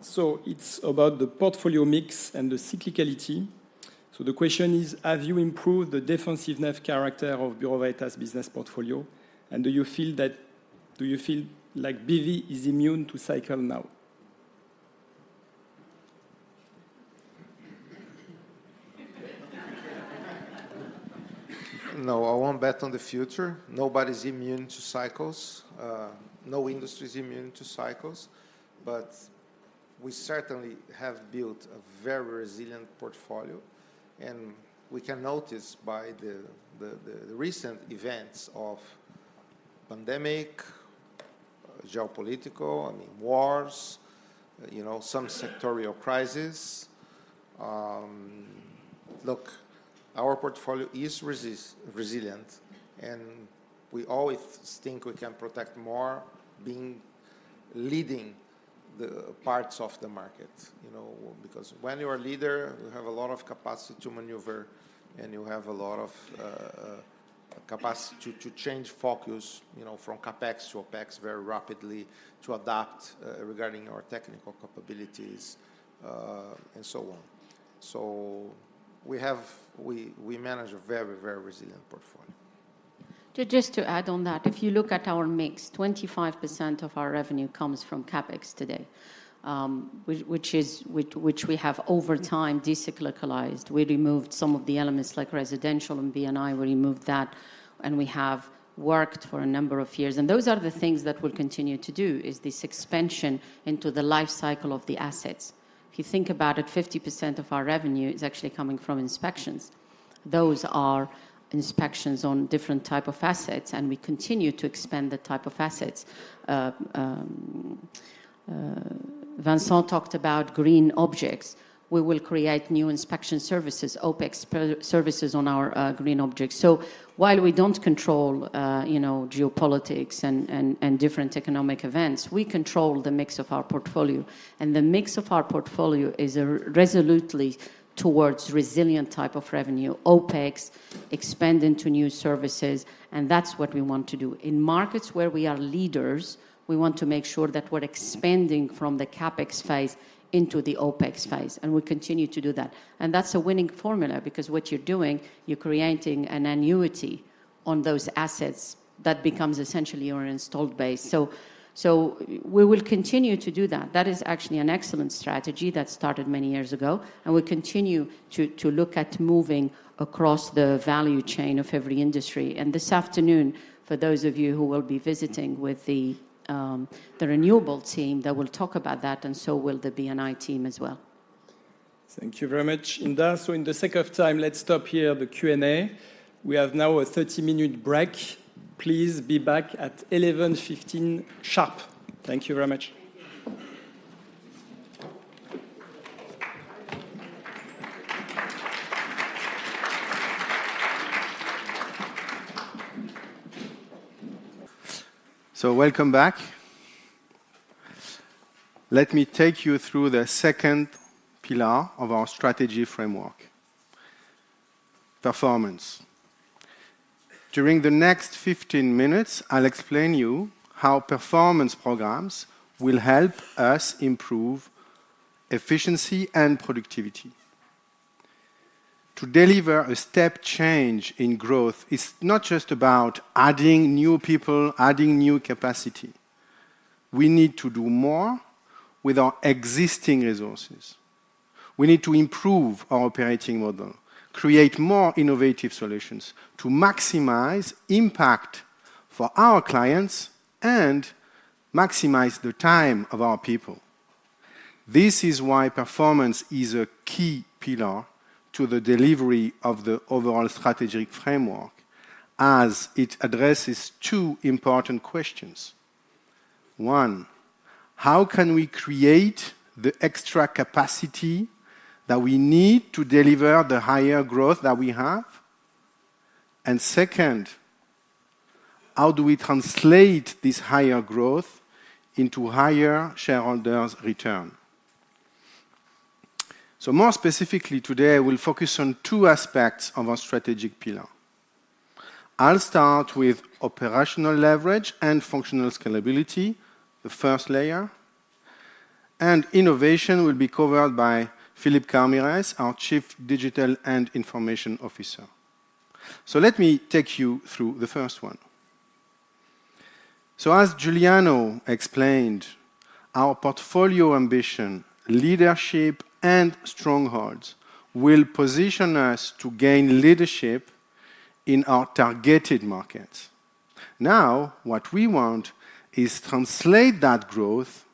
So it's about the portfolio mix and the cyclicality. So the question is, have you improved the defensive heft character of Bureau Veritas' business portfolio? And do you feel that do you feel like BV is immune to cycle now? No, I won't bet on the future. Nobody's immune to cycles. No industry is immune to cycles. But we certainly have built a very resilient portfolio. We can notice by the recent events of pandemic, geopolitical, I mean, wars, some sectoral crisis. Look, our portfolio is resilient, and we always think we can protect more by leading the parts of the market because when you're a leader, you have a lot of capacity to maneuver, and you have a lot of capacity to change focus from CapEx to OpEx very rapidly to adapt regarding your technical capabilities and so on. We manage a very, very resilient portfolio. Just to add on that, if you look at our mix, 25% of our revenue comes from CapEx today, which we have over time decyclicalized. We removed some of the elements like Residential and B&I. We removed that, and we have worked for a number of years. And those are the things that we'll continue to do is this expansion into the lifecycle of the assets. If you think about it, 50% of our revenue is actually coming from Inspections. Those are inspections on different types of assets, and we continue to expand the type of assets. Vincent talked about Green Objects. We will create new Inspection Services, OpEx services on our Green Objects. So while we don't control geopolitics and different economic events, we control the mix of our portfolio. And the mix of our portfolio is resolutely towards resilient types of revenue, OpEx, expand into new services. That's what we want to do. In markets where we are leaders, we want to make sure that we're expanding from the CapEx phase into the OpEx phase. We continue to do that. That's a winning formula because what you're doing, you're creating an annuity on those assets that becomes essentially your installed base. So we will continue to do that. That is actually an excellent strategy that started many years ago. We continue to look at moving across the value chain of every industry. This afternoon, for those of you who will be visiting with the renewable team, they will talk about that, and so will the B&I team as well. Thank you very much, Hinda. For the sake of time, let's stop the Q&A here. We now have a 30-minute break. Please be back at 11:15 sharp. Thank you very much. So welcome back. Let me take you through the second pillar of our strategy framework: performance. During the next 15 minutes, I'll explain to you how performance programs will help us improve efficiency and productivity. To deliver a step change in growth, it's not just about adding new people, adding new capacity. We need to do more with our existing resources. We need to improve our operating model, create more innovative solutions to maximize impact for our clients and maximize the time of our people. This is why performance is a key pillar to the delivery of the overall strategic framework as it addresses two important questions. One, how can we create the extra capacity that we need to deliver the higher growth that we have? And second, how do we translate this higher growth into higher shareholders' return? So more specifically, today, I will focus on two aspects of our strategic pillar. I'll start with operational leverage and functional scalability, the first layer. And innovation will be covered by Philipp Karmires, our Chief Digital and Information Officer. So let me take you through the first one. So as Juliano explained, our portfolio ambition, leadership, and strongholds will position us to gain leadership in our targeted markets. Now, what we want is to translate that growth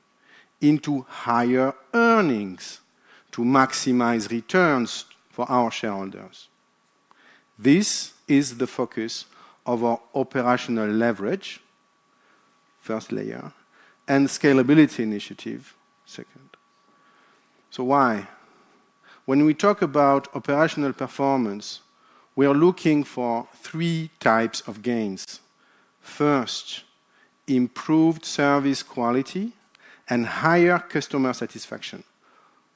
into higher earnings to maximize returns for our shareholders. This is the focus of our operational leverage, first layer, and scalability initiative, second. So why? When we talk about operational performance, we are looking for three types of gains. First, improved service quality and higher customer satisfaction.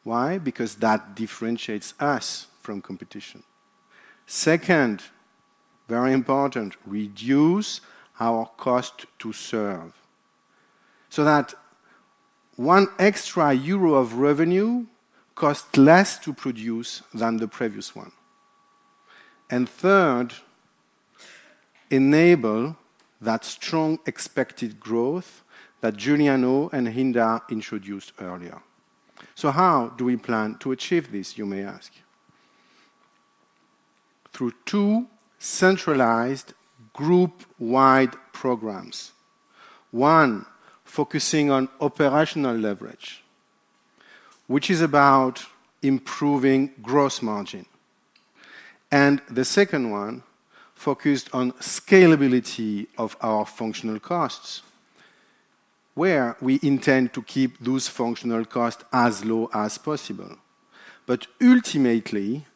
Why? Because that differentiates us from competition. Second, very important, reduce our cost to serve so that one extra euro of revenue costs less to produce than the previous one. Third, enable that strong expected growth that Juliano and Hinda introduced earlier. How do we plan to achieve this, you may ask? Through two centralized group-wide programs, one focusing on operational leverage, which is about improving gross margin, and the second one focused on scalability of our functional costs where we intend to keep those functional costs as low as possible. But ultimately,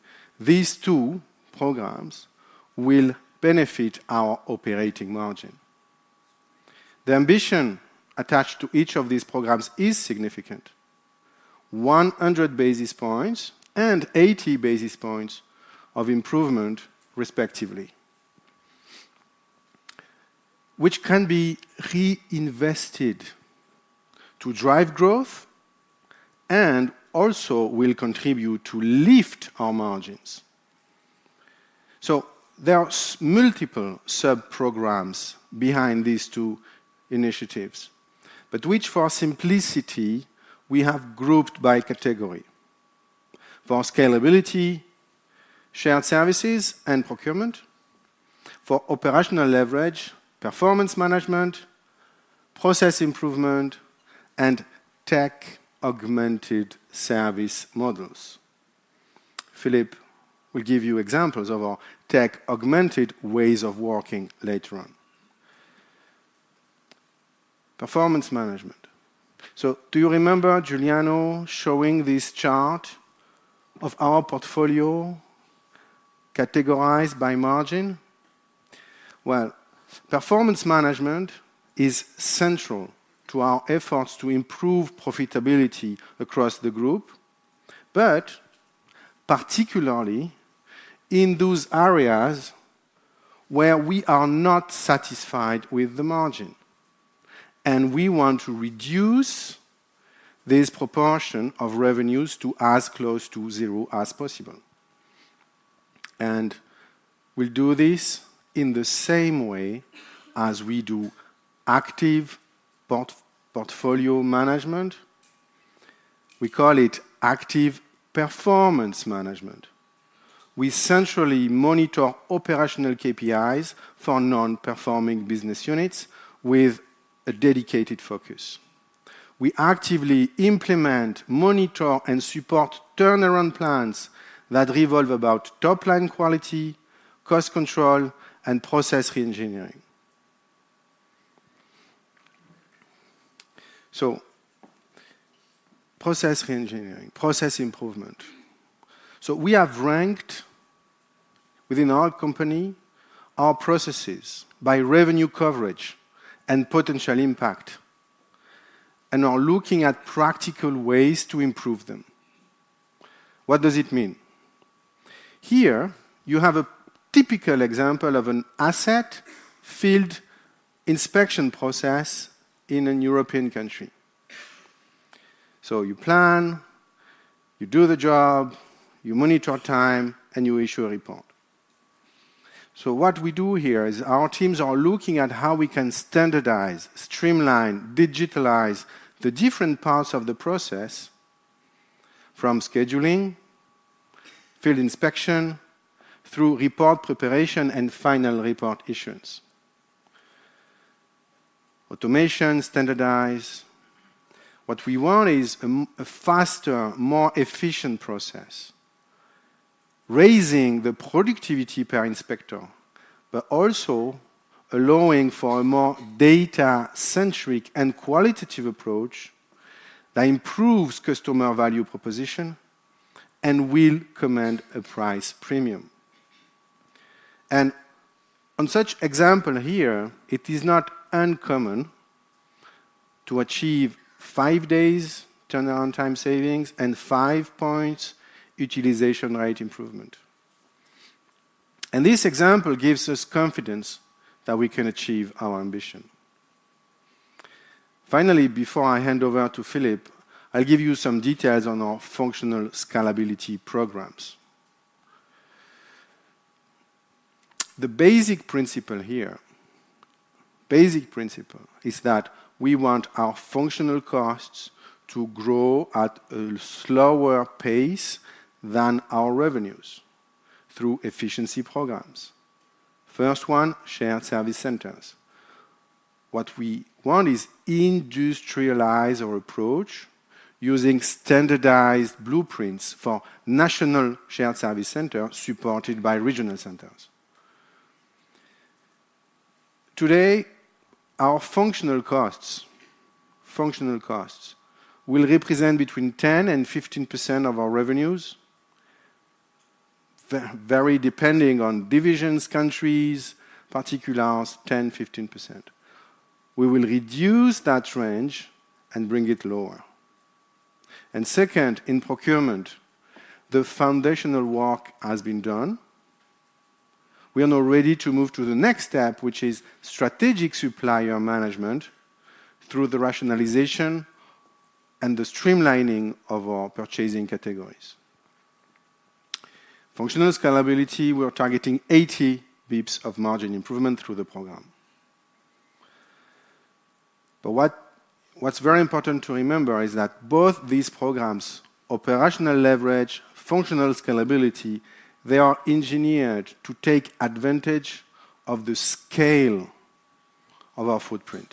these two programs will benefit our operating margin. The ambition attached to each of these programs is significant: 100 basis points and 80 basis points of improvement, respectively, which can be reinvested to drive growth and also will contribute to lift our margins. So there are multiple subprograms behind these two initiatives, but which, for simplicity, we have grouped by category: for scalability, shared services and procurement, for operational leverage, performance management, process improvement, and tech-augmented service models. Philipp will give you examples of our tech-augmented ways of working later on. Performance management. So do you remember Juliano showing this chart of our portfolio categorized by margin? Well, performance management is central to our efforts to improve profitability across the group, but particularly in those areas where we are not satisfied with the margin, and we want to reduce this proportion of revenues to as close to zero as possible. And we'll do this in the same way as we do active portfolio management. We call it active performance management. We centrally monitor operational KPIs for non-performing business units with a dedicated focus. We actively implement, monitor, and support turnaround plans that revolve about top-line quality, cost control, and process re-engineering. So process re-engineering, process improvement. So we have ranked within our company our processes by revenue coverage and potential impact and are looking at practical ways to improve them. What does it mean? Here, you have a typical example of an asset-field inspection process in a European country. So you plan, you do the job, you monitor time, and you issue a report. So what we do here is our teams are looking at how we can standardize, streamline, digitalize the different parts of the process from scheduling, field inspection, through report preparation and final report issuance. Automation, standardize. What we want is a faster, more efficient process, raising the productivity per inspector but also allowing for a more data-centric and qualitative approach that improves customer value proposition and will command a price premium. On such example here, it is not uncommon to achieve five days turnaround time savings and five points utilization rate improvement. This example gives us confidence that we can achieve our ambition. Finally, before I hand over to Philipp, I'll give you some details on our functional scalability programs. The basic principle here is that we want our functional costs to grow at a slower pace than our revenues through efficiency programs. First one, Shared Service Centers. What we want is to industrialize our approach using standardized blueprints for national shared service centers supported by regional centers. Today, our functional costs will represent between 10%-15% of our revenues, very depending on divisions, countries, particulars, 10%-15%. We will reduce that range and bring it lower. And second, in Procurement, the foundational work has been done. We are now ready to move to the next step, which is strategic supplier management through the rationalization and the streamlining of our purchasing categories. Functional scalability, we're targeting 80 basis points of margin improvement through the program. But what's very important to remember is that both these programs, operational leverage, functional scalability, they are engineered to take advantage of the scale of our footprint.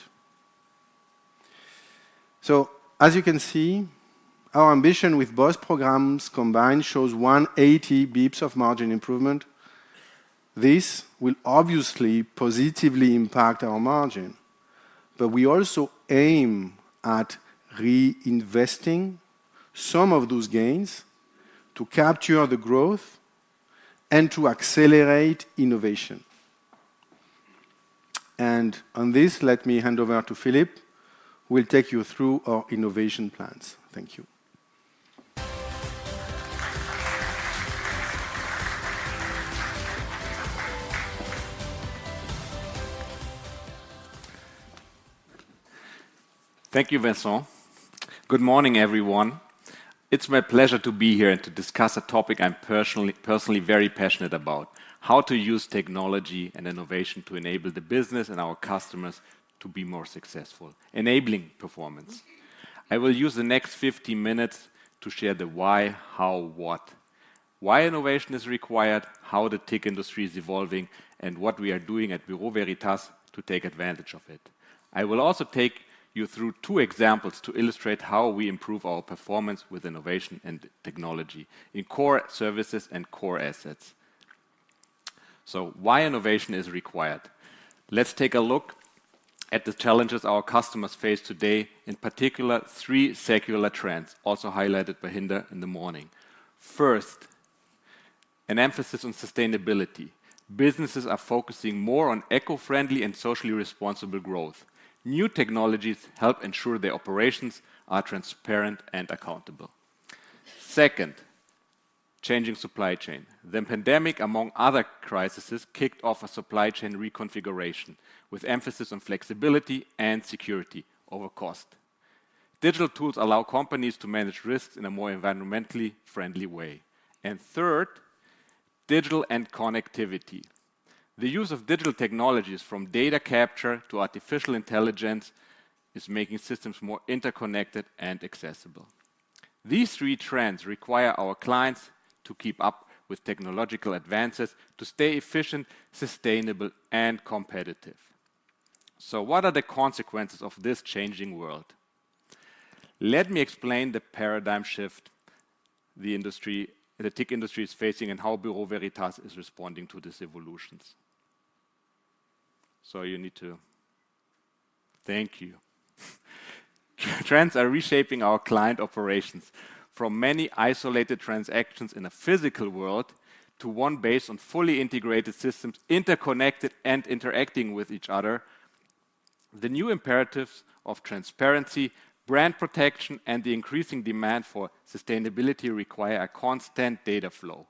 So as you can see, our ambition with both programs combined shows 180 basis points of margin improvement. This will obviously positively impact our margin, but we also aim at reinvesting some of those gains to capture the growth and to accelerate innovation. On this, let me hand over to Philipp, who will take you through our innovation plans. Thank you. Thank you, Vincent. Good morning, everyone. It's my pleasure to be here and to discuss a topic I'm personally very passionate about: how to use technology and innovation to enable the business and our customers to be more successful, enabling performance. I will use the next 15 minutes to share the why, how, what. Why innovation is required, how the tech industry is evolving, and what we are doing at Bureau Veritas to take advantage of it. I will also take you through two examples to illustrate how we improve our performance with innovation and technology in core services and core assets. So why innovation is required? Let's take a look at the challenges our customers face today, in particular, three secular trends also highlighted by Hinda in the morning. First, an emphasis on sustainability. Businesses are focusing more on eco-friendly and socially responsible growth. New technologies help ensure their operations are transparent and accountable. Second, changing supply chain. The pandemic, among other crises, kicked off a supply chain reconfiguration with emphasis on flexibility and security over cost. Digital tools allow companies to manage risks in a more environmentally friendly way. And third, digital and connectivity. The use of digital technologies, from data capture to artificial intelligence, is making systems more interconnected and accessible. These three trends require our clients to keep up with technological advances, to stay efficient, sustainable, and competitive. So what are the consequences of this changing world? Let me explain the paradigm shift the tech industry is facing and how Bureau Veritas is responding to these evolutions. So you need to thank you. Trends are reshaping our client operations. From many isolated transactions in a physical world to one based on fully integrated systems, interconnected and interacting with each other, the new imperatives of transparency, brand protection, and the increasing demand for sustainability require a constant data flow.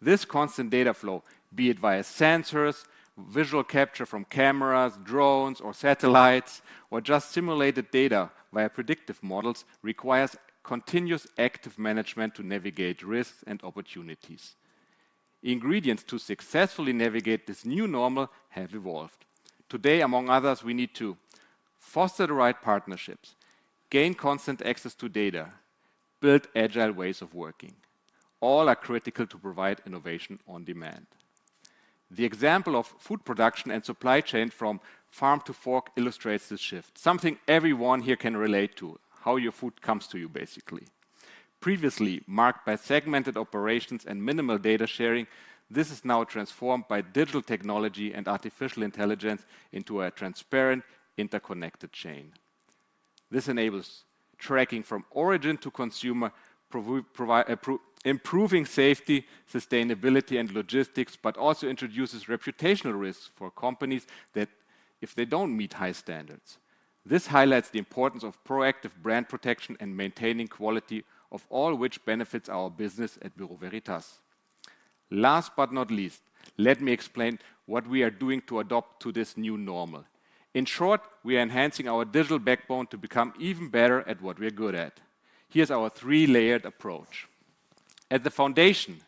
This constant data flow, be it via sensors, visual capture from cameras, drones, or satellites, or just simulated data via predictive models, requires continuous active management to navigate risks and opportunities. Ingredients to successfully navigate this new normal have evolved. Today, among others, we need to foster the right partnerships, gain constant access to data, build agile ways of working. All are critical to provide innovation on demand. The example of food production and supply chain from farm to fork illustrates this shift, something everyone here can relate to, how your food comes to you, basically. Previously marked by segmented operations and minimal data sharing, this is now transformed by digital technology and artificial intelligence into a transparent, interconnected chain. This enables tracking from origin to consumer, improving safety, sustainability, and logistics, but also introduces reputational risks for companies if they don't meet high standards. This highlights the importance of proactive brand protection and maintaining quality, all of which benefits our business at Bureau Veritas. Last but not least, let me explain what we are doing to adapt to this new normal. In short, we are enhancing our digital backbone to become even better at what we are good at. Here's our three-layered approach. At the foundation,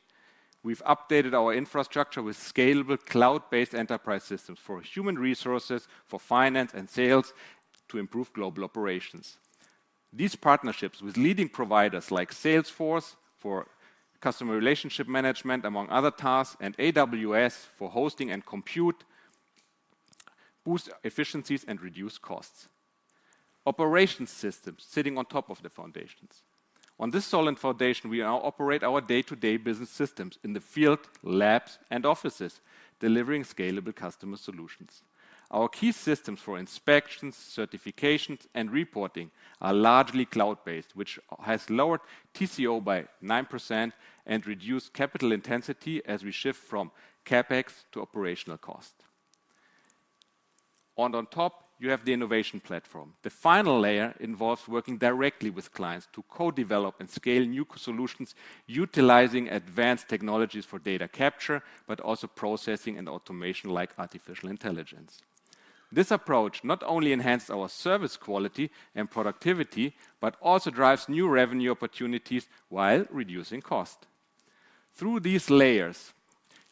we've updated our infrastructure with scalable cloud-based enterprise systems for human resources, for finance, and sales to improve global operations. These partnerships with leading providers like Salesforce for customer relationship management, among other tasks, and AWS for hosting and compute boost efficiencies and reduce costs. Operations systems sitting on top of the foundations. On this solid foundation, we now operate our day-to-day business systems in the field, labs, and offices, delivering scalable customer solutions. Our key systems for inspections, certifications, and reporting are largely cloud-based, which has lowered TCO by 9% and reduced capital intensity as we shift from CapEx to operational cost. And on top, you have the innovation platform. The final layer involves working directly with clients to co-develop and scale new solutions utilizing advanced technologies for data capture but also processing and automation like artificial intelligence. This approach not only enhances our service quality and productivity but also drives new revenue opportunities while reducing cost. Through these layers,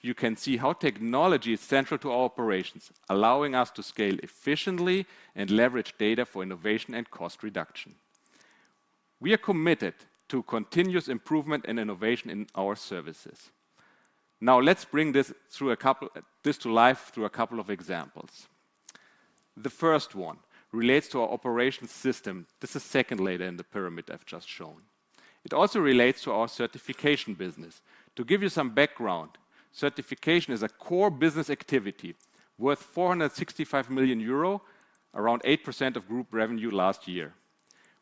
you can see how technology is central to our operations, allowing us to scale efficiently and leverage data for innovation and cost reduction. We are committed to continuous improvement and innovation in our services. Now, let's bring this to life through a couple of examples. The first one relates to our operations system. This is second layer in the pyramid I've just shown. It also relates to our certification business. To give you some background, Certification is a core business activity worth 465 million euro, around 8% of group revenue last year.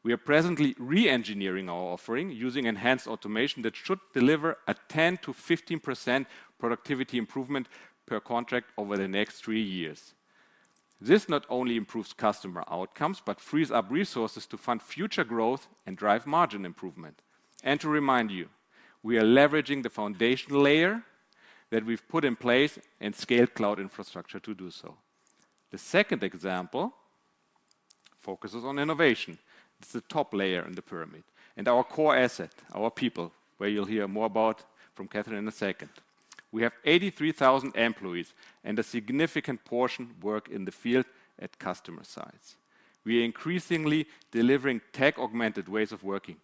We are presently re-engineering our offering using enhanced automation that should deliver a 10%-15% productivity improvement per contract over the next three years. This not only improves customer outcomes but frees up resources to fund future growth and drive margin improvement. To remind you, we are leveraging the foundational layer that we've put in place and scaled cloud infrastructure to do so. The second example focuses on innovation. It's the top layer in the pyramid and our core asset, our people, where you'll hear more about from Kathryn in a second. We have 83,000 employees and a significant portion work in the field at customer sites. We are increasingly delivering tech-augmented ways of working,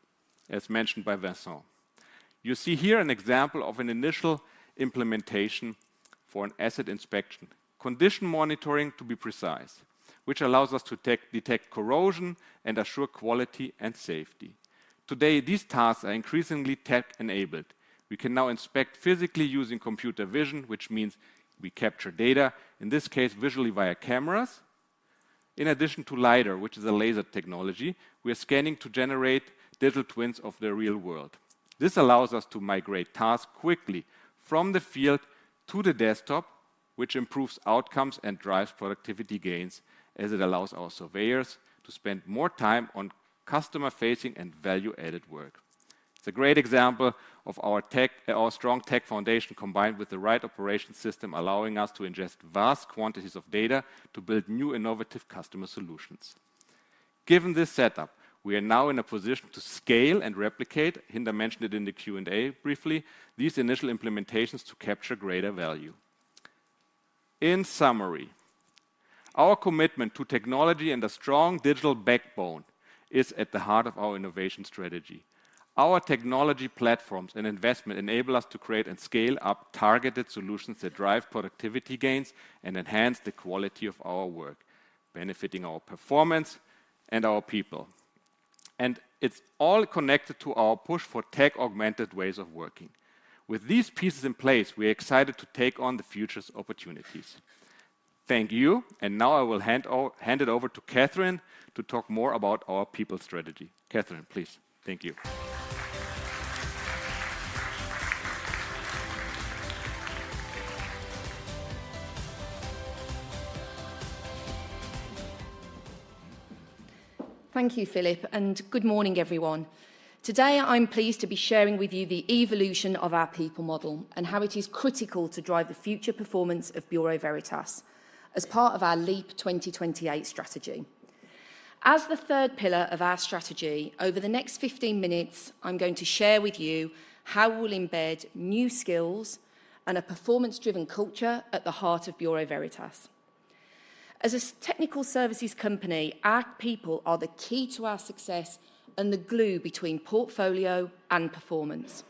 as mentioned by Vincent. You see here an example of an initial implementation for an asset inspection, condition monitoring to be precise, which allows us to detect corrosion and assure quality and safety. Today, these tasks are increasingly tech-enabled. We can now inspect physically using computer vision, which means we capture data, in this case, visually via cameras. In addition to LiDAR, which is a laser technology, we are scanning to generate digital twins of the real world. This allows us to migrate tasks quickly from the field to the desktop, which improves outcomes and drives productivity gains as it allows our surveyors to spend more time on customer-facing and value-added work. It's a great example of our strong tech foundation combined with the right operation system, allowing us to ingest vast quantities of data to build new innovative customer solutions. Given this setup, we are now in a position to scale and replicate —Hinda mentioned it in the Q&A briefly— these initial implementations to capture greater value. In summary, our commitment to technology and a strong digital backbone is at the heart of our innovation strategy. Our technology platforms and investment enable us to create and scale up targeted solutions that drive productivity gains and enhance the quality of our work, benefiting our performance and our people. And it's all connected to our push for tech-augmented ways of working. With these pieces in place, we are excited to take on the future's opportunities. Thank you. And now I will hand it over to Kathryn to talk more about our people strategy. Kathryn, please. Thank you. Thank you, Philipp. Good morning, everyone. Today, I'm pleased to be sharing with you the evolution of our people model and how it is critical to drive the future performance of Bureau Veritas as part of our LEAP | 2028 strategy. As the third pillar of our strategy, over the next 15 minutes, I'm going to share with you how we'll embed new skills and a performance-driven culture at the heart of Bureau Veritas. As a technical services company, our people are the key to our success and the glue between portfolio and performance.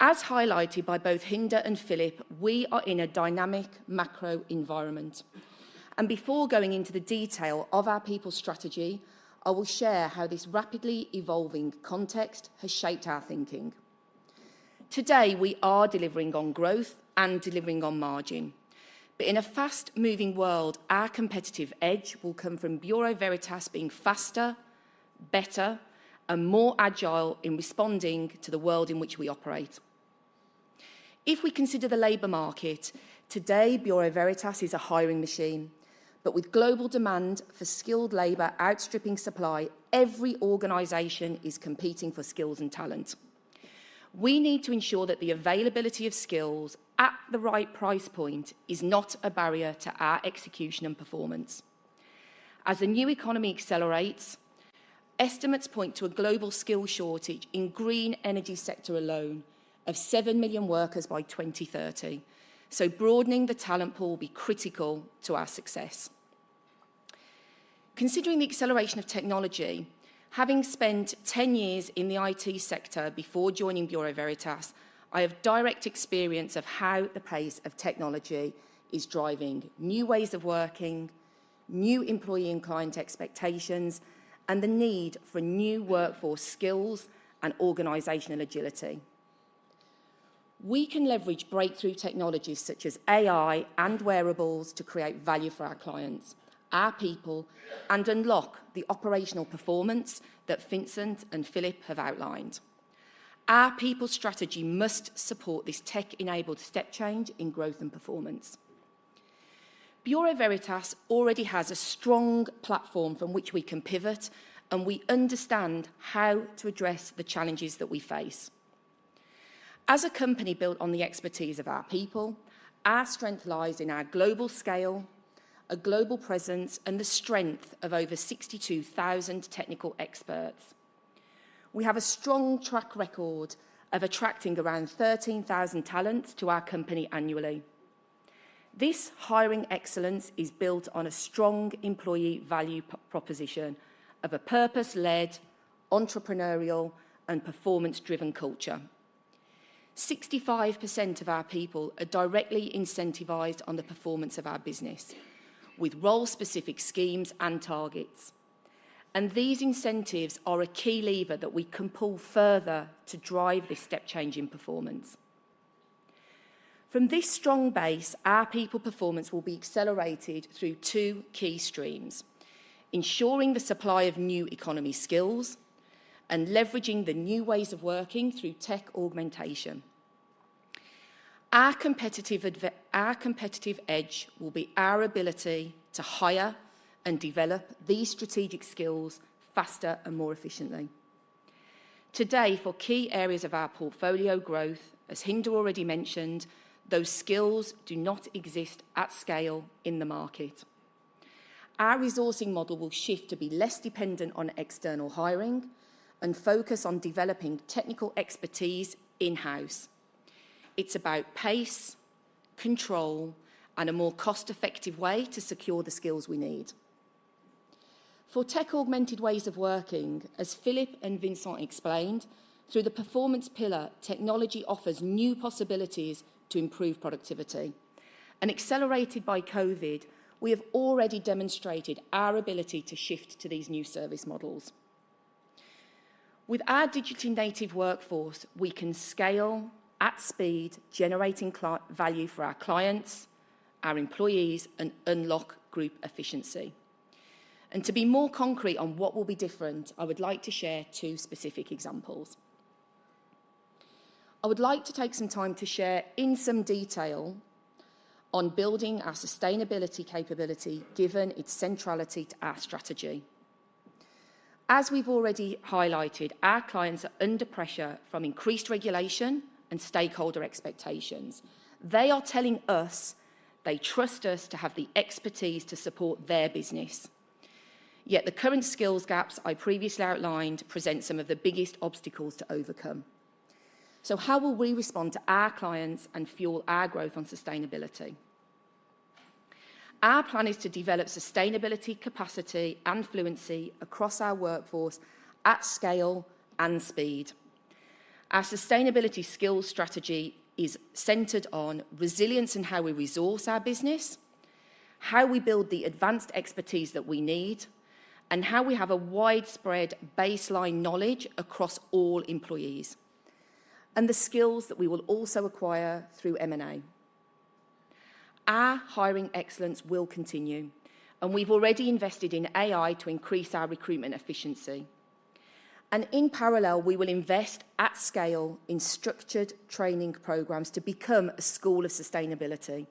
As highlighted by both Hinda and Philipp, we are in a dynamic macro environment. Before going into the detail of our people strategy, I will share how this rapidly evolving context has shaped our thinking. Today, we are delivering on growth and delivering on margin. But in a fast-moving world, our competitive edge will come from Bureau Veritas being faster, better, and more agile in responding to the world in which we operate. If we consider the labor market, today, Bureau Veritas is a hiring machine. But with global demand for skilled labor outstripping supply, every organization is competing for skills and talent. We need to ensure that the availability of skills at the right price point is not a barrier to our execution and performance. As the new economy accelerates, estimates point to a global skill shortage in the green energy sector alone of seven million workers by 2030. So broadening the talent pool will be critical to our success. Considering the acceleration of technology, having spent 10 years in the IT sector before joining Bureau Veritas, I have direct experience of how the pace of technology is driving new ways of working, new employee and client expectations, and the need for new workforce skills and organizational agility. We can leverage breakthrough technologies such as AI and wearables to create value for our clients, our people, and unlock the operational performance that Vincent and Philipp have outlined. Our people strategy must support this tech-enabled step change in growth and performance. Bureau Veritas already has a strong platform from which we can pivot, and we understand how to address the challenges that we face. As a company built on the expertise of our people, our strength lies in our global scale, a global presence, and the strength of over 62,000 technical experts. We have a strong track record of attracting around 13,000 talents to our company annually. This hiring excellence is built on a strong employee value proposition of a purpose-led, entrepreneurial, and performance-driven culture. 65% of our people are directly incentivized on the performance of our business with role-specific schemes and targets. These incentives are a key lever that we can pull further to drive this step change in performance. From this strong base, our people performance will be accelerated through two key streams: ensuring the supply of new economy skills and leveraging the new ways of working through tech augmentation. Our competitive edge will be our ability to hire and develop these strategic skills faster and more efficiently. Today, for key areas of our portfolio growth, as Hinda already mentioned, those skills do not exist at scale in the market. Our resourcing model will shift to be less dependent on external hiring and focus on developing technical expertise in-house. It's about pace, control, and a more cost-effective way to secure the skills we need. For tech-augmented ways of working, as Philipp and Vincent explained, through the performance pillar, technology offers new possibilities to improve productivity. Accelerated by COVID, we have already demonstrated our ability to shift to these new service models. With our digitally native workforce, we can scale at speed, generating value for our clients, our employees, and unlock group efficiency. To be more concrete on what will be different, I would like to share two specific examples. I would like to take some time to share in some detail on building our sustainability capability given its centrality to our strategy. As we've already highlighted, our clients are under pressure from increased regulation and stakeholder expectations. They are telling us they trust us to have the expertise to support their business. Yet the current skills gaps I previously outlined present some of the biggest obstacles to overcome. So how will we respond to our clients and fuel our growth on Sustainability? Our plan is to develop sustainability capacity and fluency across our workforce at scale and speed. Our sustainability skills strategy is centered on resilience in how we resource our business, how we build the advanced expertise that we need, and how we have a widespread baseline knowledge across all employees, and the skills that we will also acquire through M&A. Our hiring excellence will continue, and we've already invested in AI to increase our recruitment efficiency. And in parallel, we will invest at scale in structured training programs to become a school of sustainability.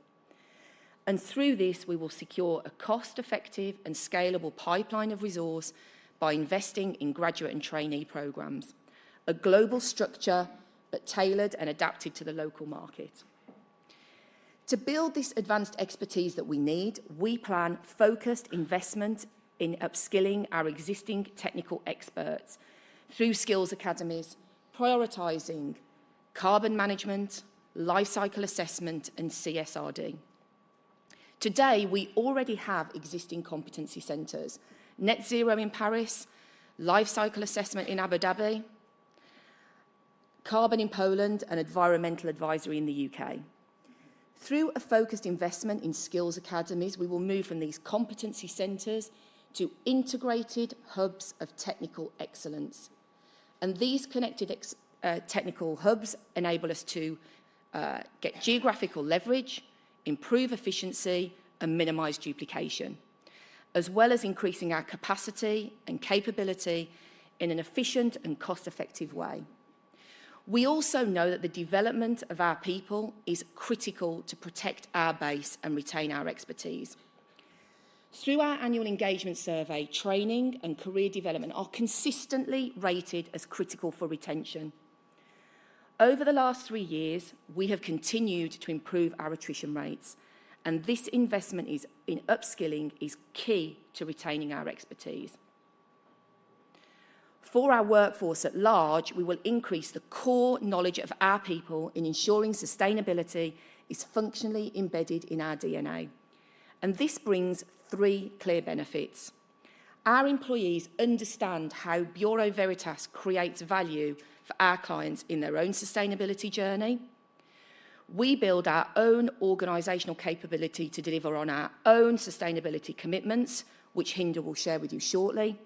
Through this, we will secure a cost-effective and scalable pipeline of resource by investing in graduate and trainee programs, a global structure but tailored and adapted to the local market. To build this advanced expertise that we need, we plan focused investment in upskilling our existing technical experts through skills academies, prioritizing carbon management, life cycle assessment, and CSRD. Today, we already have existing competency centers: Net Zero in Paris, Life Cycle Assessment in Abu Dhabi, Carbon in Poland, and Environmental Advisory in the U.K. Through a focused investment in skills academies, we will move from these competency centers to integrated hubs of technical excellence. These connected technical hubs enable us to get geographical leverage, improve efficiency, and minimize duplication, as well as increasing our capacity and capability in an efficient and cost-effective way. We also know that the development of our people is critical to protect our base and retain our expertise. Through our annual engagement survey, training and career development are consistently rated as critical for retention. Over the last three years, we have continued to improve our attrition rates, and this investment in upskilling is key to retaining our expertise. For our workforce at large, we will increase the core knowledge of our people in ensuring sustainability is functionally embedded in our DNA. This brings three clear benefits. Our employees understand how Bureau Veritas creates value for our clients in their own sustainability journey. We build our own organizational capability to deliver on our own sustainability commitments, which Hinda will share with you shortly.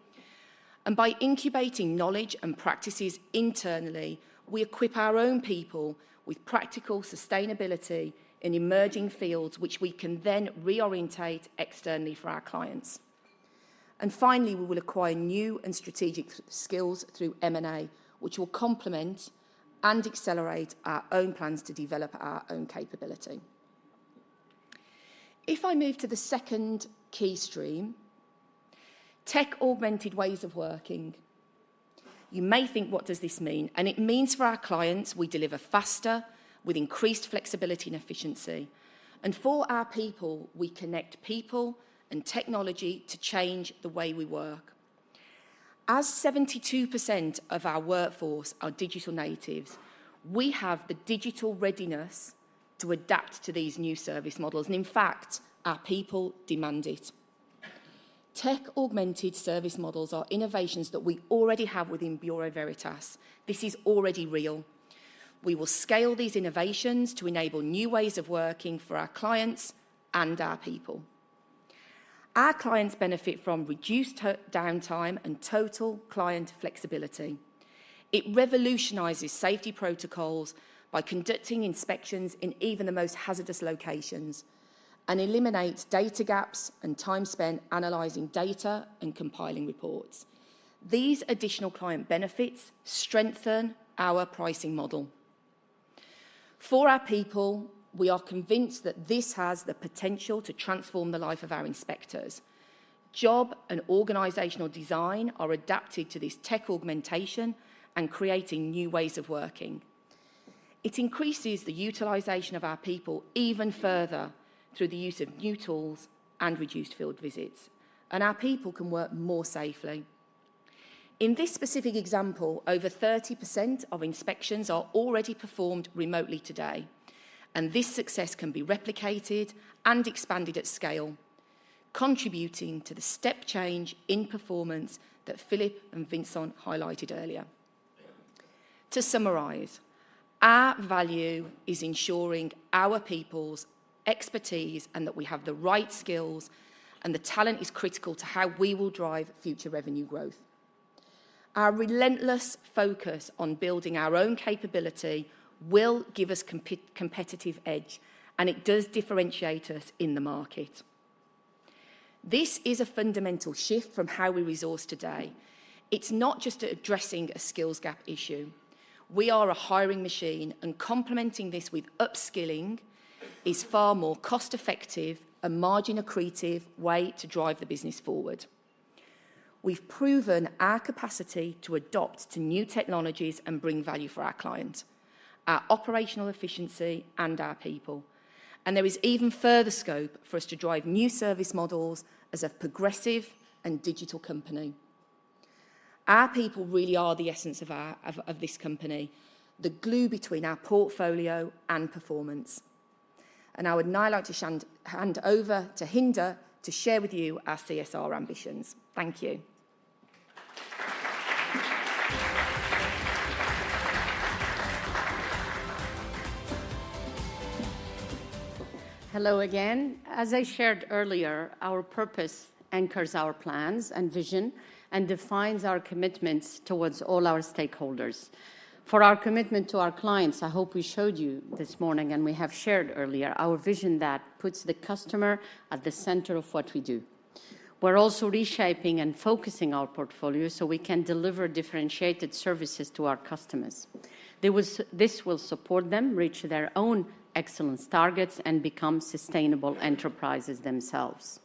By incubating knowledge and practices internally, we equip our own people with practical sustainability in emerging fields which we can then reorient externally for our clients. Finally, we will acquire new and strategic skills through M&A, which will complement and accelerate our own plans to develop our own capability. If I move to the second key stream, tech-augmented ways of working, you may think, "What does this mean?" It means for our clients, we deliver faster with increased flexibility and efficiency. For our people, we connect people and technology to change the way we work. As 72% of our workforce are digital natives, we have the digital readiness to adapt to these new service models. In fact, our people demand it. Tech-augmented service models are innovations that we already have within Bureau Veritas. This is already real. We will scale these innovations to enable new ways of working for our clients and our people. Our clients benefit from reduced downtime and total client flexibility. It revolutionizes safety protocols by conducting inspections in even the most hazardous locations and eliminates data gaps and time spent analyzing data and compiling reports. These additional client benefits strengthen our pricing model. For our people, we are convinced that this has the potential to transform the life of our inspectors. Job and organizational design are adapted to this tech augmentation and creating new ways of working. It increases the utilization of our people even further through the use of new tools and reduced field visits, and our people can work more safely. In this specific example, over 30% of inspections are already performed remotely today. This success can be replicated and expanded at scale, contributing to the step change in performance that Philipp and Vincent highlighted earlier. To summarize, our value is ensuring our people's expertise and that we have the right skills, and the talent is critical to how we will drive future revenue growth. Our relentless focus on building our own capability will give us competitive edge, and it does differentiate us in the market. This is a fundamental shift from how we resource today. It's not just addressing a skills gap issue. We are a hiring machine, and complementing this with upskilling is far more cost-effective and margin-accretive way to drive the business forward. We've proven our capacity to adapt to new technologies and bring value for our clients, our operational efficiency, and our people. There is even further scope for us to drive new service models as a progressive and digital company. Our people really are the essence of this company, the glue between our portfolio and performance. I would now like to hand over to Hinda to share with you our CSR ambitions. Thank you. Hello again. As I shared earlier, our purpose anchors our plans and vision and defines our commitments toward all our stakeholders. For our commitment to our clients, I hope we showed you this morning and we have shared earlier our vision that puts the customer at the center of what we do. We're also reshaping and focusing our portfolio so we can deliver differentiated services to our customers. This will support them reach their own excellence targets and become sustainable enterprises themselves.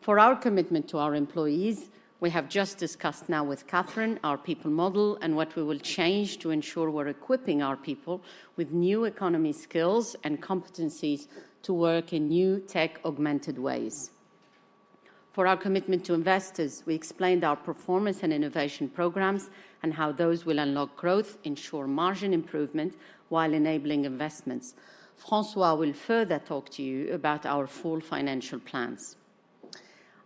For our commitment to our employees, we have just discussed now with Kathryn our people model and what we will change to ensure we're equipping our people with new economy skills and competencies to work in new tech-augmented ways. For our commitment to investors, we explained our performance and innovation programs and how those will unlock growth, ensure margin improvement while enabling investments. François will further talk to you about our full financial plans.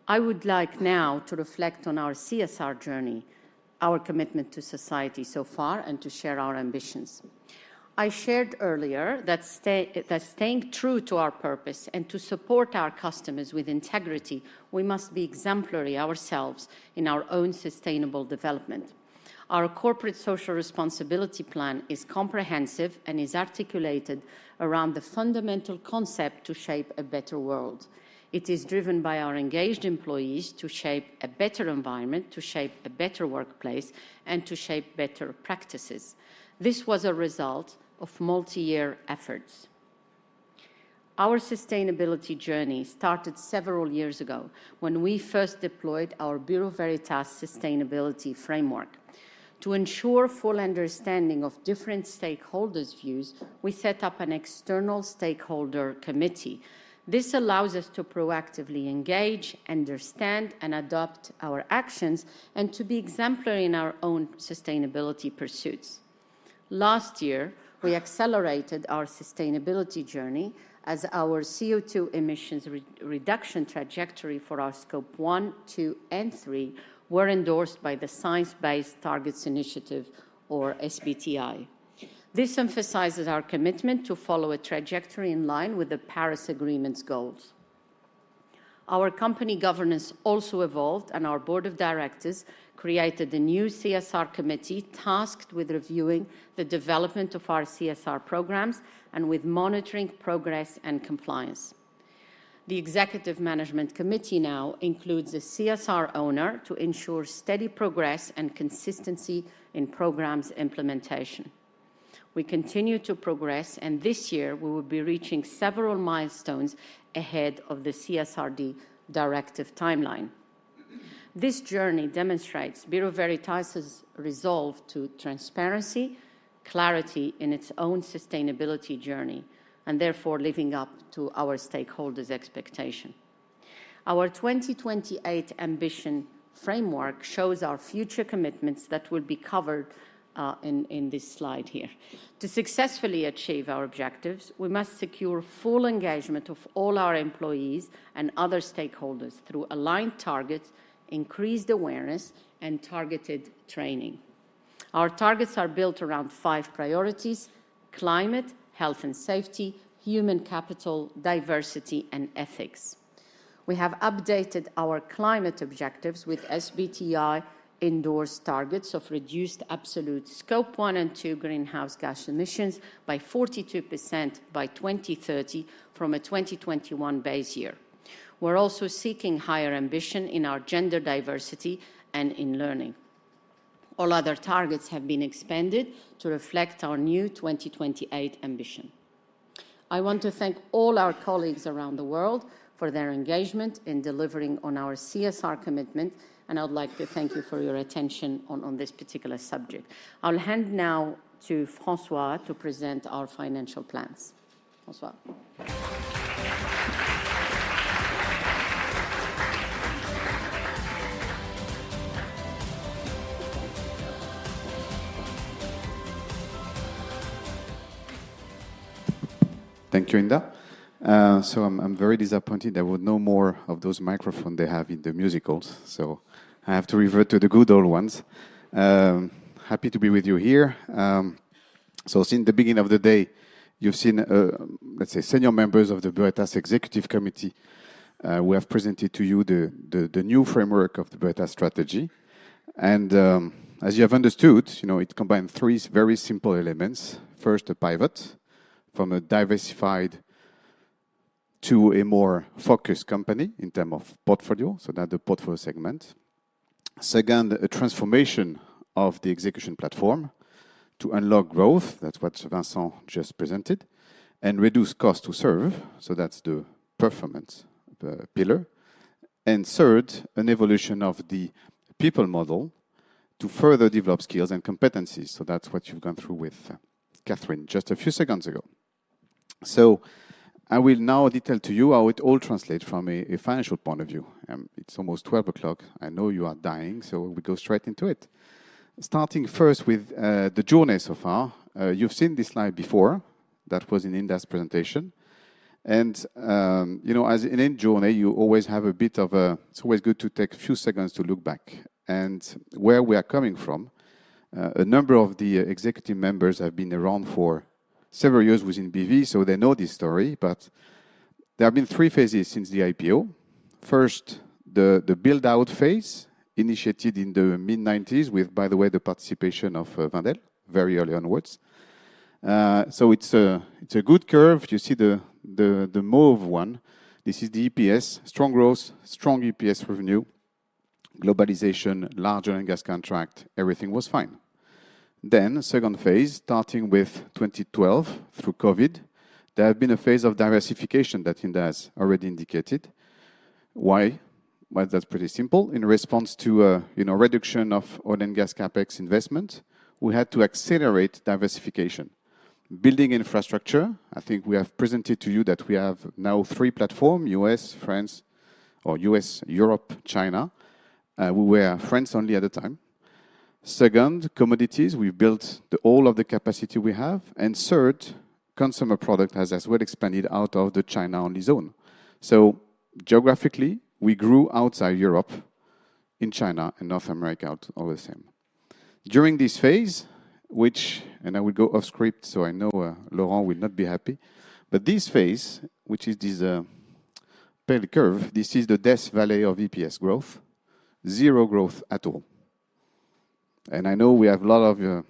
I would like now to reflect on our CSR journey, our commitment to society so far, and to share our ambitions. I shared earlier that staying true to our purpose and to support our customers with integrity, we must be exemplary ourselves in our own sustainable development. Our Corporate Social Responsibility Plan is comprehensive and is articulated around the fundamental concept to shape a better world. It is driven by our engaged employees to shape a better environment, to shape a better workplace, and to shape better practices. This was a result of multi-year efforts. Our sustainability journey started several years ago when we first deployed our Bureau Veritas sustainability framework. To ensure full understanding of different stakeholders' views, we set up an external stakeholder committee. This allows us to proactively engage, understand, and adopt our actions and to be exemplary in our own sustainability pursuits. Last year, we accelerated our sustainability journey as our CO2 emissions reduction trajectory for our Scope 1, 2, and 3 were endorsed by the Science-Based Targets Initiative, or SBTi. This emphasizes our commitment to follow a trajectory in line with the Paris Agreement's goals. Our company governance also evolved, and our board of directors created a new CSR committee tasked with reviewing the development of our CSR programs and with monitoring progress and compliance. The executive management committee now includes a CSR owner to ensure steady progress and consistency in programs implementation. We continue to progress, and this year we will be reaching several milestones ahead of the CSRD directive timeline. This journey demonstrates Bureau Veritas's resolve to transparency, clarity in its own sustainability journey, and therefore living up to our stakeholders' expectations. Our 2028 ambition framework shows our future commitments that will be covered in this slide here. To successfully achieve our objectives, we must secure full engagement of all our employees and other stakeholders through aligned targets, increased awareness, and targeted training. Our targets are built around five priorities: climate, health and safety, human capital, diversity, and ethics. We have updated our climate objectives with SBTi endorsed targets of reduced absolute Scope 1 and 2 greenhouse gas emissions by 42% by 2030 from a 2021 base year. We're also seeking higher ambition in our gender diversity and in learning. All other targets have been expanded to reflect our new 2028 ambition. I want to thank all our colleagues around the world for their engagement in delivering on our CSR commitment, and I'd like to thank you for your attention on this particular subject. I'll hand now to François to present our financial plans. François. Thank you, Hinda. So I'm very disappointed. I would know more of those microphones they have in the musicals, so I have to revert to the good old ones. Happy to be with you here. So since the beginning of the day, you've seen, let's say, senior members of the Bureau Veritas Executive Committee who have presented to you the new framework of the Bureau Veritas strategy. As you have understood, it combines three very simple elements. First, a pivot from a diversified to a more focused company in terms of portfolio, so that's the portfolio segment. Second, a transformation of the execution platform to unlock growth. That's what Vincent just presented. And reduce cost to serve. So that's the performance pillar. Third, an evolution of the people model to further develop skills and competencies. So that's what you've gone through with Kathryn just a few seconds ago. So I will now detail to you how it all translates from a financial point of view. It's almost 12:00. I know you are dying, so we go straight into it. Starting first with the journey so far. You've seen this slide before. That was an in-depth presentation. And as in any journey, you always have a bit of a. It's always good to take a few seconds to look back. And where we are coming from, a number of the executive members have been around for several years within BV, so they know this story. But there have been three phases since the IPO. First, the build-out phase initiated in the mid-1990s with, by the way, the participation of Wendel, very early onwards. So it's a good curve. You see the mauve one. This is the EPS, strong growth, strong EPS revenue, globalization, oil and gas contracts, everything was fine. Then, second phase, starting with 2012 through COVID, there has been a phase of diversification that Hinda has already indicated. Why? Well, that's pretty simple. In response to a reduction of oil and gas CapEx investments, we had to accelerate diversification. Buildings & Infrastructure, I think we have presented to you that we have now three platforms: U.S., France, or U.S., Europe, China. We were France-only at the time. Second, Commodities. We've built all of the capacity we have. And third, Consumer Products has as well expanded out of the China-only zone. So geographically, we grew outside Europe, in China, and North America all the same. During this phase, which, and I will go off-script, so I know Laurent will not be happy. But this phase, which is this pale curve, this is the death valley of EPS growth, zero growth at all. I know we have a lot of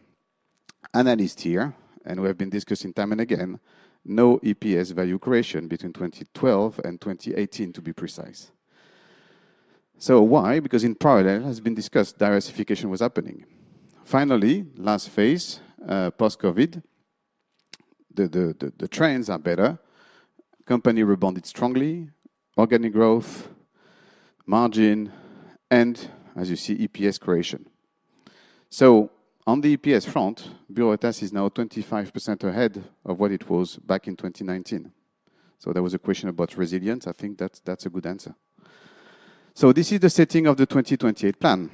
analysts here, and we have been discussing time and again, no EPS value creation between 2012 and 2018, to be precise. So why? Because in parallel, as has been discussed, diversification was happening. Finally, last phase, post-COVID, the trends are better. Company rebounded strongly, organic growth, margin, and as you see, EPS creation. So on the EPS front, Bureau Veritas is now 25% ahead of what it was back in 2019. So there was a question about resilience. I think that's a good answer. So this is the setting of the 2028 plan.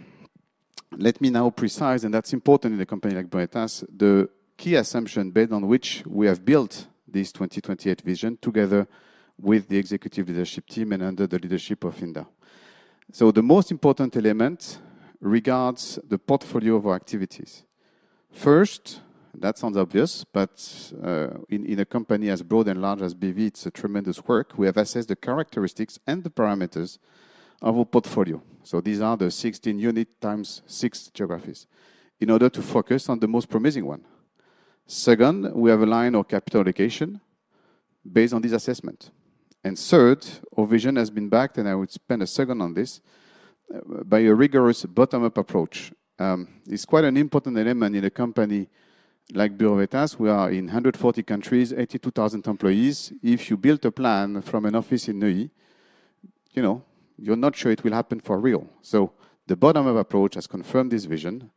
Let me now be precise, and that's important in a company like Bureau Veritas, the key assumption based on which we have built this 2028 vision together with the executive leadership team and under the leadership of Hinda. The most important element regards the portfolio of our activities. First, and that sounds obvious, but in a company as broad and large as BV, it's a tremendous work. We have assessed the characteristics and the parameters of our portfolio. So these are the 16 units times six geographies in order to focus on the most promising one. Second, we have aligned our capital allocation based on this assessment. And third, our vision has been backed, and I would spend a second on this, by a rigorous bottom-up approach. It's quite an important element in a company like Bureau Veritas. We are in 140 countries, 82,000 employees. If you build a plan from an office in Neuilly, you're not sure it will happen for real. So the bottom-up approach has confirmed this vision,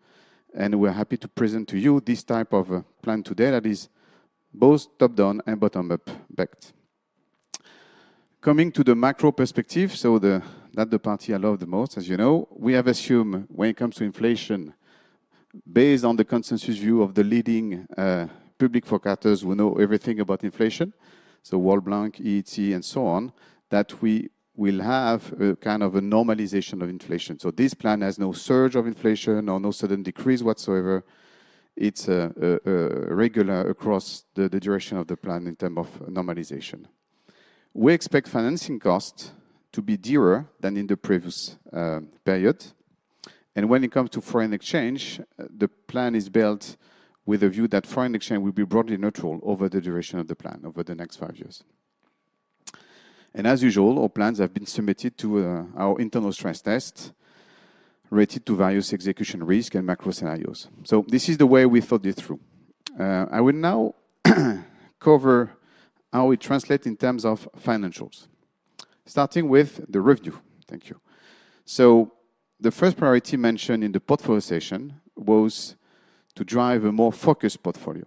and we're happy to present to you this type of plan today that is both top-down and bottom-up backed. Coming to the macro perspective, so that's the part I love the most, as you know, we have assumed when it comes to inflation, based on the consensus view of the leading public forecasters, we know everything about inflation, so World Bank, EET, and so on, that we will have a kind of a normalization of inflation. So this plan has no surge of inflation or no sudden decrease whatsoever. It's regular across the duration of the plan in terms of normalization. We expect financing costs to be dearer than in the previous period. When it comes to foreign exchange, the plan is built with a view that foreign exchange will be broadly neutral over the duration of the plan, over the next five years. As usual, our plans have been submitted to our internal stress test rated to various execution risks and macro scenarios. This is the way we thought it through. I will now cover how it translates in terms of financials, starting with the revenue. Thank you. The first priority mentioned in the portfolio session was to drive a more focused portfolio.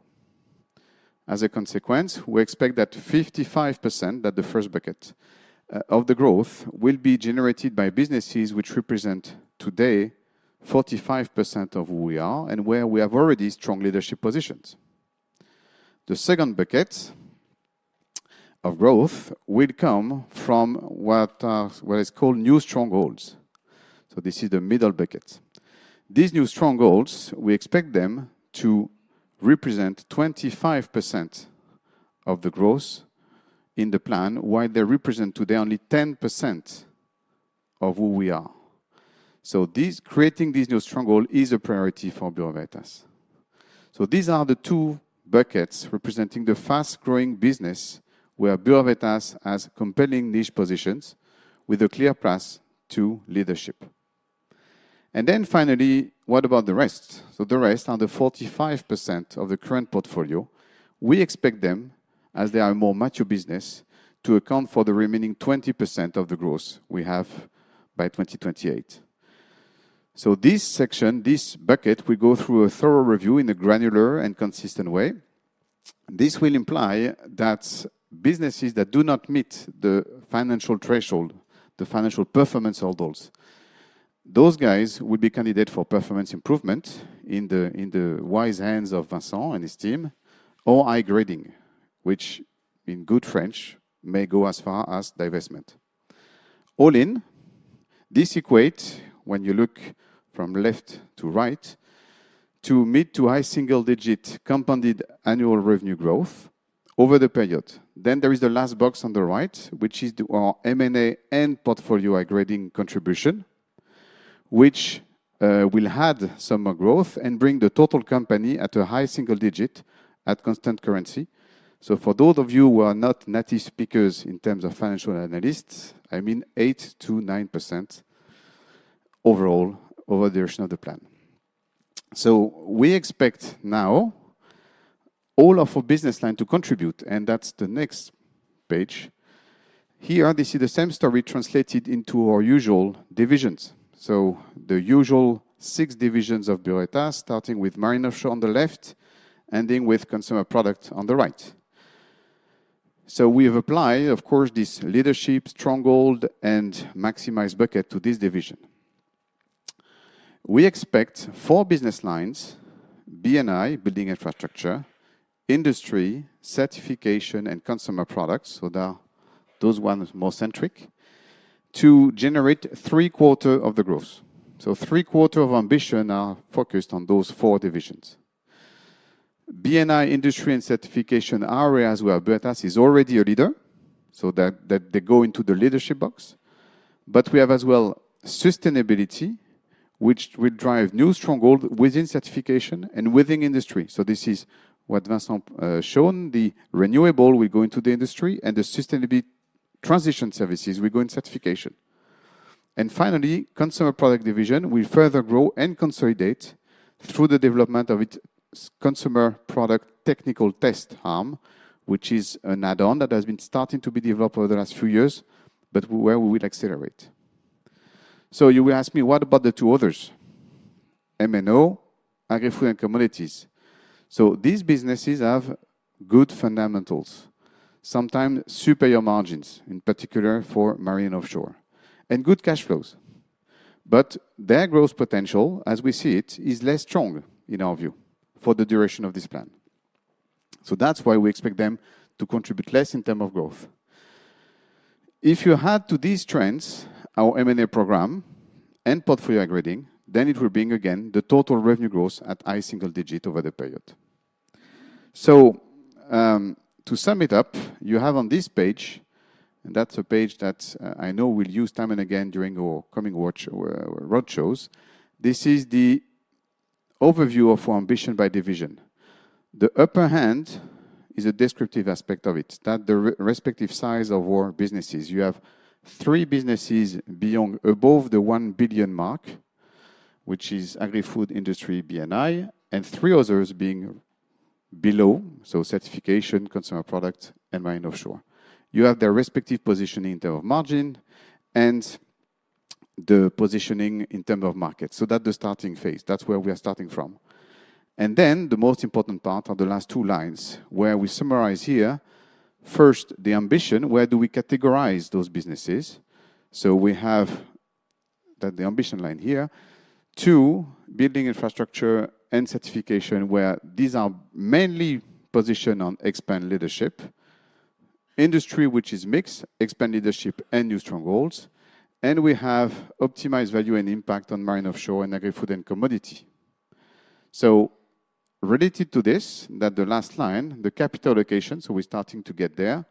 As a consequence, we expect that 55%, that's the first bucket, of the growth will be generated by businesses which represent today 45% of who we are and where we have already strong leadership positions. The second bucket of growth will come from what is called new strong goals. So this is the middle bucket. These new strong goals, we expect them to represent 25% of the growth in the plan while they represent today only 10% of who we are. So creating these new strong goals is a priority for Bureau Veritas. So these are the two buckets representing the fast-growing business where Bureau Veritas has compelling niche positions with a clear path to leadership. And then finally, what about the rest? So the rest are the 45% of the current portfolio. We expect them, as they are a more mature business, to account for the remaining 20% of the growth we have by 2028. So this section, this bucket, we go through a thorough review in a granular and consistent way. This will imply that businesses that do not meet the financial threshold, the financial performance holders, those guys will be candidates for performance improvement in the wise hands of Vincent and his team, or high grading, which in good French may go as far as divestment. All in, this equates, when you look from left to right, to mid to high single-digit compounded annual revenue growth over the period. Then there is the last box on the right, which is our M&A and portfolio high grading contribution, which will add some more growth and bring the total company at a high single digit at constant currency. So for those of you who are not native speakers in terms of financial analysts, I mean 8%-9% overall over the duration of the plan. So we expect now all of our business line to contribute, and that's the next page. Here, this is the same story translated into our usual divisions. So the usual six divisions of Bureau Veritas, starting with Marine & Offshore on the left, ending with Consumer Products on the right. So we have applied, of course, this leadership, stronghold, and maximize bucket to this division. We expect 4 business lines: B&I, Buildings & Infrastructure; Industry; Certification; and Consumer Products. So those ones are more centric, to generate 3/4 of the growth. So three-quarters of ambition are focused on those four divisions. B&I, Industry, and Certification areas where Veritas is already a leader, so they go into the leadership box. But we have as well Sustainability, which will drive new stronghold within Certification and within Industry. So this is what Vincent has shown. The Renewables, we go into the Industry, and the Sustainability Transition Services, we go in Certification. Finally, Consumer Products division, we further grow and consolidate through the development of its Consumer Product Technical Test arm, which is an add-on that has been starting to be developed over the last few years, but where we will accelerate. You will ask me, what about the two others? M&O, Agri-Food, and Commodities. These businesses have good fundamentals, sometimes superior margins, in particular for Marine & Offshore, and good cash flows. Their growth potential, as we see it, is less strong in our view for the duration of this plan. That's why we expect them to contribute less in terms of growth. If you add to these trends our M&A program and portfolio high-grading, then it will bring, again, the total revenue growth at high single-digit over the period. So to sum it up, you have on this page and that's a page that I know we'll use time and again during our coming roadshows. This is the overview of our ambition by division. The upper hand is a descriptive aspect of it, that's the respective size of our businesses. You have three businesses above the 1 billion mark, which is Agri-Food, Industry, B&I, and three others being below, so Certification, Consumer Products, and Marine & Offshore. You have their respective positioning in terms of margin and the positioning in terms of market. So that's the starting phase. That's where we are starting from. And then the most important part are the last two lines where we summarise here. First, the ambition, where do we categorise those businesses? So we have the ambition line here. Two, Buildings & Infrastructure and Certification, where these are mainly positioned on expand leadership, industry, which is mixed, expand leadership, and new strong goals. And we have optimized value and impact on Marine & Offshore and Agri-Food & Commodities. So related to this, that's the last line, the capital allocation. So we're starting to get there.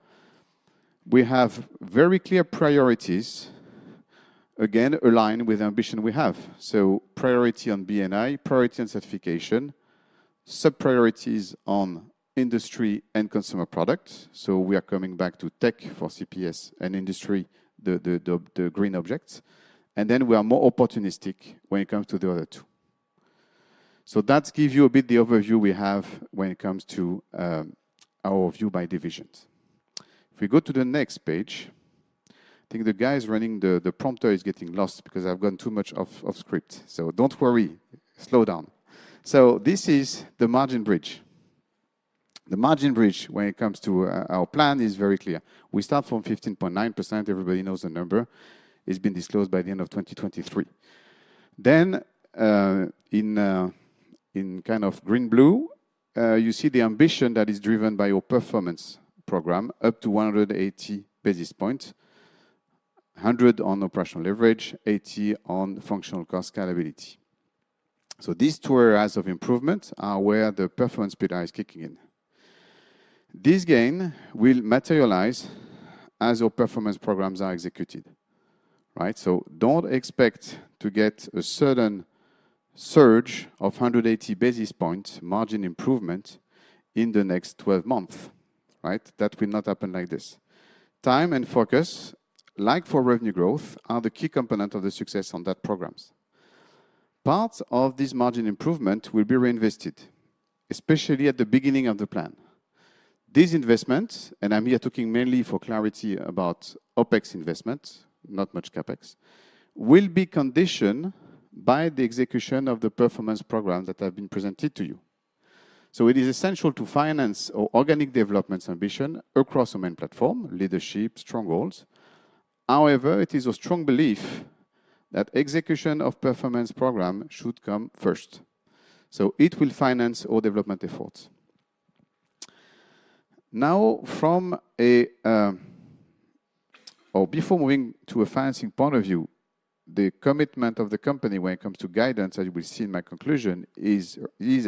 We have very clear priorities, again, aligned with the ambition we have. So priority on B&I, priority on Certification, sub-priorities on Industry and Consumer Products. So we are coming back to tech for CPS and Industry, the Green Objects. And then we are more opportunistic when it comes to the other two. So that gives you a bit the overview we have when it comes to our view by divisions. If we go to the next page I think the guy running the prompter is getting lost because I've gone too much off-script. So don't worry. Slow down. So this is the margin bridge. The margin bridge, when it comes to our plan, is very clear. We start from 15.9%. Everybody knows the number. It's been disclosed by the end of 2023. Then in kind of green-blue, you see the ambition that is driven by our performance program, up to 180 basis points, 100 on operational leverage, 80 on functional cost scalability. So these two areas of improvement are where the performance bid is kicking in. This gain will materialize as our performance programs are executed, right? So don't expect to get a sudden surge of 180 basis points margin improvement in the next 12 months, right? That will not happen like this. Time and focus, like for revenue growth, are the key component of the success on that programs. Parts of this margin improvement will be reinvested, especially at the beginning of the plan. This investment, and I'm here talking mainly for clarity about OpEx investments, not much CapEx, will be conditioned by the execution of the performance programs that have been presented to you. So it is essential to finance our organic development ambition across our main platform, leadership, strong goals. However, it is our strong belief that execution of performance programs should come first. So it will finance our development efforts. Now, before moving to a financing point of view, the commitment of the company when it comes to guidance, as you will see in my conclusion, is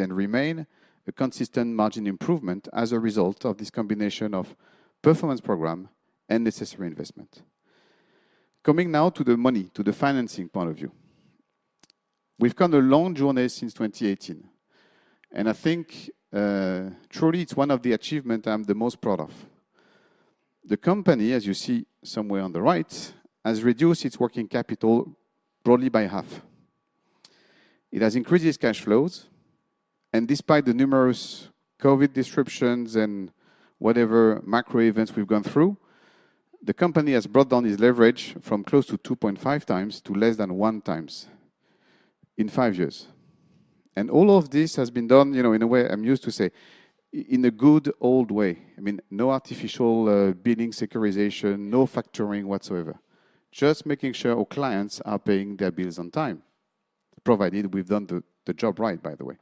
and remains a consistent margin improvement as a result of this combination of performance program and necessary investment. Coming now to the money, to the financing point of view. We've come a long journey since 2018, and I think truly it's one of the achievements I'm the most proud of. The company, as you see somewhere on the right, has reduced its working capital broadly by half. It has increased its cash flows. Despite the numerous COVID disruptions and whatever macro events we've gone through, the company has brought down its leverage from close to 2.5x to less than 1x in five years. All of this has been done in a way I'm used to say, in a good old way. I mean, no artificial billing securitization, no factoring whatsoever, just making sure our clients are paying their bills on time. Provided we've done the job right, by the way.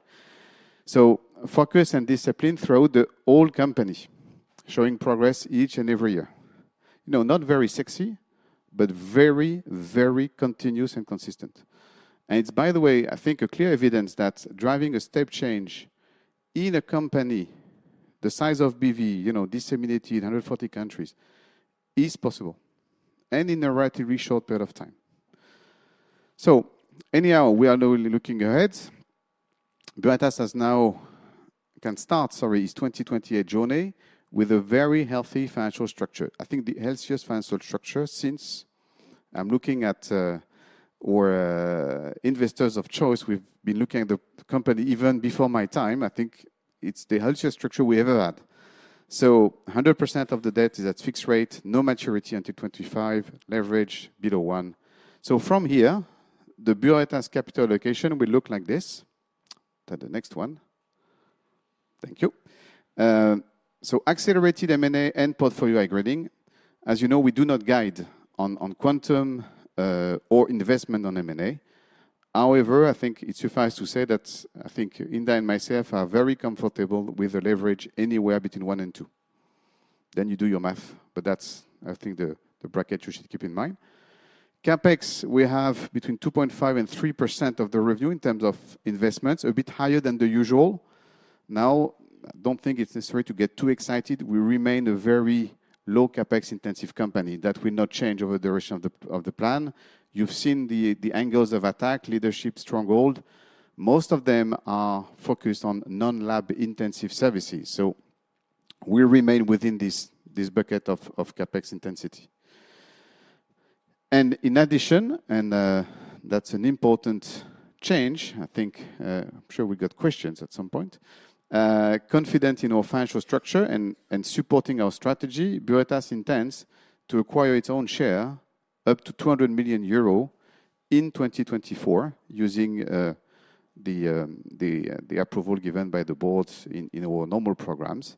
Focus and discipline throughout the whole company, showing progress each and every year. Not very sexy, but very, very continuous and consistent. It's, by the way, I think, a clear evidence that driving a step change in a company, the size of BV, disseminated in 140 countries, is possible and in a relatively short period of time. So anyhow, we are now looking ahead. Bureau Veritas can start, sorry, its 2028 journey with a very healthy financial structure. I think the healthiest financial structure since I'm looking at our investors of choice. We've been looking at the company even before my time. I think it's the healthiest structure we ever had. So 100% of the debt is at fixed rate, no maturity until 2025, leverage below one. So from here, the Bureau Veritas capital allocation will look like this. That's the next one. Thank you. So accelerated M&A and portfolio high grading. As you know, we do not guide on quantum or investment on M&A. However, I think it suffices to say that I think Hinda and myself are very comfortable with the leverage anywhere between 1x and 2x. Then you do your math, but that's, I think, the bracket you should keep in mind. CapEx, we have between 2.5%-3% of the revenue in terms of investments, a bit higher than the usual. Now, I don't think it's necessary to get too excited. We remain a very low CapEx-intensive company. That will not change over the duration of the plan. You've seen the angles of attack, leadership, stronghold. Most of them are focused on non-lab intensive services. So we remain within this bucket of CapEx intensity. And in addition, that's an important change. I think I'm sure we got questions at some point. Confident in our financial structure and supporting our strategy, Bureau Veritas intends to acquire its own share up to 200 million euro in 2024 using the approval given by the boards in our normal programs.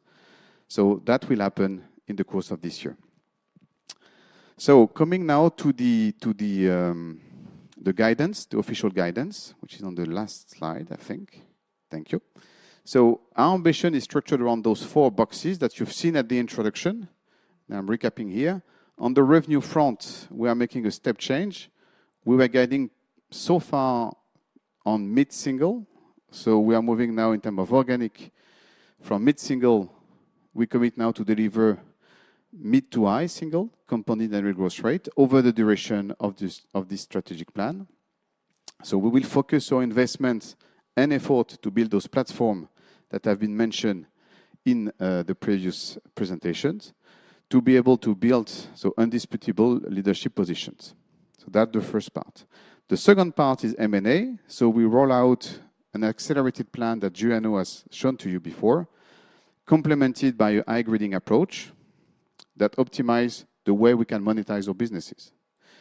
So that will happen in the course of this year. So coming now to the guidance, the official guidance, which is on the last slide, I think. Thank you. So our ambition is structured around those four boxes that you've seen at the introduction. Now, I'm recapping here. On the revenue front, we are making a step change. We were guiding so far on mid-single. So we are moving now in terms of organic from mid-single. We commit now to deliver mid to high single compound annual growth rate over the duration of this strategic plan. So we will focus our investments and effort to build those platforms that have been mentioned in the previous presentations to be able to build so indisputable leadership positions. So that's the first part. The second part is M&A. So we roll out an accelerated plan that Juliano has shown to you before, complemented by a high grading approach that optimizes the way we can monetize our businesses.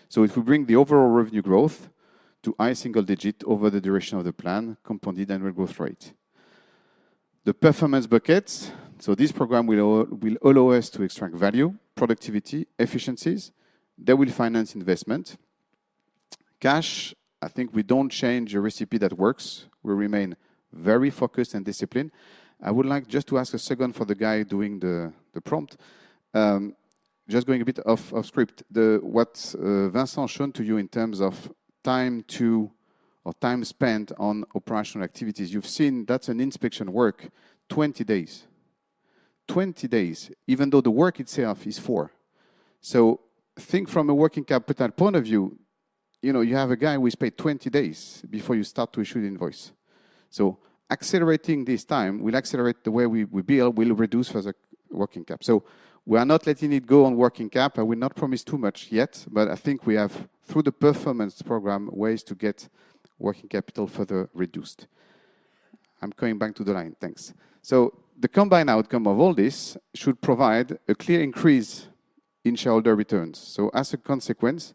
So it will bring the overall revenue growth to high single digit over the duration of the plan, compounded annual growth rate. The performance buckets so this program will allow us to extract value, productivity, efficiencies. They will finance investment. Cash, I think we don't change a recipe that works. We remain very focused and disciplined. I would like just to ask a second for the guy doing the prompt. Just going a bit off-script. What Vincent has shown to you in terms of time to or time spent on operational activities. You've seen that's an inspection work, 20 days. 20 days, even though the work itself is four. So think from a working capital point of view. You have a guy who spent 20 days before you start to issue the invoice. So accelerating this time will accelerate the way we build, will reduce further working cap. So we are not letting it go on working cap. I will not promise too much yet, but I think we have, through the performance program, ways to get working capital further reduced. I'm coming back to the line. Thanks. So the combined outcome of all this should provide a clear increase in shareholder returns. So as a consequence,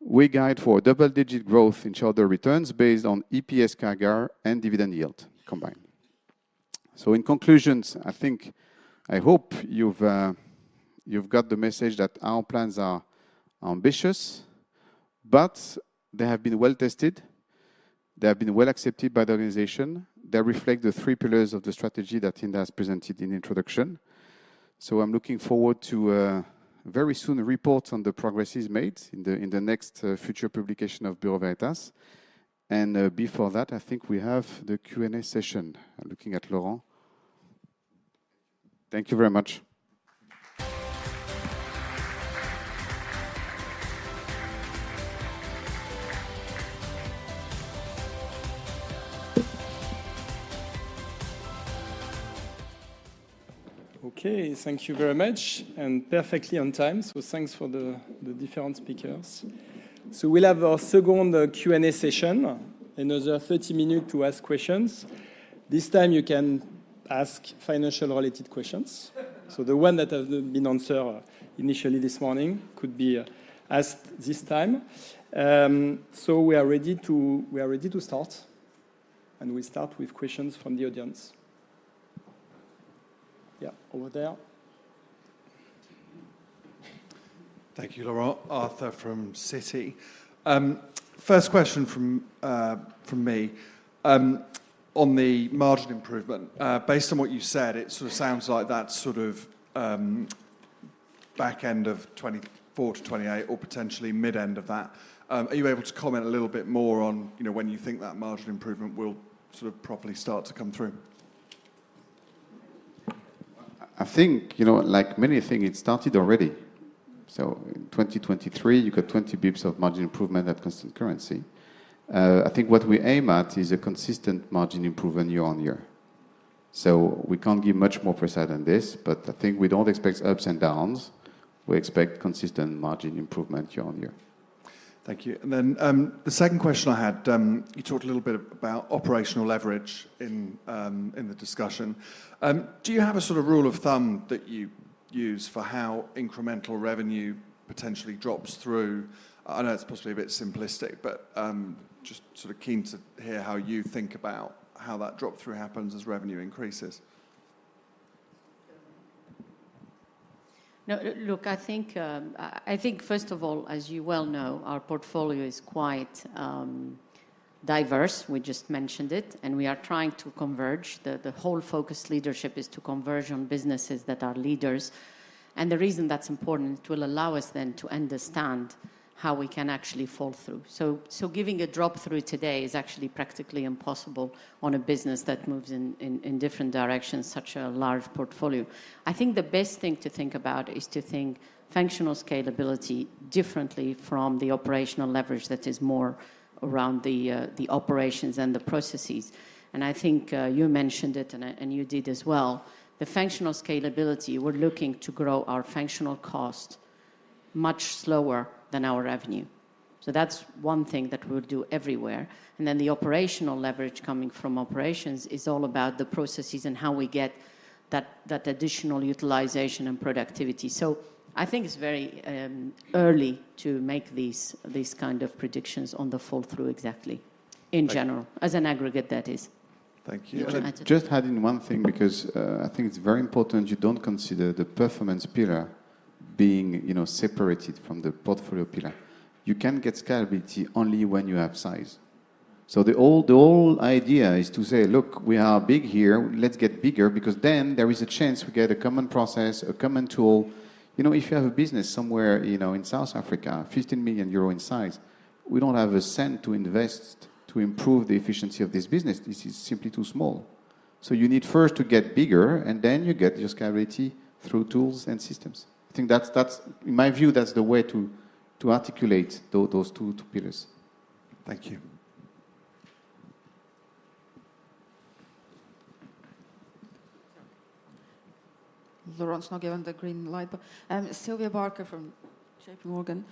we guide for double-digit growth in shareholder returns based on EPS, CAGR, and dividend yield combined. So in conclusion, I think I hope you've got the message that our plans are ambitious, but they have been well tested. They have been well accepted by the organization. They reflect the three pillars of the strategy that Hinda has presented in the introduction. So I'm looking forward to very soon a report on the progress made in the next future publication of Bureau Veritas. And before that, I think we have the Q&A session. I'm looking at Laurent. Thank you very much. Okay. Thank you very much and perfectly on time. So thanks for the different speakers. So we'll have our second Q&A session, another 30 minutes to ask questions. This time, you can ask financial-related questions. So the one that has been answered initially this morning could be asked this time. So we are ready to start, and we'll start with questions from the audience. Yeah, over there. Thank you, Laurent. Arthur from Citi. First question from me on the margin improvement. Based on what you said, it sort of sounds like that's sort of back end of 2024-2028 or potentially mid-end of that. Are you able to comment a little bit more on when you think that margin improvement will sort of properly start to come through? I think, like many things, it started already. So in 2023, you got 20 basis points of margin improvement at constant currency. I think what we aim at is a consistent margin improvement year on year. So we can't give much more precise than this, but I think we don't expect ups and downs. We expect consistent margin improvement year on year. Thank you. And then the second question I had, you talked a little bit about operational leverage in the discussion. Do you have a sort of rule of thumb that you use for how incremental revenue potentially drops through? I know it's possibly a bit simplistic, but just sort of keen to hear how you think about how that drop-through happens as revenue increases? No, look, I think first of all, as you well know, our portfolio is quite diverse. We just mentioned it, and we are trying to converge. The whole focus leadership is to converge on businesses that are leaders. And the reason that's important, it will allow us then to understand how we can actually fall through. So giving a drop-through today is actually practically impossible on a business that moves in different directions, such a large portfolio. I think the best thing to think about is to think functional scalability differently from the operational leverage that is more around the operations and the processes. And I think you mentioned it, and you did as well. The functional scalability, we're looking to grow our functional cost much slower than our revenue. So that's one thing that we'll do everywhere. Then the operational leverage coming from operations is all about the processes and how we get that additional utilization and productivity. I think it's very early to make these kind of predictions on the fall-through exactly, in general, as an aggregate, that is. Thank you. Just adding one thing because I think it's very important you don't consider the performance pillar being separated from the portfolio pillar. You can get scalability only when you have size. So the whole idea is to say, "Look, we are big here. Let's get bigger," because then there is a chance we get a common process, a common tool. If you have a business somewhere in South Africa, 15 million euro in size, we don't have a cent to invest to improve the efficiency of this business. This is simply too small. So you need first to get bigger, and then you get your scalability through tools and systems. I think, in my view, that's the way to articulate those two pillars. Thank you. Laurent's not given the green light. Sylvia Barker from JPMorgan.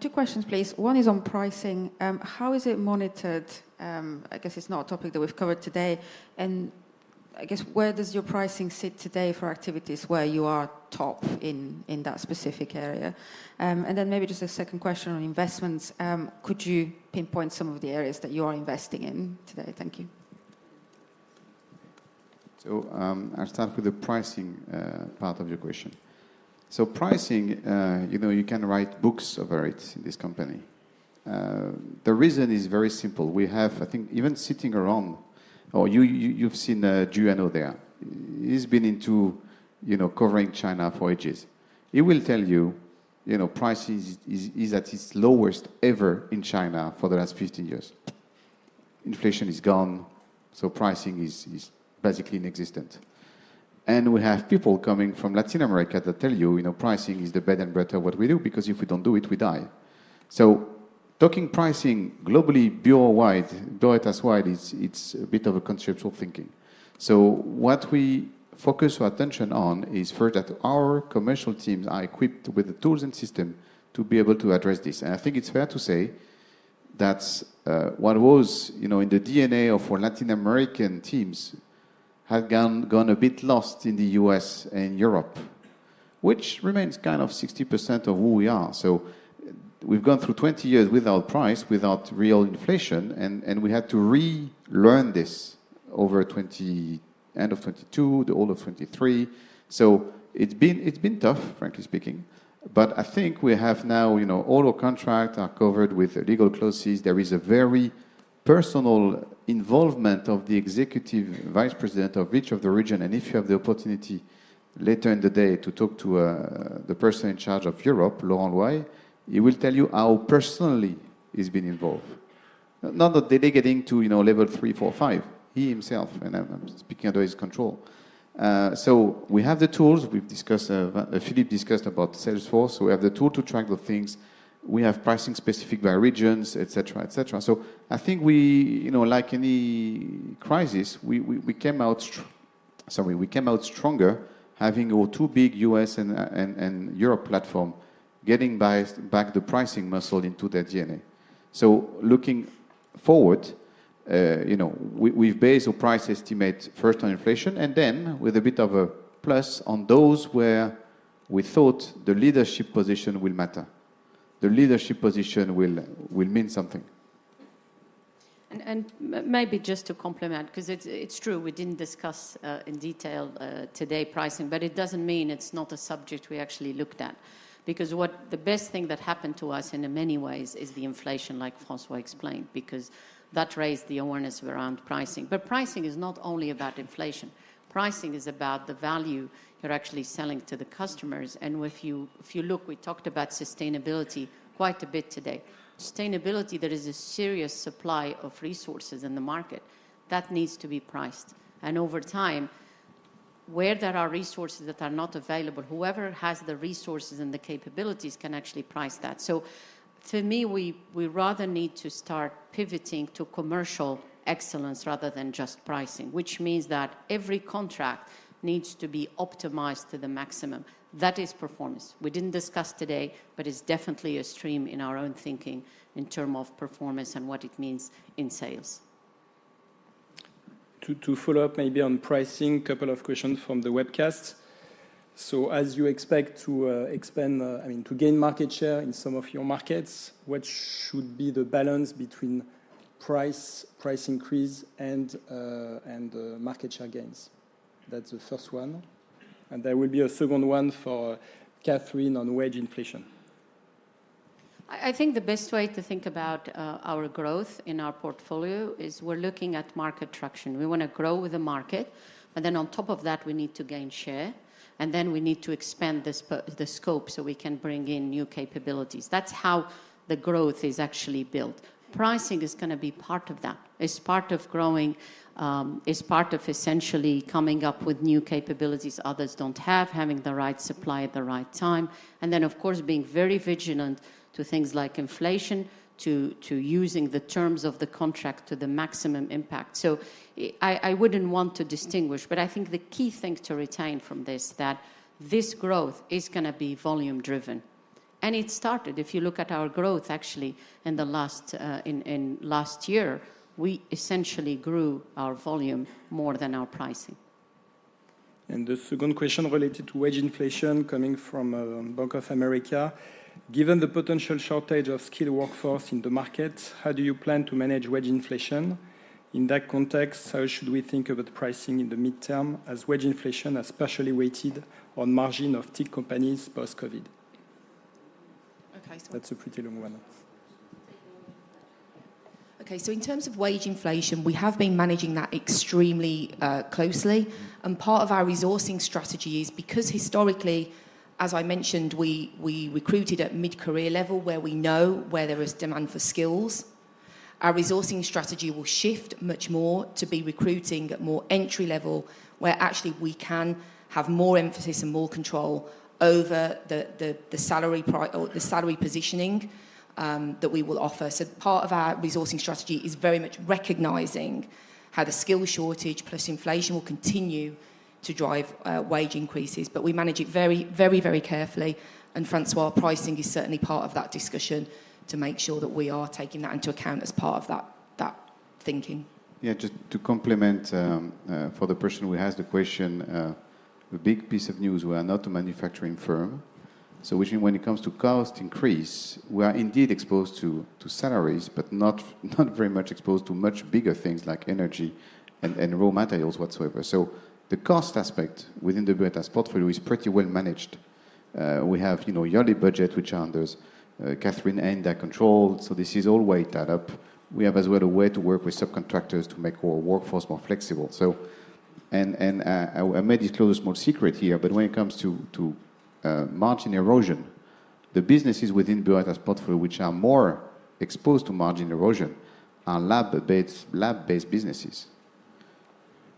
Two questions, please. One is on pricing. How is it monitored? I guess it's not a topic that we've covered today. And I guess where does your pricing sit today for activities where you are top in that specific area? And then maybe just a second question on investments. Could you pinpoint some of the areas that you are investing in today? Thank you. So I'll start with the pricing part of your question. So pricing, you can write books over it in this company. The reason is very simple. I think even sitting around or you've seen Juliano there. He's been into covering China for ages. He will tell you pricing is at its lowest ever in China for the last 15 years. Inflation is gone, so pricing is basically inexistent. And we have people coming from Latin America that tell you pricing is the better and better what we do because if we don't do it, we die. So talking pricing globally, Bureau Veritas-wide, it's a bit of a conceptual thinking. So what we focus our attention on is first that our commercial teams are equipped with the tools and system to be able to address this. I think it's fair to say that what was in the DNA of our Latin American teams had gone a bit lost in the U.S. and Europe, which remains kind of 60% of who we are. So we've gone through 20 years without price, without real inflation, and we had to relearn this over the end of 2022, the all of 2023. So it's been tough, frankly speaking. But I think we have now all our contracts are covered with legal clauses. There is a very personal involvement of the Executive Vice President of each of the region. And if you have the opportunity later in the day to talk to the person in charge of Europe, Laurent Louis, he will tell you how personally he's been involved. Not that they're getting to level three, four, five. He himself, and I'm speaking under his control. So we have the tools. Philipp discussed about Salesforce. So we have the tool to track the things. We have pricing specific by regions, etc., etc. So I think, like any crisis, we came out sorry, we came out stronger having our two big U.S. and Europe platform getting back the pricing muscle into their DNA. So looking forward, we've based our price estimate first on inflation and then with a bit of a plus on those where we thought the leadership position will matter. The leadership position will mean something. Maybe just to complement because it's true, we didn't discuss in detail today pricing, but it doesn't mean it's not a subject we actually looked at because the best thing that happened to us in many ways is the inflation, like François explained, because that raised the awareness around pricing. But pricing is not only about inflation. Pricing is about the value you're actually selling to the customers. And if you look, we talked about sustainability quite a bit today. Sustainability, there is a serious supply of resources in the market that needs to be priced. And over time, where there are resources that are not available, whoever has the resources and the capabilities can actually price that. So to me, we rather need to start pivoting to commercial excellence rather than just pricing, which means that every contract needs to be optimized to the maximum. That is performance. We didn't discuss today, but it's definitely a stream in our own thinking in terms of performance and what it means in sales. To follow up maybe on pricing, a couple of questions from the webcast. So as you expect to expand I mean, to gain market share in some of your markets, what should be the balance between price increase and market share gains? That's the first one. And there will be a second one for Kathryn on wage inflation. I think the best way to think about our growth in our portfolio is we're looking at market traction. We want to grow with the market, but then on top of that, we need to gain share. Then we need to expand the scope so we can bring in new capabilities. That's how the growth is actually built. Pricing is going to be part of that. It's part of growing. It's part of essentially coming up with new capabilities others don't have, having the right supply at the right time, and then, of course, being very vigilant to things like inflation, to using the terms of the contract to the maximum impact. So I wouldn't want to distinguish, but I think the key thing to retain from this is that this growth is going to be volume-driven. It started. If you look at our growth, actually, in last year, we essentially grew our volume more than our pricing. The second question related to wage inflation coming from Bank of America. Given the potential shortage of skilled workforce in the market, how do you plan to manage wage inflation? In that context, how should we think about pricing in the midterm as wage inflation has partially weighed on margin of tech companies post-COVID? That's a pretty long one. Okay. So in terms of wage inflation, we have been managing that extremely closely. Part of our resourcing strategy is because historically, as I mentioned, we recruited at mid-career level where we know where there is demand for skills. Our resourcing strategy will shift much more to be recruiting at more entry-level where actually we can have more emphasis and more control over the salary positioning that we will offer. So part of our resourcing strategy is very much recognizing how the skill shortage plus inflation will continue to drive wage increases, but we manage it very, very, very carefully. And François, pricing is certainly part of that discussion to make sure that we are taking that into account as part of that thinking. Yeah, just to complement for the person who has the question, a big piece of news, we are not a manufacturing firm. So when it comes to cost increase, we are indeed exposed to salaries but not very much exposed to much bigger things like energy and raw materials whatsoever. So the cost aspect within the Veritas portfolio is pretty well managed. We have yearly budget, which under Kathryn and their control. So this is all weighted up. We have as well a way to work with subcontractors to make our workforce more flexible. And I may disclose a small secret here, but when it comes to margin erosion, the businesses within Veritas portfolio, which are more exposed to margin erosion, are lab-based businesses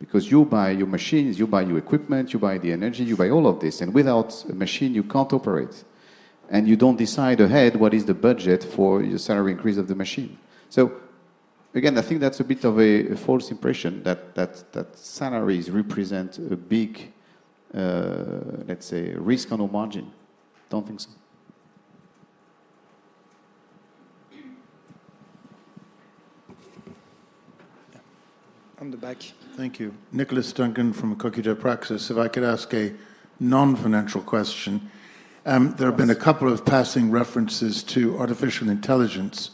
because you buy your machines, you buy your equipment, you buy the energy, you buy all of this. And without a machine, you can't operate. You don't decide ahead what is the budget for your salary increase of the machine. Again, I think that's a bit of a false impression that salaries represent a big, let's say, risk on our margin. Don't think so. I'm at the back. Thank you. Nicholas Duncan from Acuris Global. If I could ask a non-financial question. There have been a couple of passing references to artificial intelligence.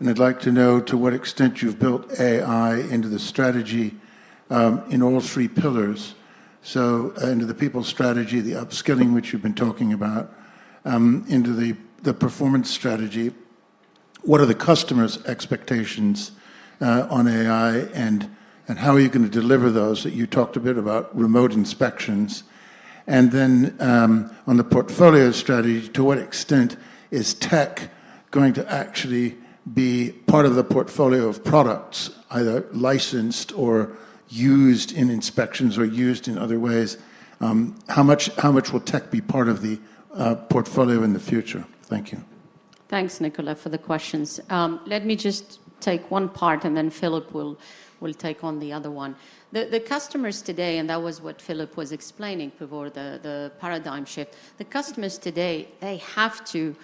And I'd like to know to what extent you've built AI into the strategy in all three pillars. So into the people strategy, the upskilling, which you've been talking about, into the performance strategy. What are the customer's expectations on AI, and how are you going to deliver those? You talked a bit about remote inspections. And then on the portfolio strategy, to what extent is tech going to actually be part of the portfolio of products, either licensed or used in inspections or used in other ways? How much will tech be part of the portfolio in the future? Thank you. Thanks, Nicholas, for the questions. Let me just take one part, and then Philipp will take on the other one. The customers today, and that was what Philipp was explaining before, the paradigm shift. The customers today, they have to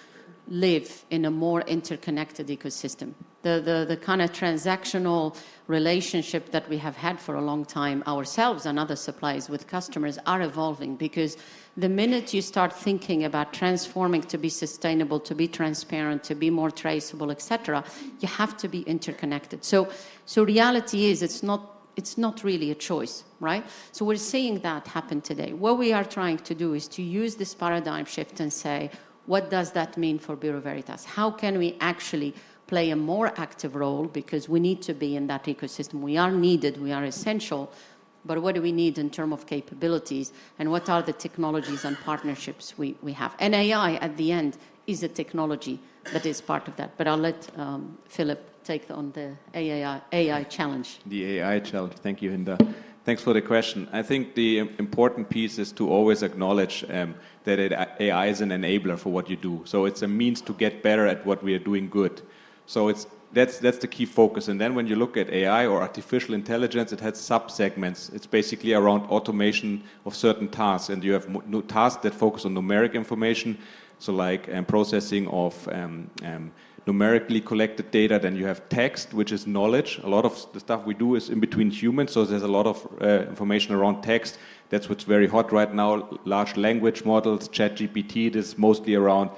live in a more interconnected ecosystem. The kind of transactional relationship that we have had for a long time, ourselves and other suppliers with customers, are evolving because the minute you start thinking about transforming to be sustainable, to be transparent, to be more traceable, etc., you have to be interconnected. So reality is it's not really a choice, right? So we're seeing that happen today. What we are trying to do is to use this paradigm shift and say, "What does that mean for Bureau Veritas? How can we actually play a more active role because we need to be in that ecosystem? We are needed. We are essential. What do we need in terms of capabilities, and what are the technologies and partnerships we have? AI, at the end, is a technology that is part of that. I'll let Philipp take on the AI challenge. The AI challenge. Thank you, Hinda. Thanks for the question. I think the important piece is to always acknowledge that AI is an enabler for what you do. So it's a means to get better at what we are doing good. So that's the key focus. And then when you look at AI or artificial intelligence, it has subsegments. It's basically around automation of certain tasks. And you have tasks that focus on numeric information. So like processing of numerically collected data, then you have text, which is knowledge. A lot of the stuff we do is in between humans. So there's a lot of information around text. That's what's very hot right now. Large language models, ChatGPT, it is mostly around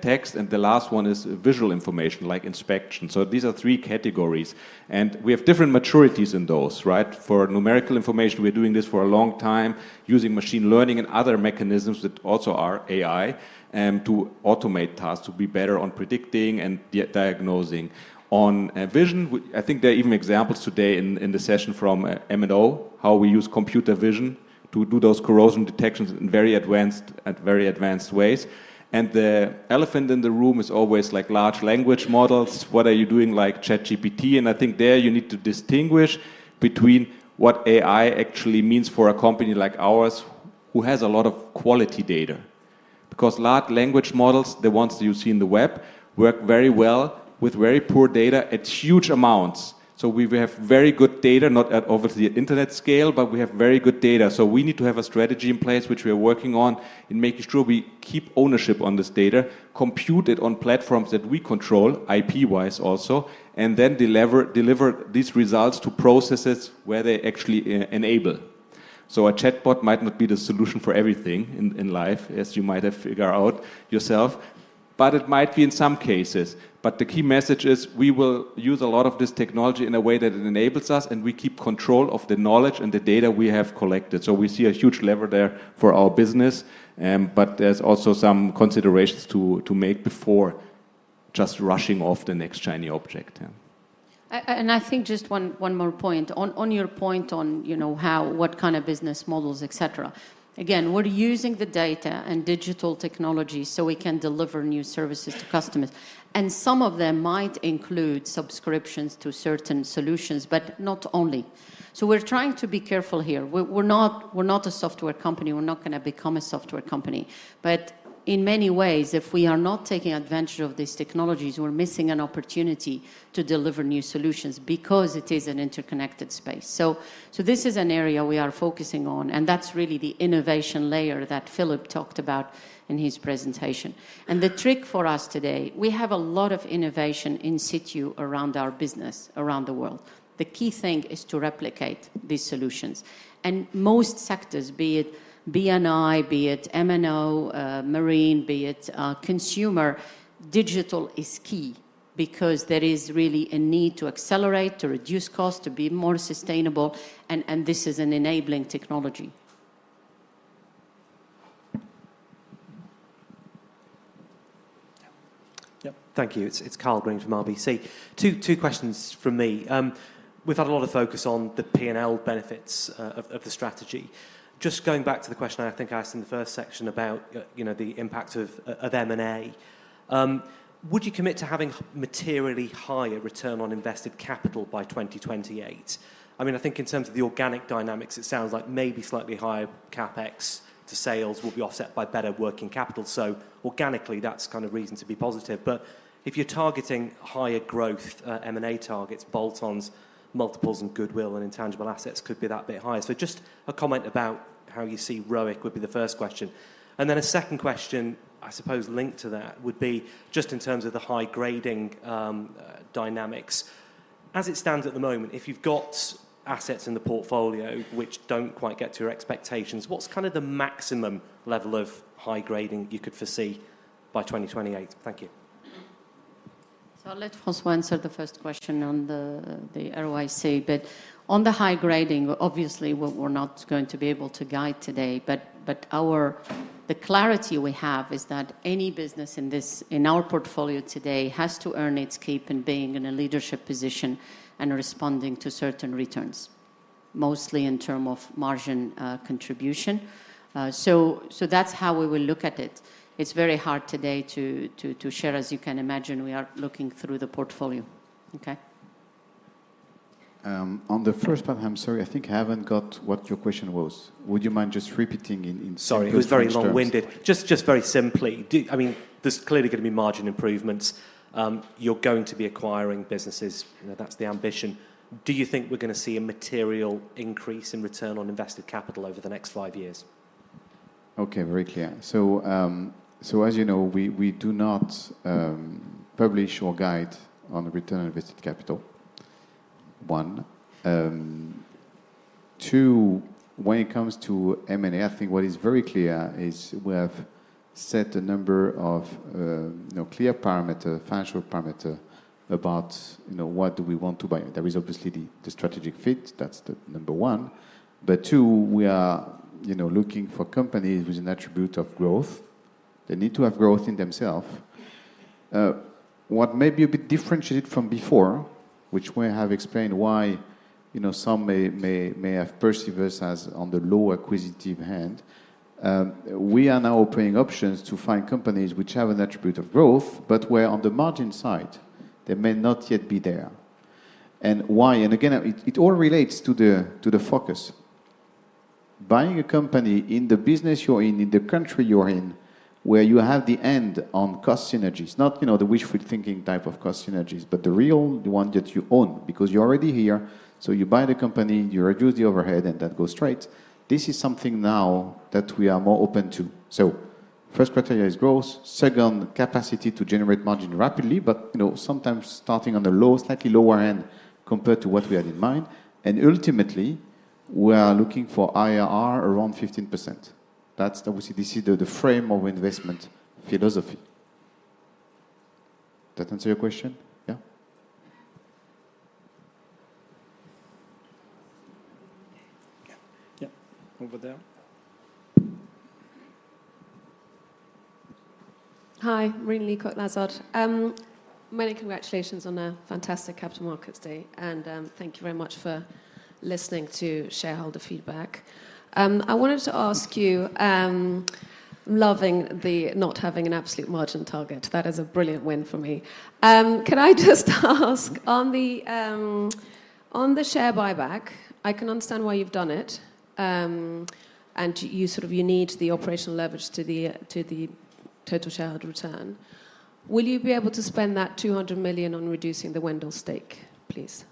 text. And the last one is visual information, like inspection. So these are three categories. And we have different maturities in those, right? For numerical information, we're doing this for a long time using machine learning and other mechanisms that also are AI to automate tasks, to be better on predicting and diagnosing. On vision, I think there are even examples today in the session from M&O, how we use computer vision to do those corrosion detections in very advanced ways. And the elephant in the room is always large language models. What are you doing like ChatGPT? And I think there you need to distinguish between what AI actually means for a company like ours who has a lot of quality data because large language models, the ones that you see in the web, work very well with very poor data at huge amounts. So we have very good data, not obviously at internet scale, but we have very good data. So we need to have a strategy in place, which we are working on, in making sure we keep ownership on this data, compute it on platforms that we control IP-wise also, and then deliver these results to processes where they actually enable. So a chatbot might not be the solution for everything in life, as you might have figured out yourself, but it might be in some cases. But the key message is we will use a lot of this technology in a way that it enables us, and we keep control of the knowledge and the data we have collected. So we see a huge lever there for our business. But there's also some considerations to make before just rushing off the next shiny object. I think just one more point. On your point on what kind of business models, etc., again, we're using the data and digital technologies so we can deliver new services to customers. Some of them might include subscriptions to certain solutions, but not only. We're trying to be careful here. We're not a software company. We're not going to become a software company. In many ways, if we are not taking advantage of these technologies, we're missing an opportunity to deliver new solutions because it is an interconnected space. This is an area we are focusing on. That's really the innovation layer that Philipp talked about in his presentation. The trick for us today, we have a lot of innovation in situ around our business around the world. The key thing is to replicate these solutions. Most sectors, be it B&I, be it M&O, Marine, be it Consumer, digital is key because there is really a need to accelerate, to reduce costs, to be more sustainable. This is an enabling technology. Yep. Thank you. It's Karl Green from RBC. Two questions from me. We've had a lot of focus on the P&L benefits of the strategy. Just going back to the question I think I asked in the first section about the impact of M&A. Would you commit to having materially higher return on invested capital by 2028? I mean, I think in terms of the organic dynamics, it sounds like maybe slightly higher CapEx to sales will be offset by better working capital. So organically, that's kind of reason to be positive. But if you're targeting higher growth, M&A targets, bolt-ons, multiples, and goodwill and intangible assets could be that bit higher. So just a comment about how you see ROIC would be the first question. And then a second question, I suppose, linked to that would be just in terms of the high grading dynamics. As it stands at the moment, if you've got assets in the portfolio which don't quite get to your expectations, what's kind of the maximum level of high grading you could foresee by 2028? Thank you. I'll let François answer the first question on the ROIC. But on the high grading, obviously, we're not going to be able to guide today. But the clarity we have is that any business in our portfolio today has to earn its keep in being in a leadership position and responding to certain returns, mostly in terms of margin contribution. So that's how we will look at it. It's very hard today to share. As you can imagine, we are looking through the portfolio, okay? On the first part, I'm sorry. I think I haven't got what your question was. Would you mind just repeating in? Sorry. It was very long-winded. Just very simply, I mean, there's clearly going to be margin improvements. You're going to be acquiring businesses. That's the ambition. Do you think we're going to see a material increase in return on invested capital over the next five years? Okay. Very clear. So as you know, we do not publish or guide on return on invested capital, one. Two, when it comes to M&A, I think what is very clear is we have set a number of clear parameters, financial parameters about what do we want to buy. There is obviously the strategic fit. That's the number one. But two, we are looking for companies with an attribute of growth. They need to have growth in themselves. What may be a bit differentiated from before, which we have explained why some may have perceived us as on the low acquisitive hand, we are now offering options to find companies which have an attribute of growth but where on the margin side, they may not yet be there. And why? And again, it all relates to the focus. Buying a company in the business you're in, in the country you're in, where you have the end on cost synergies, not the wishful thinking type of cost synergies, but the real one that you own because you're already here. So you buy the company, you reduce the overhead, and that goes straight. This is something now that we are more open to. So first criteria is growth. Second, capacity to generate margin rapidly, but sometimes starting on the slightly lower end compared to what we had in mind. And ultimately, we are looking for IRR around 15%. Obviously, this is the frame of investment philosophy. Does that answer your question? Yeah? Yeah. Over there. Hi. Marina Leacock, Lazard. Many congratulations on a fantastic Capital Markets Day. Thank you very much for listening to shareholder feedback. I wanted to ask you, I'm loving the not having an absolute margin target. That is a brilliant win for me. Can I just ask, on the share buyback, I can understand why you've done it. You need the operational leverage to the total shareholder return. Will you be able to spend that 200 million on reducing the Wendel stake, please?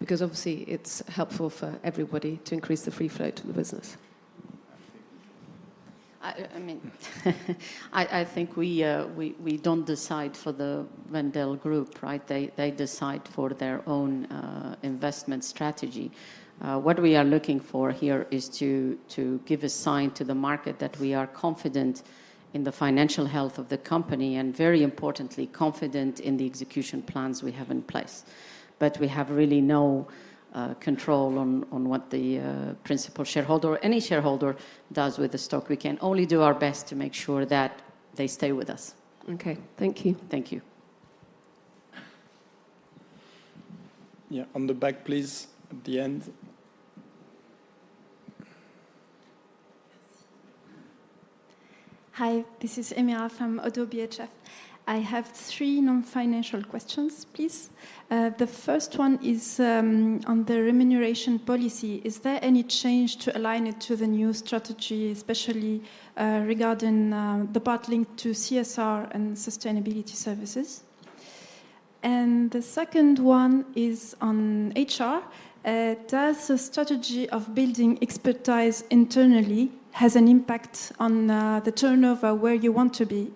Because obviously, it's helpful for everybody to increase the free float to the business. I mean, I think we don't decide for the Wendel Group, right? They decide for their own investment strategy. What we are looking for here is to give a sign to the market that we are confident in the financial health of the company and, very importantly, confident in the execution plans we have in place. But we have really no control on what the principal shareholder or any shareholder does with the stock. We can only do our best to make sure that they stay with us. Okay. Thank you. Thank you. Yeah. On the back, please, at the end. Hi. This is Amira Manai from Oddo BHF. I have three non-financial questions, please. The first one is on the remuneration policy. Is there any change to align it to the new strategy, especially regarding the part linked to CSR and sustainability services? And the second one is on HR. Does the strategy of building expertise internally have an impact on the turnover where you want to be?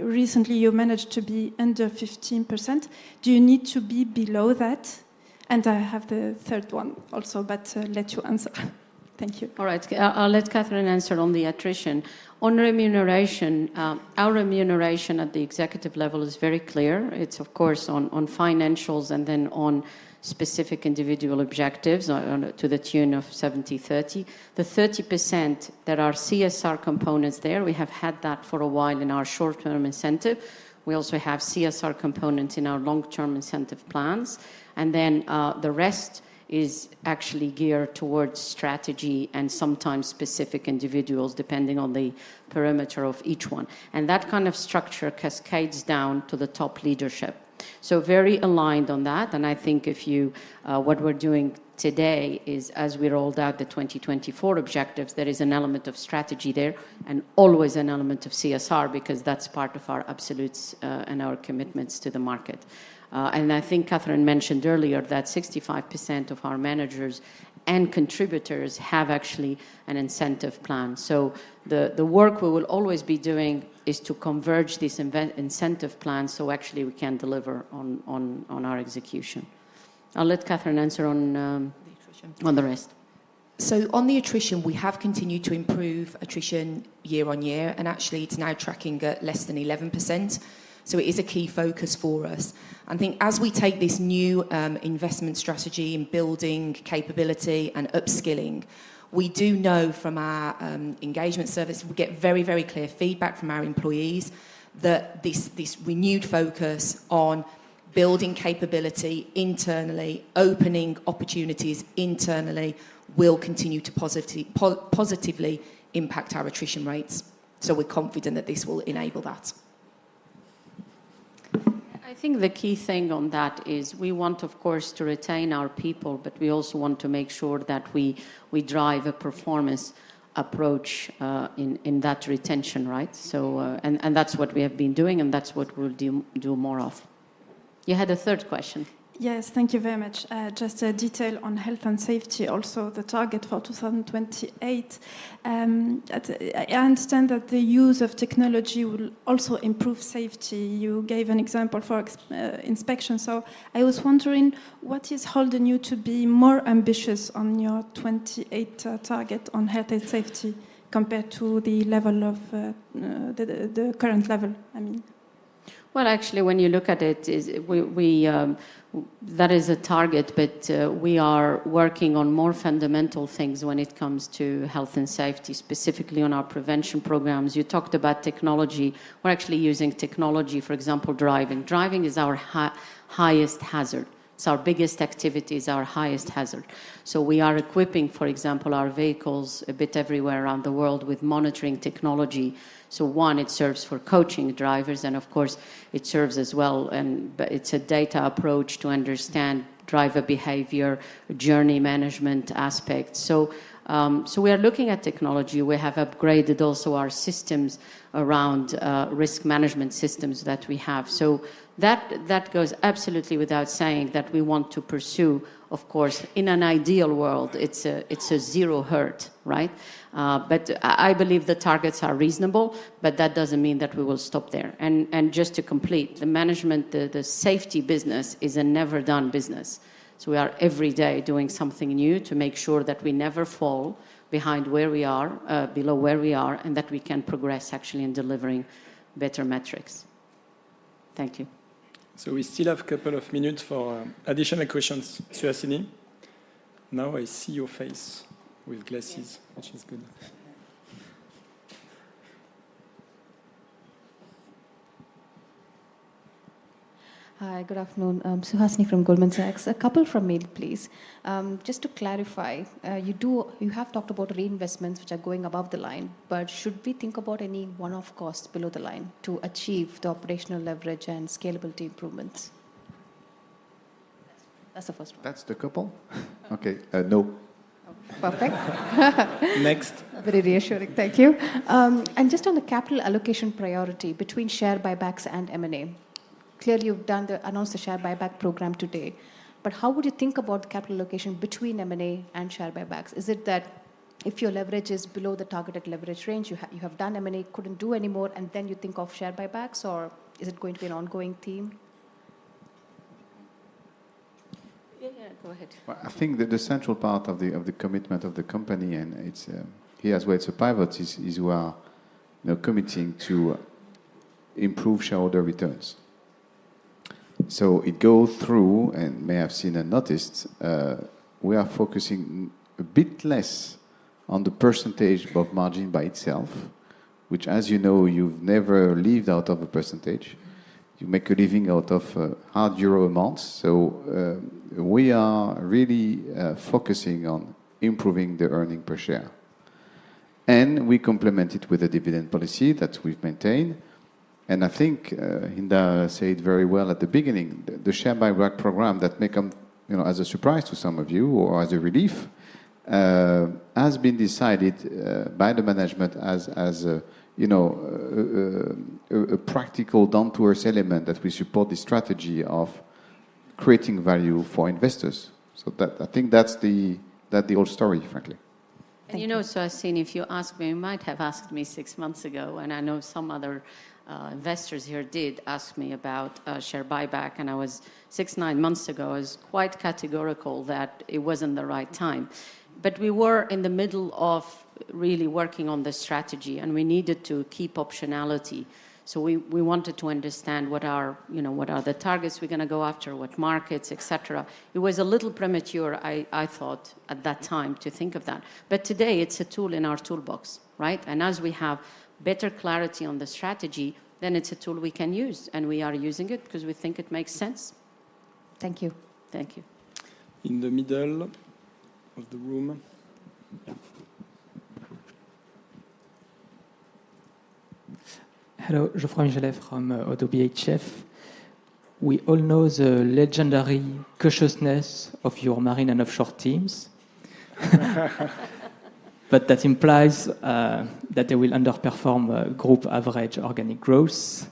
Recently, you managed to be under 15%. Do you need to be below that? And I have the third one also, but let you answer. Thank you. All right. I'll let Kathryn answer on the attrition. On remuneration, our remuneration at the executive level is very clear. It's, of course, on financials and then on specific individual objectives to the tune of 70/30. The 30% that are CSR components there, we have had that for a while in our short-term incentive. We also have CSR components in our long-term incentive plans. And then the rest is actually geared towards strategy and sometimes specific individuals, depending on the perimeter of each one. And that kind of structure cascades down to the top leadership. So very aligned on that. And I think what we're doing today is, as we rolled out the 2024 objectives, there is an element of strategy there and always an element of CSR because that's part of our absolutes and our commitments to the market. I think Kathryn mentioned earlier that 65% of our managers and contributors have actually an incentive plan. The work we will always be doing is to converge these incentive plans so actually we can deliver on our execution. I'll let Kathryn answer on the rest. So on the attrition, we have continued to improve attrition year-over-year. And actually, it's now tracking at less than 11%. So it is a key focus for us. I think as we take this new investment strategy in building capability and upskilling, we do know from our engagement service that we get very, very clear feedback from our employees that this renewed focus on building capability internally, opening opportunities internally, will continue to positively impact our attrition rates. So we're confident that this will enable that. I think the key thing on that is we want, of course, to retain our people, but we also want to make sure that we drive a performance approach in that retention, right? That's what we have been doing, and that's what we'll do more of. You had a third question. Yes. Thank you very much. Just a detail on Health and Safety also, the target for 2028. I understand that the use of technology will also improve safety. You gave an example for Inspection. So I was wondering, what is holding you to be more ambitious on your 2028 target on Health and Safety compared to the level of the current level, I mean? Well, actually, when you look at it, that is a target. But we are working on more fundamental things when it comes to Health and Safety, specifically on our prevention programs. You talked about technology. We're actually using technology, for example, driving. Driving is our highest hazard. So our biggest activity is our highest hazard. So we are equipping, for example, our vehicles a bit everywhere around the world with monitoring technology. So one, it serves for coaching drivers. And of course, it serves as well. But it's a data approach to understand driver behavior, journey management aspects. So we are looking at technology. We have upgraded also our systems around risk management systems that we have. So that goes absolutely without saying that we want to pursue, of course, in an ideal world, it's a zero harm, right? But I believe the targets are reasonable. But that doesn't mean that we will stop there. And just to complete, the management, the Safety business is a never-done business. So we are every day doing something new to make sure that we never fall behind where we are, below where we are, and that we can progress actually in delivering better metrics. Thank you. We still have a couple of minutes for additional questions. Suhasini. Now I see your face with glasses, which is good. Hi. Good afternoon. Suhasini from Goldman Sachs. A couple from me, please. Just to clarify, you have talked about reinvestments which are going above the line. But should we think about any one-off costs below the line to achieve the operational leverage and scalability improvements? That's the first one. That's the couple? Okay. No. Perfect. Next. Very reassuring. Thank you. Just on the capital allocation priority between share buybacks and M&A, clearly, you've announced the share buyback program today. But how would you think about the capital allocation between M&A and share buybacks? Is it that if your leverage is below the targeted leverage range, you have done M&A, couldn't do anymore, and then you think of share buybacks? Or is it going to be an ongoing theme? Yeah. Yeah. Go ahead. Well, I think that the central part of the commitment of the company and here as well it's a pivot is we are committing to improve shareholder returns. So it goes through and you may have seen and noticed, we are focusing a bit less on the percentage of margin by itself, which, as you know, you've never lived off a percentage. You make a living out of hard euro amounts. So we are really focusing on improving the earnings per share. And we complement it with a dividend policy that we've maintained. And I think Hinda said very well at the beginning, the share buyback program that may come as a surprise to some of you or as a relief has been decided by the management as a practical down-to-earth element that we support the strategy of creating value for investors. So I think that's the whole story, frankly. You know, Suhasini, if you ask me, you might have asked me sixmonths ago, and I know some other investors here did ask me about share buyback. Six to nine months ago, I was quite categorical that it wasn't the right time. We were in the middle of really working on the strategy. We needed to keep optionality. So we wanted to understand what are the targets we're going to go after, what markets, etc. It was a little premature, I thought, at that time to think of that. Today, it's a tool in our toolbox, right? As we have better clarity on the strategy, then it's a tool we can use. We are using it because we think it makes sense. Thank you. Thank you. In the middle of the room. Yeah. Hello. Geoffroy Michelet from Oddo BHF. We all know the legendary cautiousness of your marine and offshore teams. But that implies that they will underperform group average organic growth,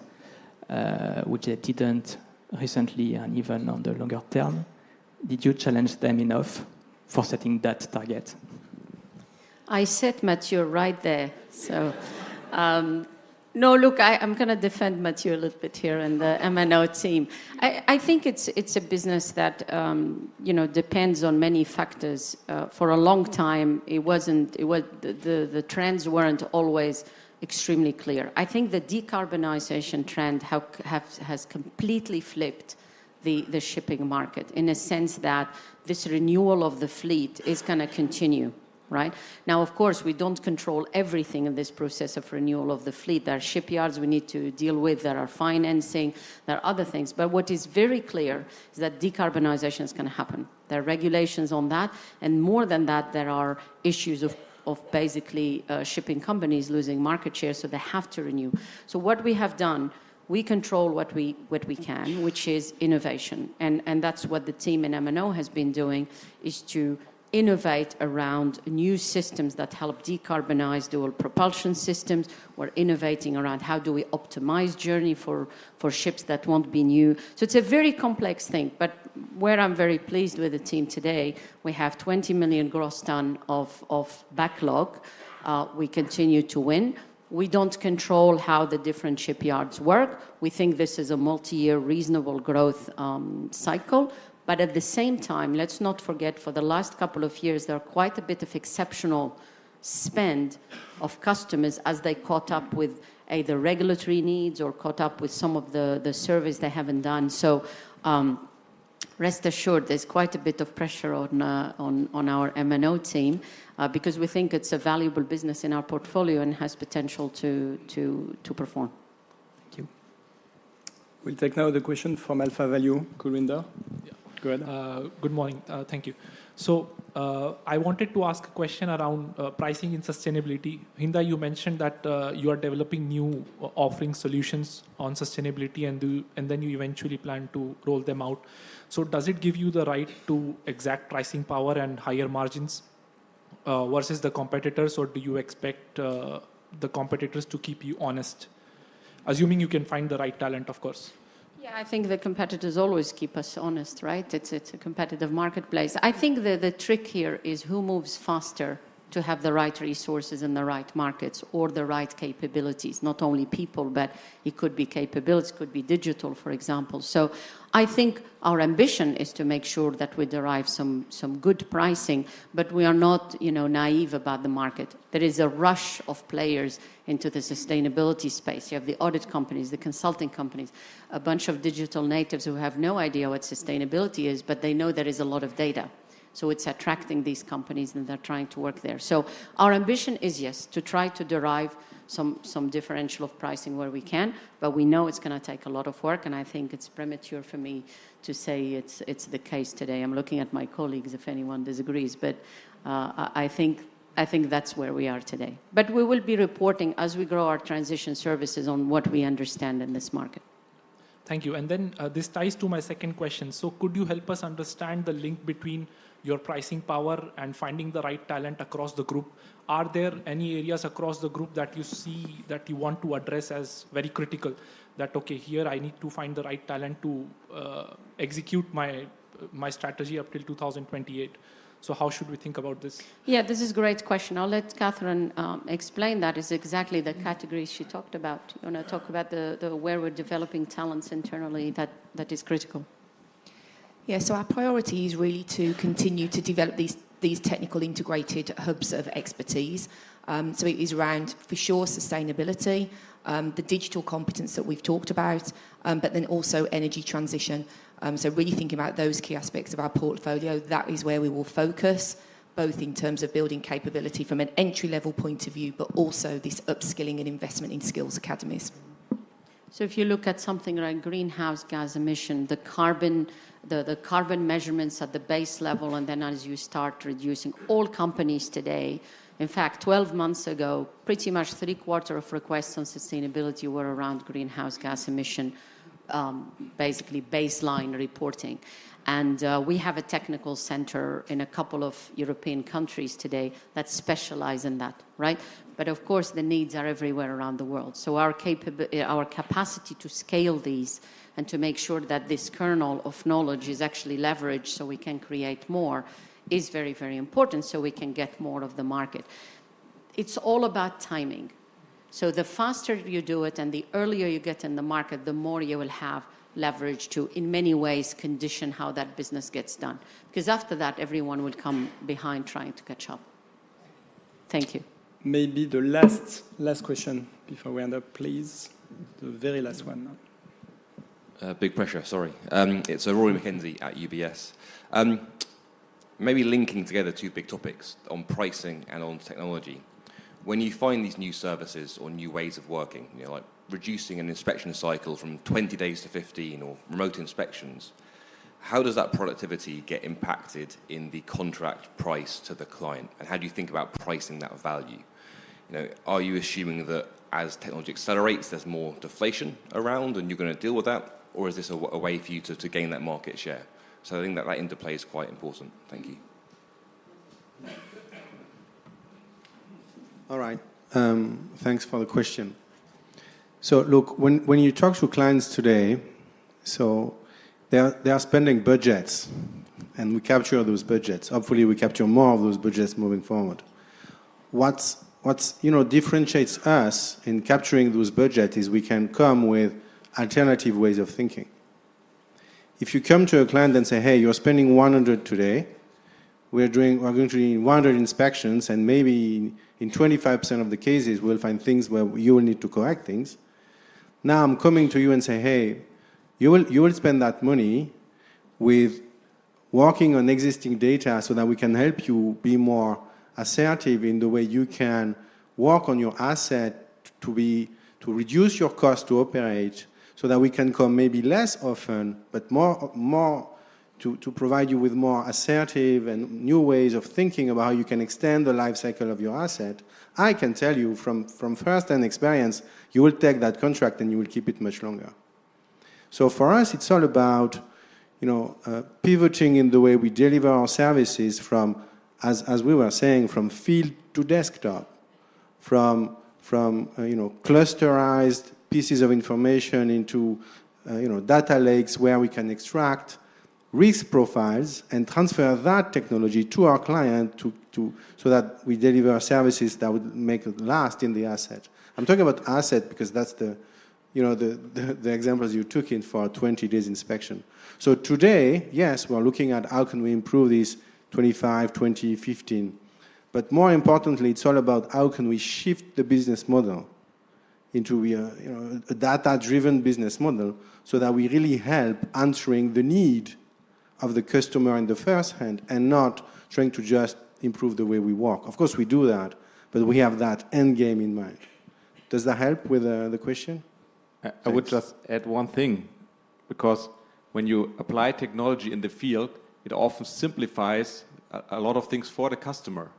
which they didn't recently and even on the longer term. Did you challenge them enough for setting that target? I said Matthieu right there. So no, look, I'm going to defend Matthieu a little bit here in the M&O team. I think it's a business that depends on many factors. For a long time, the trends weren't always extremely clear. I think the decarbonization trend has completely flipped the shipping market in a sense that this renewal of the fleet is going to continue, right? Now, of course, we don't control everything in this process of renewal of the fleet. There are shipyards we need to deal with. There are financing. There are other things. But what is very clear is that decarbonization is going to happen. There are regulations on that. And more than that, there are issues of basically shipping companies losing market share. So they have to renew. So what we have done, we control what we can, which is innovation. And that's what the team in M&O has been doing, is to innovate around new systems that help decarbonize dual propulsion systems. We're innovating around how do we optimize journeys for ships that won't be new. So it's a very complex thing. But where I'm very pleased with the team today, we have 20 million gross tons of backlog. We continue to win. We don't control how the different shipyards work. We think this is a multiyear, reasonable growth cycle. But at the same time, let's not forget, for the last couple of years, there are quite a bit of exceptional spend of customers as they caught up with either regulatory needs or caught up with some of the service they haven't done. So rest assured, there's quite a bit of pressure on our M&O team because we think it's a valuable business in our portfolio and has potential to perform. Thank you. We'll take now the question from AlphaValue. Kulwinder? Yeah. Go ahead. Good morning. Thank you. I wanted to ask a question around pricing and sustainability. Hinda, you mentioned that you are developing new offering solutions on Sustainability. And then you eventually plan to roll them out. Does it give you the right to exact pricing power and higher margins versus the competitors? Or do you expect the competitors to keep you honest, assuming you can find the right talent, of course? Yeah. I think the competitors always keep us honest, right? It's a competitive marketplace. I think the trick here is who moves faster to have the right resources in the right markets or the right capabilities, not only people. But it could be capabilities. It could be digital, for example. So I think our ambition is to make sure that we derive some good pricing. But we are not naive about the market. There is a rush of players into the sustainability space. You have the audit companies, the consulting companies, a bunch of digital natives who have no idea what sustainability is. But they know there is a lot of data. So it's attracting these companies. And they're trying to work there. So our ambition is, yes, to try to derive some differential of pricing where we can. But we know it's going to take a lot of work. I think it's premature for me to say it's the case today. I'm looking at my colleagues if anyone disagrees. I think that's where we are today. We will be reporting as we grow our transition services on what we understand in this market. Thank you. Then this ties to my second question. Could you help us understand the link between your pricing power and finding the right talent across the group? Are there any areas across the group that you see that you want to address as very critical that, "Okay. Here, I need to find the right talent to execute my strategy up till 2028"? How should we think about this? Yeah. This is a great question. I'll let Catherine explain that. It's exactly the categories she talked about. I want to talk about where we're developing talents internally that is critical. Yeah. So our priority is really to continue to develop these technical integrated hubs of expertise. So it is around, for sure, sustainability, the digital competence that we've talked about, but then also energy transition. So really thinking about those key aspects of our portfolio, that is where we will focus both in terms of building capability from an entry-level point of view, but also this upskilling and investment in skills academies. So if you look at something around greenhouse gas emissions, the carbon measurements at the base level. And then as you start reducing, all companies today—in fact, 12 months ago, pretty much 3/4 of requests on Sustainability were around greenhouse gas emissions, basically baseline reporting. And we have a technical center in a couple of European countries today that specialize in that, right? But of course, the needs are everywhere around the world. So our capacity to scale these and to make sure that this kernel of knowledge is actually leveraged so we can create more is very, very important so we can get more of the market. It's all about timing. So the faster you do it and the earlier you get in the market, the more you will have leverage to, in many ways, condition how that business gets done. Because after that, everyone will come behind trying to catch up. Thank you. Maybe the last question before we end up, please. The very last one now. Big pressure. Sorry. It's Rory McKenzie at UBS. Maybe linking together two big topics on pricing and on technology. When you find these new services or new ways of working, like reducing an inspection cycle from 20 days to 15 or remote inspections, how does that productivity get impacted in the contract price to the client? And how do you think about pricing that value? Are you assuming that as technology accelerates, there's more deflation around and you're going to deal with that? Or is this a way for you to gain that market share? So I think that that interplay is quite important. Thank you. All right. Thanks for the question. So look, when you talk to clients today, so they are spending budgets. And we capture those budgets. Hopefully, we capture more of those budgets moving forward. What differentiates us in capturing those budgets is we can come with alternative ways of thinking. If you come to a client and say, "Hey, you're spending 100 today. We're going to do 100 inspections. Maybe in 25% of the cases, we'll find things where you will need to correct things. Now, I'm coming to you and say, "Hey, you will spend that money with working on existing data so that we can help you be more assertive in the way you can work on your asset to reduce your cost to operate so that we can come maybe less often but to provide you with more assertive and new ways of thinking about how you can extend the life cycle of your asset." I can tell you from firsthand experience, you will take that contract. You will keep it much longer. So for us, it's all about pivoting in the way we deliver our services from, as we were saying, from field to desktop, from clusterised pieces of information into data lakes where we can extract risk profiles and transfer that technology to our client so that we deliver services that would make it last in the asset. I'm talking about asset because that's the examples you took in for a 20-day inspection. So today, yes, we're looking at how can we improve these 25, 20, 15? But more importantly, it's all about how can we shift the business model into a data-driven business model so that we really help answering the need of the customer in the first hand and not trying to just improve the way we work? Of course, we do that. But we have that endgame in mind. Does that help with the question? I would just add one thing. Because when you apply technology in the field, it often simplifies a lot of things for the customer,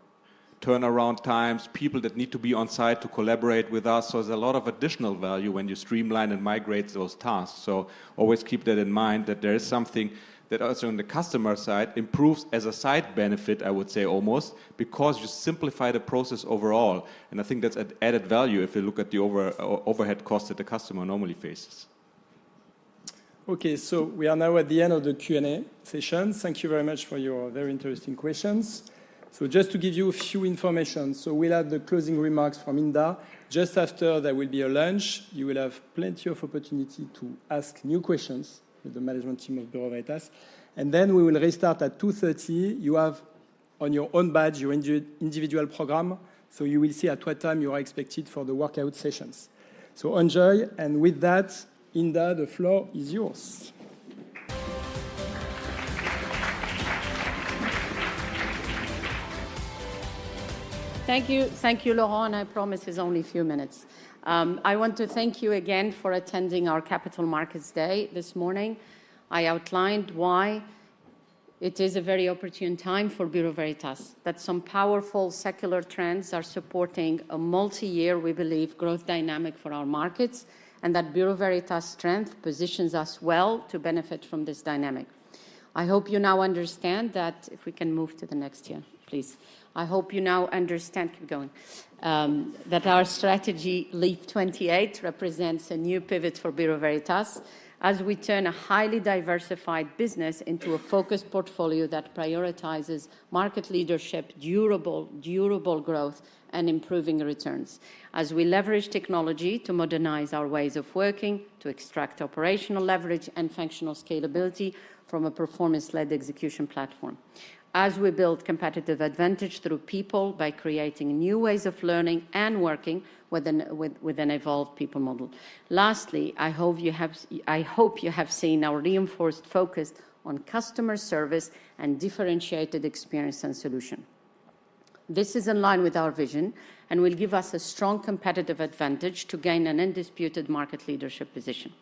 turnaround times, people that need to be on site to collaborate with us. So there's a lot of additional value when you streamline and migrate those tasks. So always keep that in mind that there is something that also on the customer side improves as a side benefit, I would say, almost because you simplify the process overall. And I think that's added value if you look at the overhead costs that the customer normally faces. Okay. So we are now at the end of the Q&A session. Thank you very much for your very interesting questions. So just to give you a few information, so we'll add the closing remarks from Hinda. Just after, there will be a lunch. You will have plenty of opportunity to ask new questions with the management team of Bureau Veritas. And then we will restart at 2:30 P.M. You have, on your own badge, your individual program. So you will see at what time you are expected for the workout sessions. So enjoy. And with that, Hinda, the floor is yours. Thank you. Thank you, Laurent. I promise it's only a few minutes. I want to thank you again for attending our Capital Markets Day this morning. I outlined why it is a very opportune time for Bureau Veritas, that some powerful secular trends are supporting a multiyear, we believe, growth dynamic for our markets, and that Bureau Veritas' strength positions us well to benefit from this dynamic. I hope you now understand that. If we can move to the next year, please. I hope you now understand that our strategy LEAP | 28 represents a new pivot for Bureau Veritas as we turn a highly diversified business into a focused portfolio that prioritizes market leadership, durable growth, and improving returns, as we leverage technology to modernize our ways of working, to extract operational leverage and functional scalability from a performance-led execution platform, as we build competitive advantage through people by creating new ways of learning and working with an evolved people model. Lastly, I hope you have seen our reinforced focus on customer service and differentiated experience and solution. This is in line with our vision. We'll give us a strong competitive advantage to gain an undisputed market leadership position.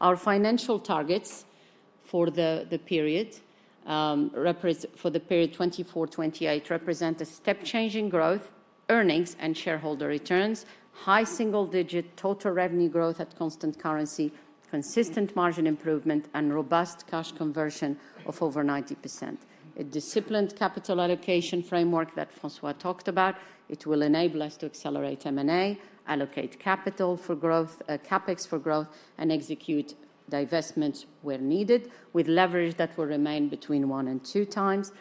Our financial targets for the period 2024-2028 represent a step-changing growth, earnings and shareholder returns, high single-digit total revenue growth at constant currency, consistent margin improvement, and robust cash conversion of over 90%, a disciplined capital allocation framework that François talked about. It will enable us to accelerate M&A, allocate capital for growth, CapEx for growth, and execute divestments where needed with leverage that will remain between 1x and 2x.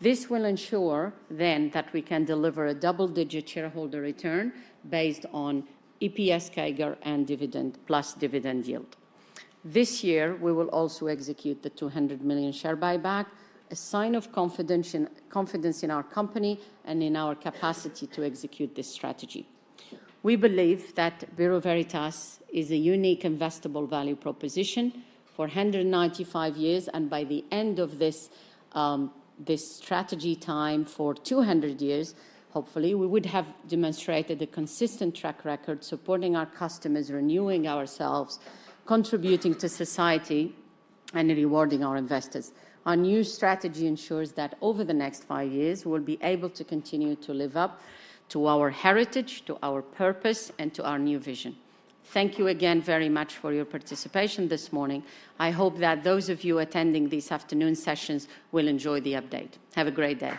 This will ensure then that we can deliver a double-digit shareholder return based on EPS, CAGR, and dividend plus dividend yield. This year, we will also execute the 200 million share buyback, a sign of confidence in our company and in our capacity to execute this strategy. We believe that Bureau Veritas is a unique investable value proposition for 195 years. By the end of this strategy time for 200 years, hopefully, we would have demonstrated a consistent track record supporting our customers, renewing ourselves, contributing to society, and rewarding our investors. Our new strategy ensures that over the next five years, we'll be able to continue to live up to our heritage, to our purpose, and to our new vision. Thank you again very much for your participation this morning. I hope that those of you attending these afternoon sessions will enjoy the update. Have a great day.